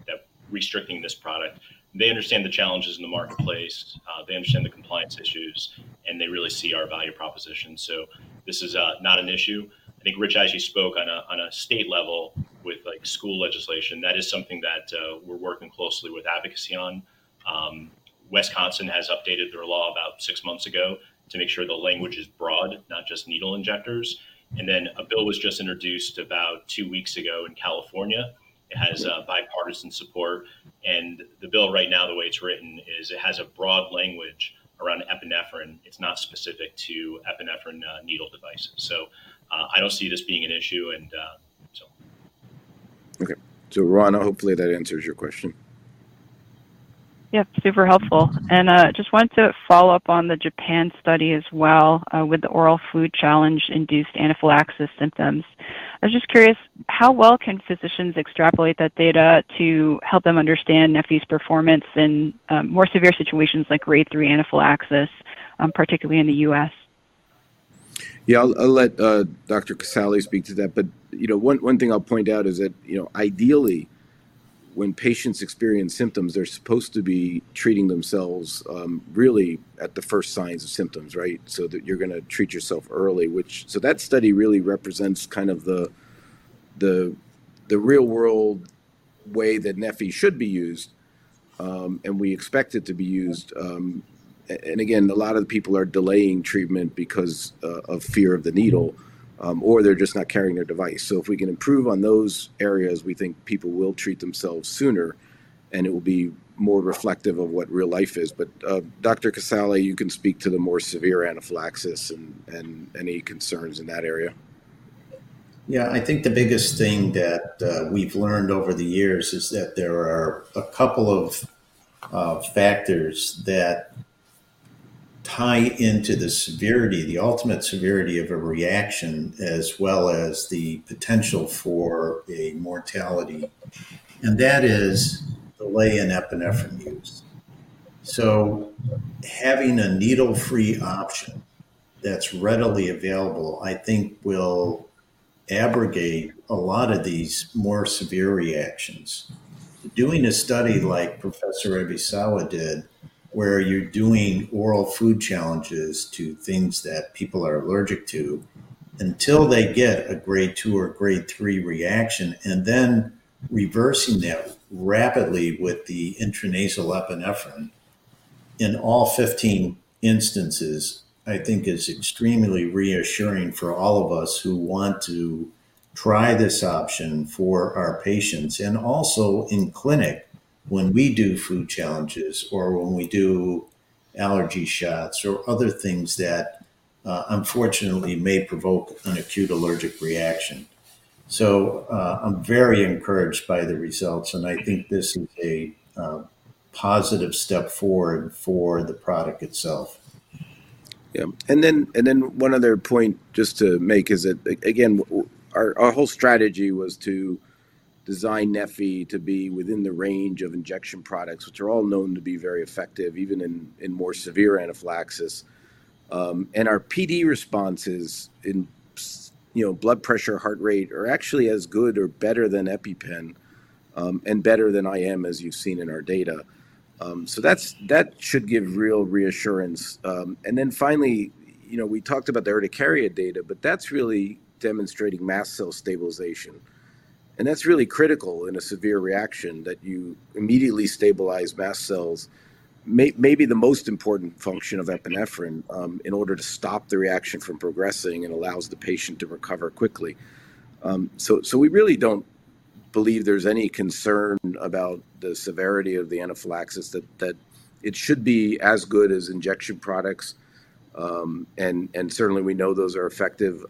that restricting this product. They understand the challenges in the marketplace. They understand the compliance issues, and they really see our value proposition. So this is not an issue. I think Rich, as you spoke, on a state level with school legislation, that is something that we're working closely with advocacy on. Wisconsin has updated their law about six months ago to make sure the language is broad, not just needle injectors. And then a bill was just introduced about two weeks ago in California. It has bipartisan support. And the bill right now, the way it's written, is it has a broad language around epinephrine. It's not specific to epinephrine needle devices. So I don't see this being an issue. Okay. So, Roanna, hopefully that answers your question. Yep. Super helpful. And just wanted to follow up on the Japan study as well with the oral food challenge-induced anaphylaxis symptoms. I was just curious, how well can physicians extrapolate that data to help them understand neffy's performance in more severe situations like grade 3 anaphylaxis, particularly in the U.S.? Yeah. I'll let Dr. Casale speak to that. But one thing I'll point out is that ideally, when patients experience symptoms, they're supposed to be treating themselves really at the first signs of symptoms, right, so that you're going to treat yourself early. So that study really represents kind of the real-world way that neffy should be used. And we expect it to be used. And again, a lot of the people are delaying treatment because of fear of the needle, or they're just not carrying their device. So if we can improve on those areas, we think people will treat themselves sooner, and it will be more reflective of what real life is. But Doctor Casale, you can speak to the more severe anaphylaxis and any concerns in that area. Yeah. I think the biggest thing that we've learned over the years is that there are a couple of factors that tie into the severity, the ultimate severity of a reaction, as well as the potential for a mortality. And that is delay in epinephrine use. So having a needle-free option that's readily available, I think, will abrogate a lot of these more severe reactions. Doing a study like Professor Ebisawa did, where you're doing oral food challenges to things that people are allergic to until they get a grade 2 or grade 3 reaction, and then reversing that rapidly with the intranasal epinephrine in all 15 instances, I think, is extremely reassuring for all of us who want to try this option for our patients and also in clinic when we do food challenges or when we do allergy shots or other things that, unfortunately, may provoke an acute allergic reaction. So I'm very encouraged by the results. And I think this is a positive step forward for the product itself. Yeah. And then one other point just to make is that, again, our whole strategy was to design neffy to be within the range of injection products, which are all known to be very effective, even in more severe anaphylaxis. Our PD responses in blood pressure, heart rate are actually as good or better than EpiPen and better than IM, as you've seen in our data. So that should give real reassurance. Then finally, we talked about the urticaria data, but that's really demonstrating mast cell stabilization. And that's really critical in a severe reaction, that you immediately stabilize mast cells, maybe the most important function of epinephrine, in order to stop the reaction from progressing and allows the patient to recover quickly. So we really don't believe there's any concern about the severity of the anaphylaxis, that it should be as good as injection products. And certainly, we know those are effective.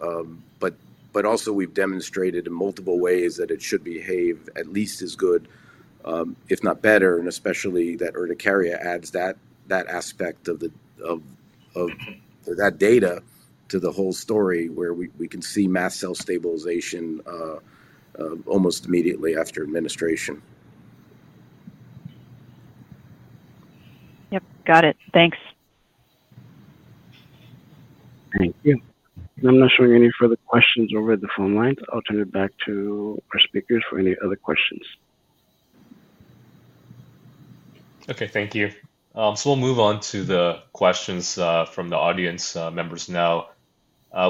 But also, we've demonstrated in multiple ways that it should behave at least as good, if not better, and especially that urticaria adds that aspect of that data to the whole story where we can see mast cell stabilization almost immediately after administration. Yep. Got it. Thanks. Thank you. And I'm not showing any further questions over the phone line. I'll turn it back to our speakers for any other questions. Okay. Thank you. So we'll move on to the questions from the audience members now.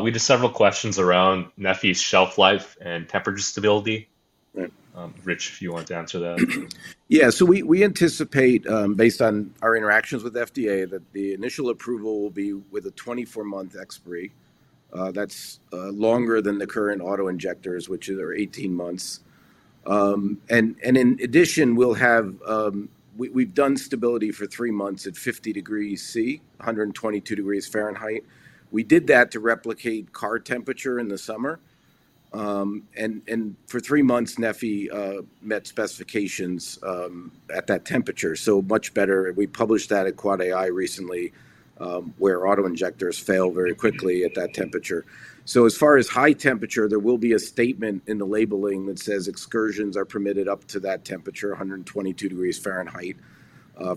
We did several questions around neffy's shelf life and temperature stability. Rich, if you wanted to answer that. Yeah. So we anticipate, based on our interactions with the FDA, that the initial approval will be with a 24-month expiry. That's longer than the current autoinjectors, which are 18 months. In addition, we've done stability for three months at 50 degrees Celsius, 122 degrees Fahrenheit. We did that to replicate car temperature in the summer. For three months, neffy met specifications at that temperature, so much better. We published that at AAAAI recently, where autoinjectors fail very quickly at that temperature. As far as high temperature, there will be a statement in the labeling that says excursions are permitted up to that temperature, 122 degrees Fahrenheit,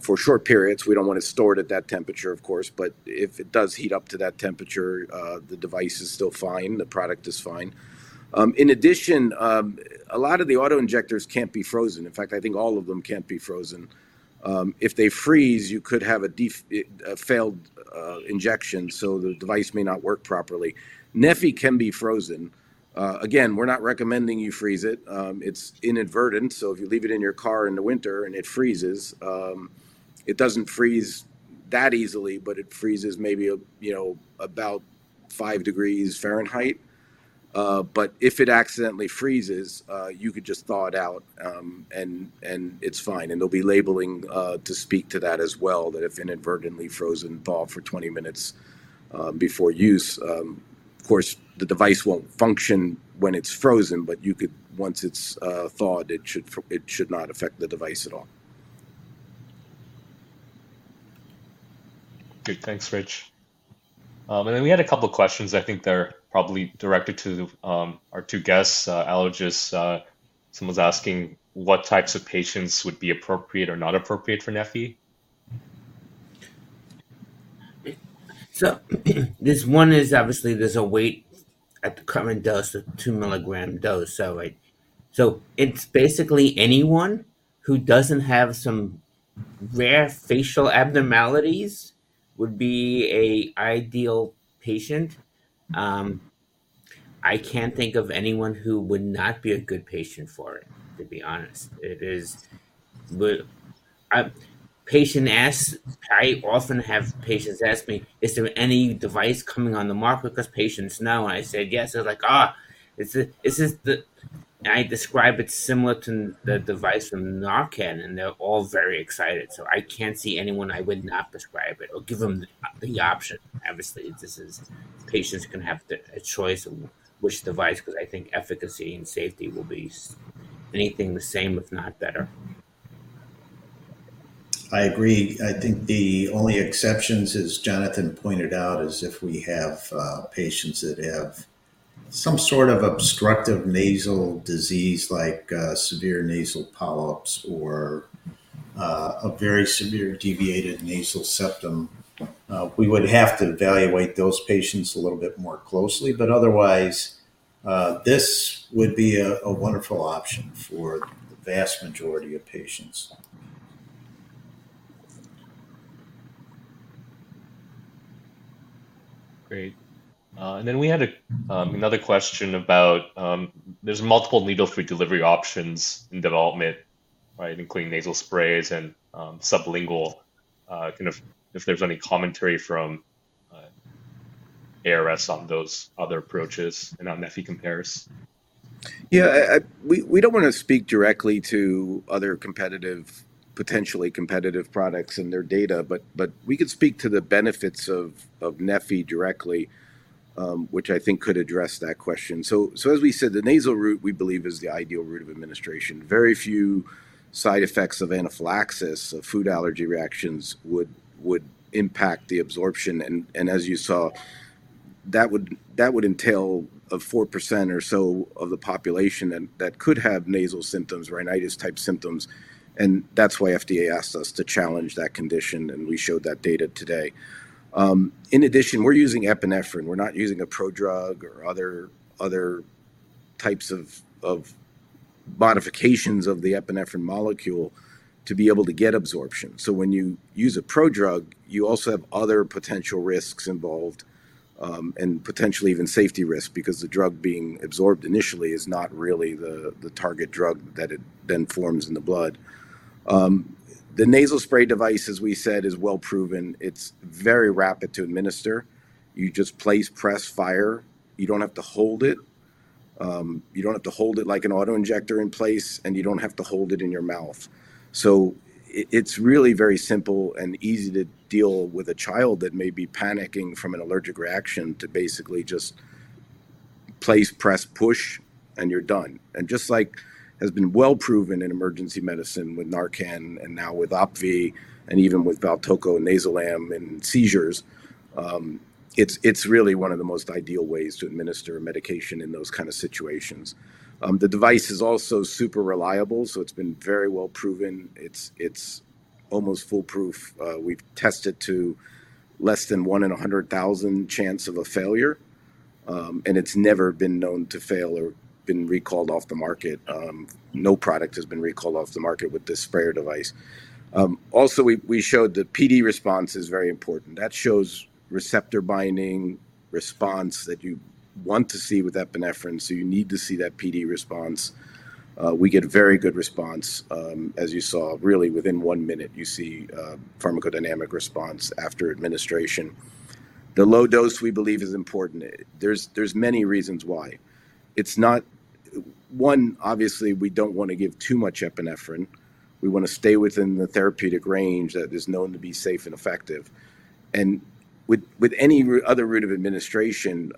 for short periods. We don't want it stored at that temperature, of course. But if it does heat up to that temperature, the device is still fine. The product is fine. In addition, a lot of the autoinjectors can't be frozen. In fact, I think all of them can't be frozen. If they freeze, you could have a failed injection, so the device may not work properly. neffy can be frozen. Again, we're not recommending you freeze it. It's inadvertent. So if you leave it in your car in the winter and it freezes, it doesn't freeze that easily, but it freezes maybe about 5 degrees Fahrenheit. But if it accidentally freezes, you could just thaw it out, and it's fine. And there'll be labeling to speak to that as well, that if inadvertently frozen and thawed for 20 minutes before use, of course, the device won't function when it's frozen, but once it's thawed, it should not affect the device at all. Great. Thanks, Rich. Then we had a couple of questions I think that are probably directed to our two guests, allergists. Someone's asking what types of patients would be appropriate or not appropriate for neffy. So this one is obviously, there's a weight at the current dose, the 2 mg dose. So it's basically anyone who doesn't have some rare facial abnormalities would be an ideal patient. I can't think of anyone who would not be a good patient for it, to be honest. Patients ask. I often have patients ask me, "Is there any device coming on the market?" Because patients know. And I said yes. They're like, and I describe it similar to the device from NARCAN, and they're all very excited. So I can't see anyone I would not prescribe it or give them the option. Obviously, patients can have a choice of which device because I think efficacy and safety will be anything the same, if not better. I agree. I think the only exceptions, as Jonathan pointed out, is if we have patients that have some sort of obstructive nasal disease like severe nasal polyps or a very severe deviated nasal septum. We would have to evaluate those patients a little bit more closely. But otherwise, this would be a wonderful option for the vast majority of patients. Great. And then we had another question about there's multiple needle-free delivery options in development, right, including nasal sprays and sublingual. Kind of if there's any commentary from ARS on those other approaches and how neffy compares. Yeah. We don't want to speak directly to other potentially competitive products and their data, but we could speak to the benefits of neffy directly, which I think could address that question. So as we said, the nasal route, we believe, is the ideal route of administration. Very few side effects of anaphylaxis, of food allergy reactions, would impact the absorption. And as you saw, that would entail a 4% or so of the population that could have nasal symptoms, rhinitis-type symptoms. That's why FDA asked us to challenge that condition, and we showed that data today. In addition, we're using epinephrine. We're not using a prodrug or other types of modifications of the epinephrine molecule to be able to get absorption. So when you use a prodrug, you also have other potential risks involved and potentially even safety risks because the drug being absorbed initially is not really the target drug that it then forms in the blood. The nasal spray device, as we said, is well proven. It's very rapid to administer. You just place, press, fire. You don't have to hold it. You don't have to hold it like an autoinjector in place, and you don't have to hold it in your mouth. So it's really very simple and easy to deal with a child that may be panicking from an allergic reaction to basically just place, press, push, and you're done. And just like has been well proven in emergency medicine with NARCAN and now with OPVEE and even with VALTOCO and NAYZILAM in seizures, it's really one of the most ideal ways to administer medication in those kind of situations. The device is also super reliable, so it's been very well proven. It's almost foolproof. We've tested to less than one in 100,000 chance of a failure. And it's never been known to fail or been recalled off the market. No product has been recalled off the market with this sprayer device. Also, we showed the PD response is very important. That shows receptor binding response that you want to see with epinephrine. So you need to see that PD response. We get very good response, as you saw, really within one minute, you see pharmacodynamic response after administration. The low dose, we believe, is important. There's many reasons why. One, obviously, we don't want to give too much epinephrine. We want to stay within the therapeutic range that is known to be safe and effective. And with any other route of administration,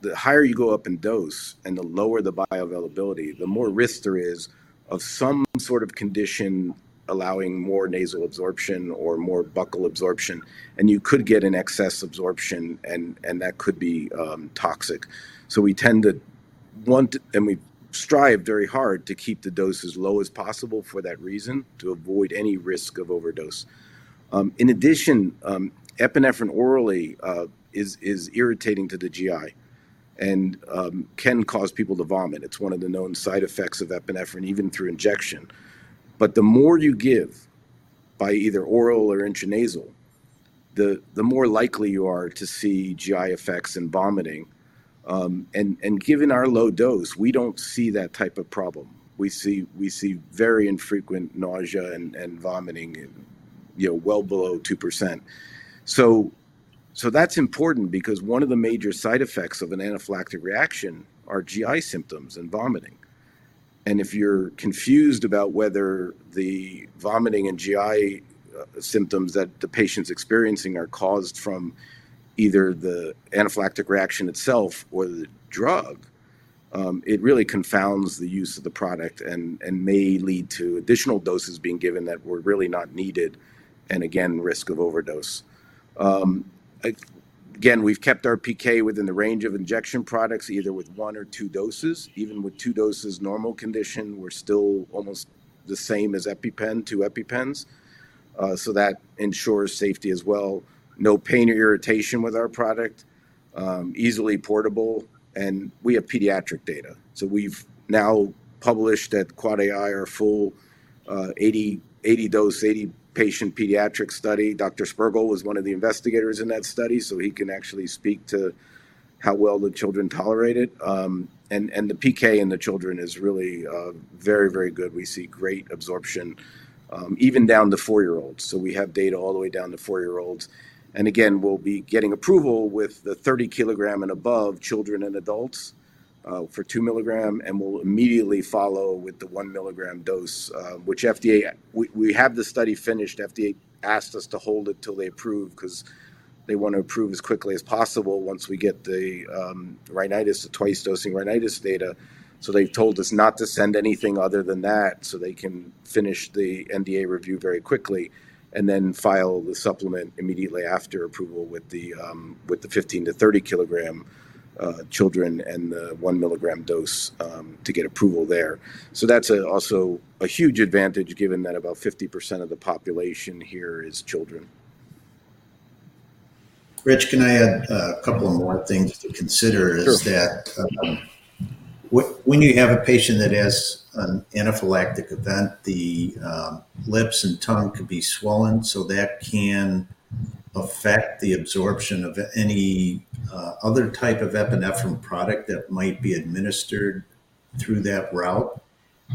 the higher you go up in dose and the lower the bioavailability, the more risk there is of some sort of condition allowing more nasal absorption or more buccal absorption. And you could get an excess absorption, and that could be toxic. So we tend to want and we strive very hard to keep the dose as low as possible for that reason, to avoid any risk of overdose. In addition, epinephrine orally is irritating to the GI and can cause people to vomit. It's one of the known side effects of epinephrine, even through injection. But the more you give by either oral or intranasal, the more likely you are to see GI effects and vomiting. And given our low dose, we don't see that type of problem. We see very infrequent nausea and vomiting well below 2%. So that's important because one of the major side effects of an anaphylactic reaction are GI symptoms and vomiting. And if you're confused about whether the vomiting and GI symptoms that the patient's experiencing are caused from either the anaphylactic reaction itself or the drug, it really confounds the use of the product and may lead to additional doses being given that were really not needed and, again, risk of overdose. Again, we've kept our PK within the range of injection products, either with one or two doses. Even with two doses, normal condition, we're still almost the same as EpiPen, two EpiPens. So that ensures safety as well. No pain or irritation with our product. Easily portable. And we have pediatric data. So we've now published at AAAAI our full 80-dose, 80-patient pediatric study. Dr. Spergel was one of the investigators in that study, so he can actually speak to how well the children tolerate it. And the PK in the children is really very, very good. We see great absorption, even down to four-year-olds. So we have data all the way down to four-year-olds. And again, we'll be getting approval with the 30-kg and above children and adults for 2 mg, and we'll immediately follow with the 1 mg dose, which FDA we have the study finished. FDA asked us to hold it till they approve because they want to approve as quickly as possible once we get the rhinitis, the twice-dosing rhinitis data. So they've told us not to send anything other than that so they can finish the NDA review very quickly and then file the supplement immediately after approval with the 15-30-kg children and the 1 mg dose to get approval there. So that's also a huge advantage given that about 50% of the population here is children. Rich, can I add a couple of more things to consider? Sure. Is that when you have a patient that has an anaphylactic event, the lips and tongue can be swollen, so that can affect the absorption of any other type of epinephrine product that might be administered through that route.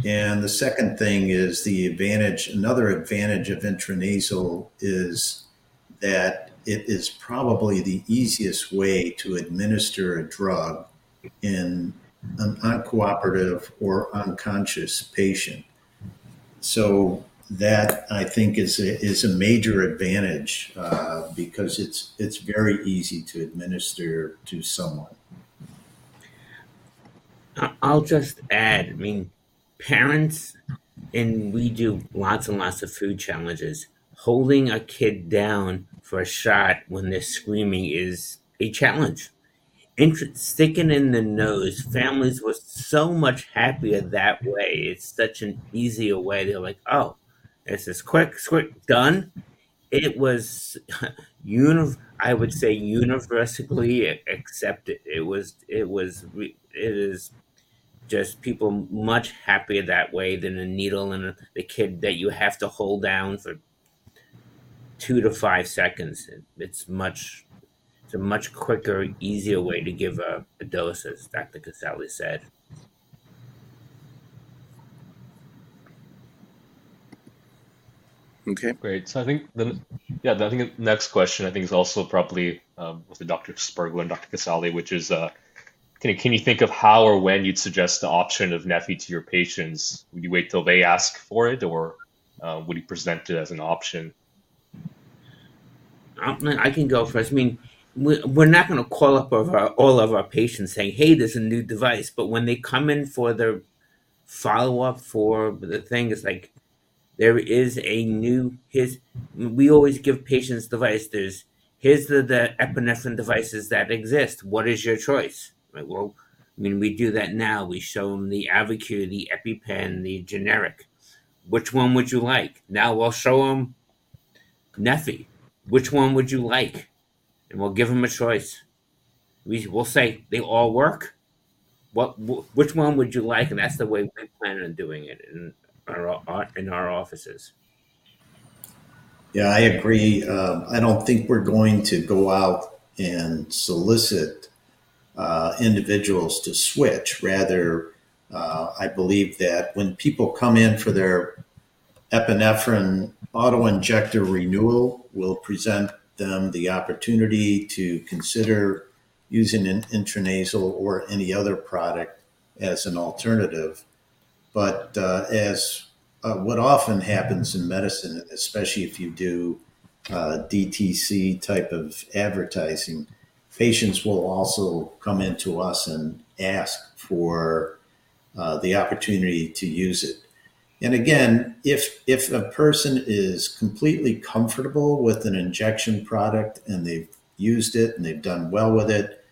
The second thing is the advantage another advantage of intranasal is that it is probably the easiest way to administer a drug in an uncooperative or unconscious patient. That, I think, is a major advantage because it's very easy to administer to someone. I'll just add. I mean, parents, and we do lots and lots of food challenges. Holding a kid down for a shot when they're screaming is a challenge. Sticking in the nose, families were so much happier that way. It's such an easier way. They're like, "Oh, it's just quick, quick, done." It was, I would say, universally accepted. It is just people much happier that way than a needle and the kid that you have to hold down for two-five seconds. It's a much quicker, easier way to give a dose, as Dr. Casale said. Okay. Great. So I think the next question is also probably with Dr. Spergel and Dr. Casale, which is, can you think of how or when you'd suggest the option of neffy to your patients? Would you wait till they ask for it, or would you present it as an option? I can go first. I mean, we're not going to call up all of our patients saying, "Hey, there's a new device." But when they come in for their follow-up for the thing, it's like, "There is a new" we always give patients devices. There's, "Here's the epinephrine devices that exist. What is your choice?" Well, I mean, we do that now. We show them the AUVI-Q, the EpiPen, the generic. "Which one would you like?" Now we'll show them neffy. "Which one would you like?" And we'll give them a choice. We'll say, "They all work. Which one would you like?" And that's the way we plan on doing it in our offices. Yeah, I agree. I don't think we're going to go out and solicit individuals to switch. Rather, I believe that when people come in for their epinephrine autoinjector renewal, we'll present them the opportunity to consider using an intranasal or any other product as an alternative. But as what often happens in medicine, especially if you do DTC type of advertising, patients will also come into us and ask for the opportunity to use it. And again, if a person is completely comfortable with an injection product and they've used it and they've done well with it,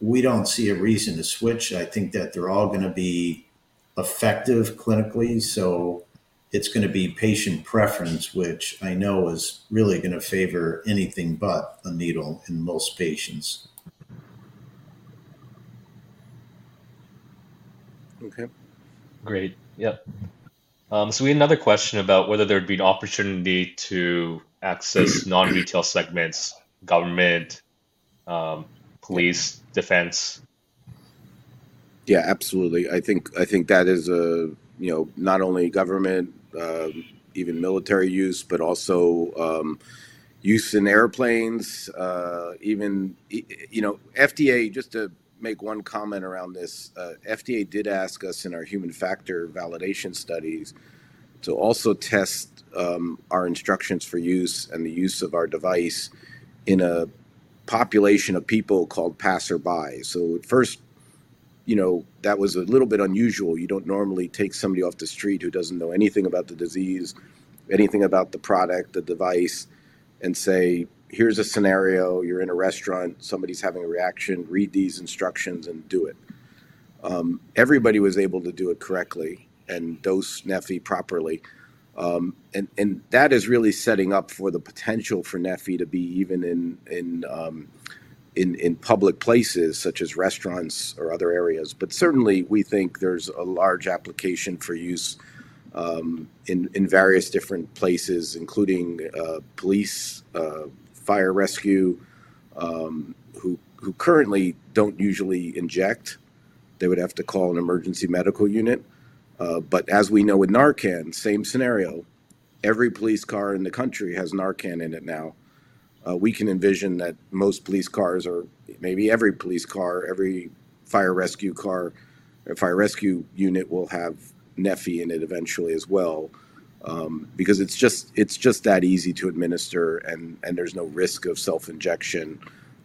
we don't see a reason to switch. I think that they're all going to be effective clinically. So it's going to be patient preference, which I know is really going to favor anything but a needle in most patients. Okay. Great. Yep. So we had another question about whether there'd be an opportunity to access non-retail segments, government, police, defense. Yeah, absolutely. I think that is not only government, even military use, but also use in airplanes. Even FDA, just to make one comment around this, FDA did ask us in our human factor validation studies to also test our instructions for use and the use of our device in a population of people called passerby. So at first, that was a little bit unusual. You don't normally take somebody off the street who doesn't know anything about the disease, anything about the product, the device, and say, "Here's a scenario. You're in a restaurant. Somebody's having a reaction. Read these instructions and do it." Everybody was able to do it correctly and dose neffy properly. That is really setting up for the potential for neffy to be even in public places such as restaurants or other areas. But certainly, we think there's a large application for use in various different places, including police, fire rescue, who currently don't usually inject. They would have to call an emergency medical unit. But as we know with NARCAN, same scenario. Every police car in the country has NARCAN in it now. We can envision that most police cars or maybe every police car, every fire rescue car or fire rescue unit will have neffy in it eventually as well because it's just that easy to administer, and there's no risk of self-injection.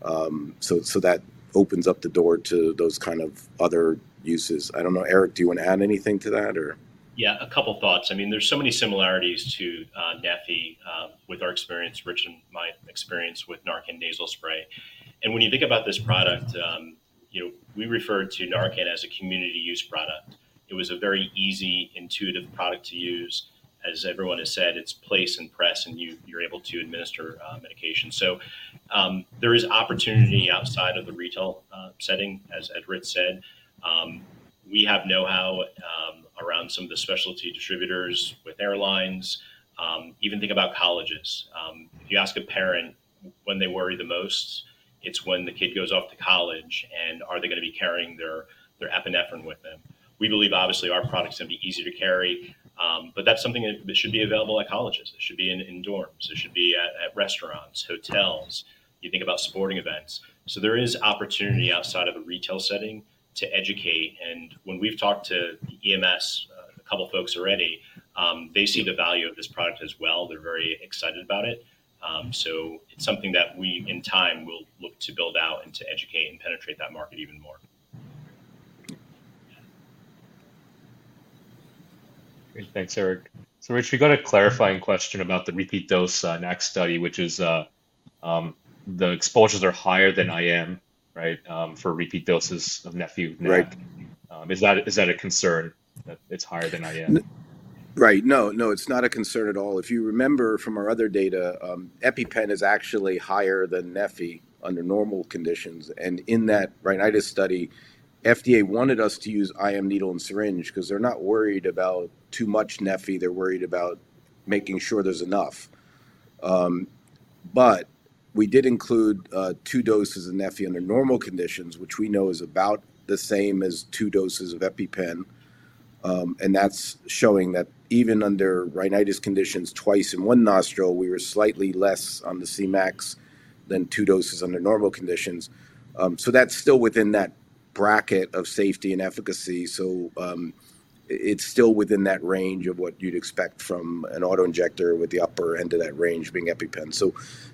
So that opens up the door to those kind of other uses. I don't know, Eric, do you want to add anything to that, or? Yeah, a couple of thoughts. I mean, there's so many similarities to neffy with our experience, Rich and my experience with NARCAN nasal spray. And when you think about this product, we refer to NARCAN as a community-use product. It was a very easy, intuitive product to use. As everyone has said, it's place and press, and you're able to administer medication. So there is opportunity outside of the retail setting, as Rich said. We have know-how around some of the specialty distributors with airlines. Even think about colleges. If you ask a parent when they worry the most, it's when the kid goes off to college, and are they going to be carrying their epinephrine with them? We believe, obviously, our products are going to be easy to carry. But that's something that should be available at colleges. It should be in dorms. It should be at restaurants, hotels. You think about sporting events. So there is opportunity outside of the retail setting to educate. And when we've talked to the EMS, a couple of folks already, they see the value of this product as well. They're very excited about it. So it's something that we, in time, will look to build out and to educate and penetrate that market even more. Great. Thanks, Eric. So Rich, we got a clarifying question about the repeat dose neffy study, which is the exposures are higher than IM, right, for repeat doses of neffy within that. Is that a concern that it's higher than IM? Right. No, no, it's not a concern at all. If you remember from our other data, EpiPen is actually higher than neffy under normal conditions. And in that rhinitis study, FDA wanted us to use IM needle and syringe because they're not worried about too much neffy. They're worried about making sure there's enough. But we did include two doses of neffy under normal conditions, which we know is about the same as two doses of EpiPen. And that's showing that even under rhinitis conditions, twice in one nostril, we were slightly less on the Cmax than two doses under normal conditions. So that's still within that bracket of safety and efficacy. So it's still within that range of what you'd expect from an autoinjector with the upper end of that range being EpiPen. So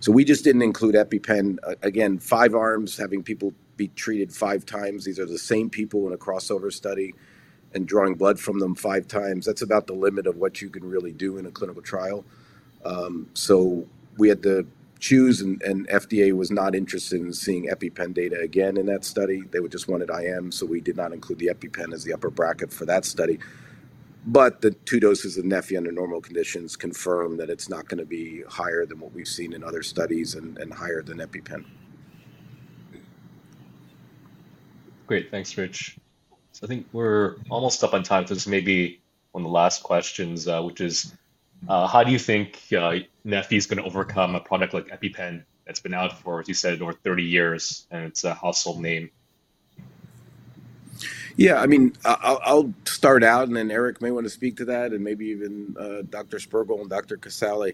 we just didn't include EpiPen. Again, five arms, having people be treated five times. These are the same people in a crossover study and drawing blood from them five times. That's about the limit of what you can really do in a clinical trial. So we had to choose, and FDA was not interested in seeing EpiPen data again in that study. They would just wanted IM, so we did not include the EpiPen as the upper bracket for that study. But the two doses of neffy under normal conditions confirm that it's not going to be higher than what we've seen in other studies and higher than EpiPen. Great. Thanks, Rich. So I think we're almost up on time. So this may be one of the last questions, which is, how do you think neffy is going to overcome a product like EpiPen that's been out for, as you said, over 30 years, and it's a household name? Yeah, I mean, I'll start out, and then Eric may want to speak to that, and maybe even Dr. Spergel and Dr. Casale.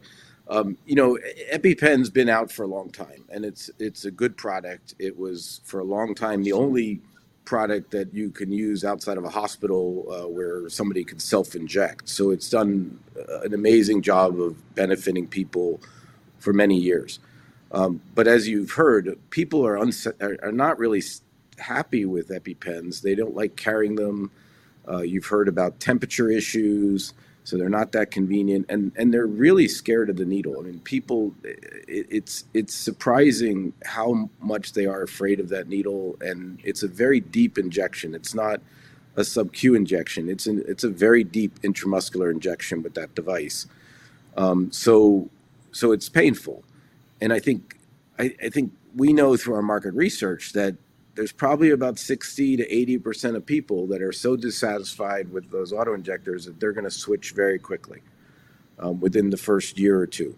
EpiPen's been out for a long time, and it's a good product. It was, for a long time, the only product that you can use outside of a hospital where somebody could self-inject. So it's done an amazing job of benefiting people for many years. But as you've heard, people are not really happy with EpiPens. They don't like carrying them. You've heard about temperature issues, so they're not that convenient, and they're really scared of the needle. I mean, it's surprising how much they are afraid of that needle, and it's a very deep injection. It's not a subQ injection. It's a very deep intramuscular injection with that device. So it's painful. I think we know through our market research that there's probably about 60%-80% of people that are so dissatisfied with those autoinjectors that they're going to switch very quickly within the first year or two.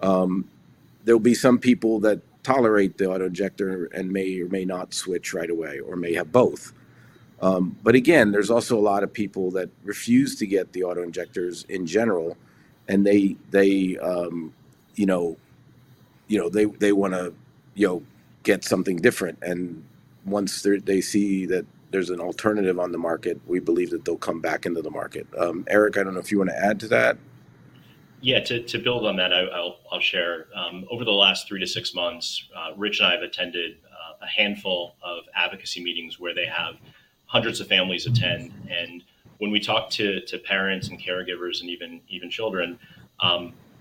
There'll be some people that tolerate the autoinjector and may or may not switch right away or may have both. Again, there's also a lot of people that refuse to get the autoinjectors in general, and they want to get something different. Once they see that there's an alternative on the market, we believe that they'll come back into the market. Eric, I don't know if you want to add to that. Yeah, to build on that, I'll share. Over the last three-six months, Rich and I have attended a handful of advocacy meetings where they have hundreds of families attend. And when we talk to parents and caregivers and even children,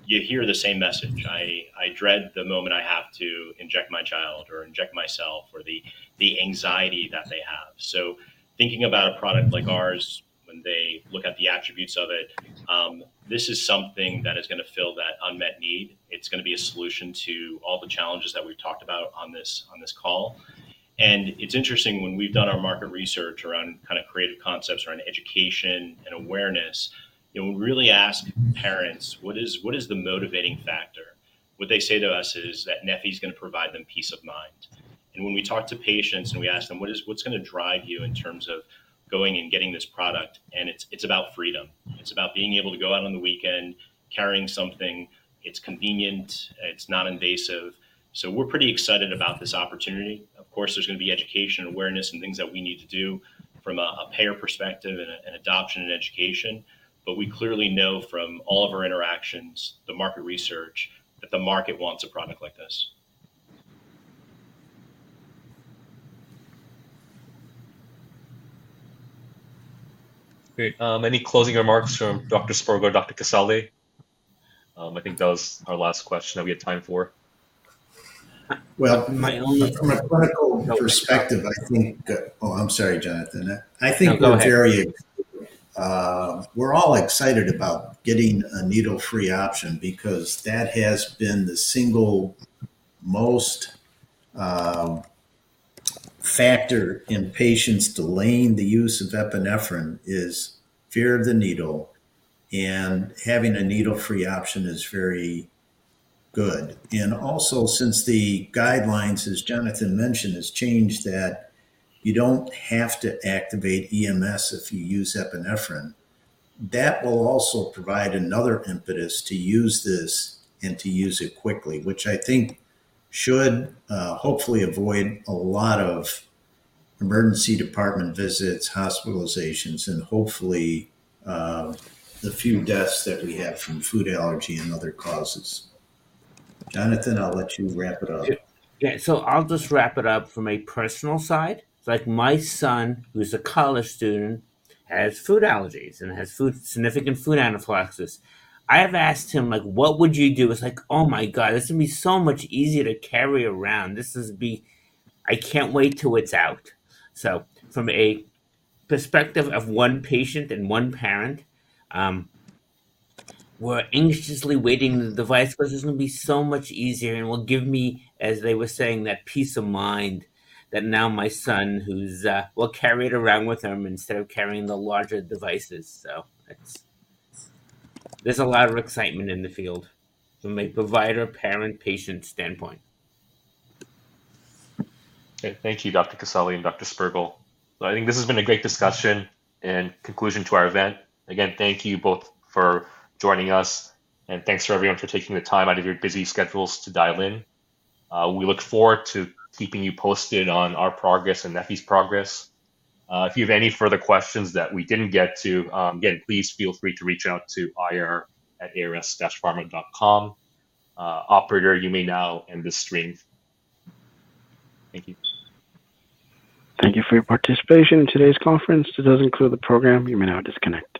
you hear the same message. "I dread the moment I have to inject my child or inject myself," or the anxiety that they have. So thinking about a product like ours, when they look at the attributes of it, this is something that is going to fill that unmet need. It's going to be a solution to all the challenges that we've talked about on this call. It's interesting when we've done our market research around kind of creative concepts around education and awareness, we really ask parents, "What is the motivating factor?" What they say to us is that neffy is going to provide them peace of mind. And when we talk to patients and we ask them, "What's going to drive you in terms of going and getting this product?" And it's about freedom. It's about being able to go out on the weekend, carrying something. It's convenient. It's not invasive. So we're pretty excited about this opportunity. Of course, there's going to be education and awareness and things that we need to do from a payer perspective and adoption and education. But we clearly know from all of our interactions, the market research, that the market wants a product like this. Great. Any closing remarks from Dr. Spergel or Dr. Casale? I think that was our last question that we had time for. Well, from a clinical perspective, I think oh, I'm sorry, Jonathan. I think we're all excited about getting a needle-free option because that has been the single most factor in patients delaying the use of epinephrine is fear of the needle. And having a needle-free option is very good. And also, since the guidelines, as Jonathan mentioned, has changed that you don't have to activate EMS if you use epinephrine, that will also provide another impetus to use this and to use it quickly, which I think should hopefully avoid a lot of emergency department visits, hospitalizations, and hopefully the few deaths that we have from food allergy and other causes. Jonathan, I'll let you wrap it up. Yeah, so I'll just wrap it up from a personal side. It's like my son, who's a college student, has food allergies and has significant food anaphylaxis. I have asked him, "What would you do?" It's like, "Oh my God, this would be so much easier to carry around. This is going to be I can't wait till it's out." So from a perspective of one patient and one parent, we're anxiously waiting the device because it's going to be so much easier and will give me, as they were saying, that peace of mind that now my son, who will carry it around with him instead of carrying the larger devices. So there's a lot of excitement in the field from a provider, parent, patient standpoint. Okay. Thank you, Dr. Casale and Dr. Spergel. I think this has been a great discussion and conclusion to our event. Again, thank you both for joining us, and thanks for everyone for taking the time out of your busy schedules to dial in. We look forward to keeping you posted on our progress and neffy's progress. If you have any further questions that we didn't get to, again, please feel free to reach out to ir@ars-pharma.com. Operator, you may now end the stream. Thank you. Thank you for your participation in today's conference. To those including the program, you may now disconnect.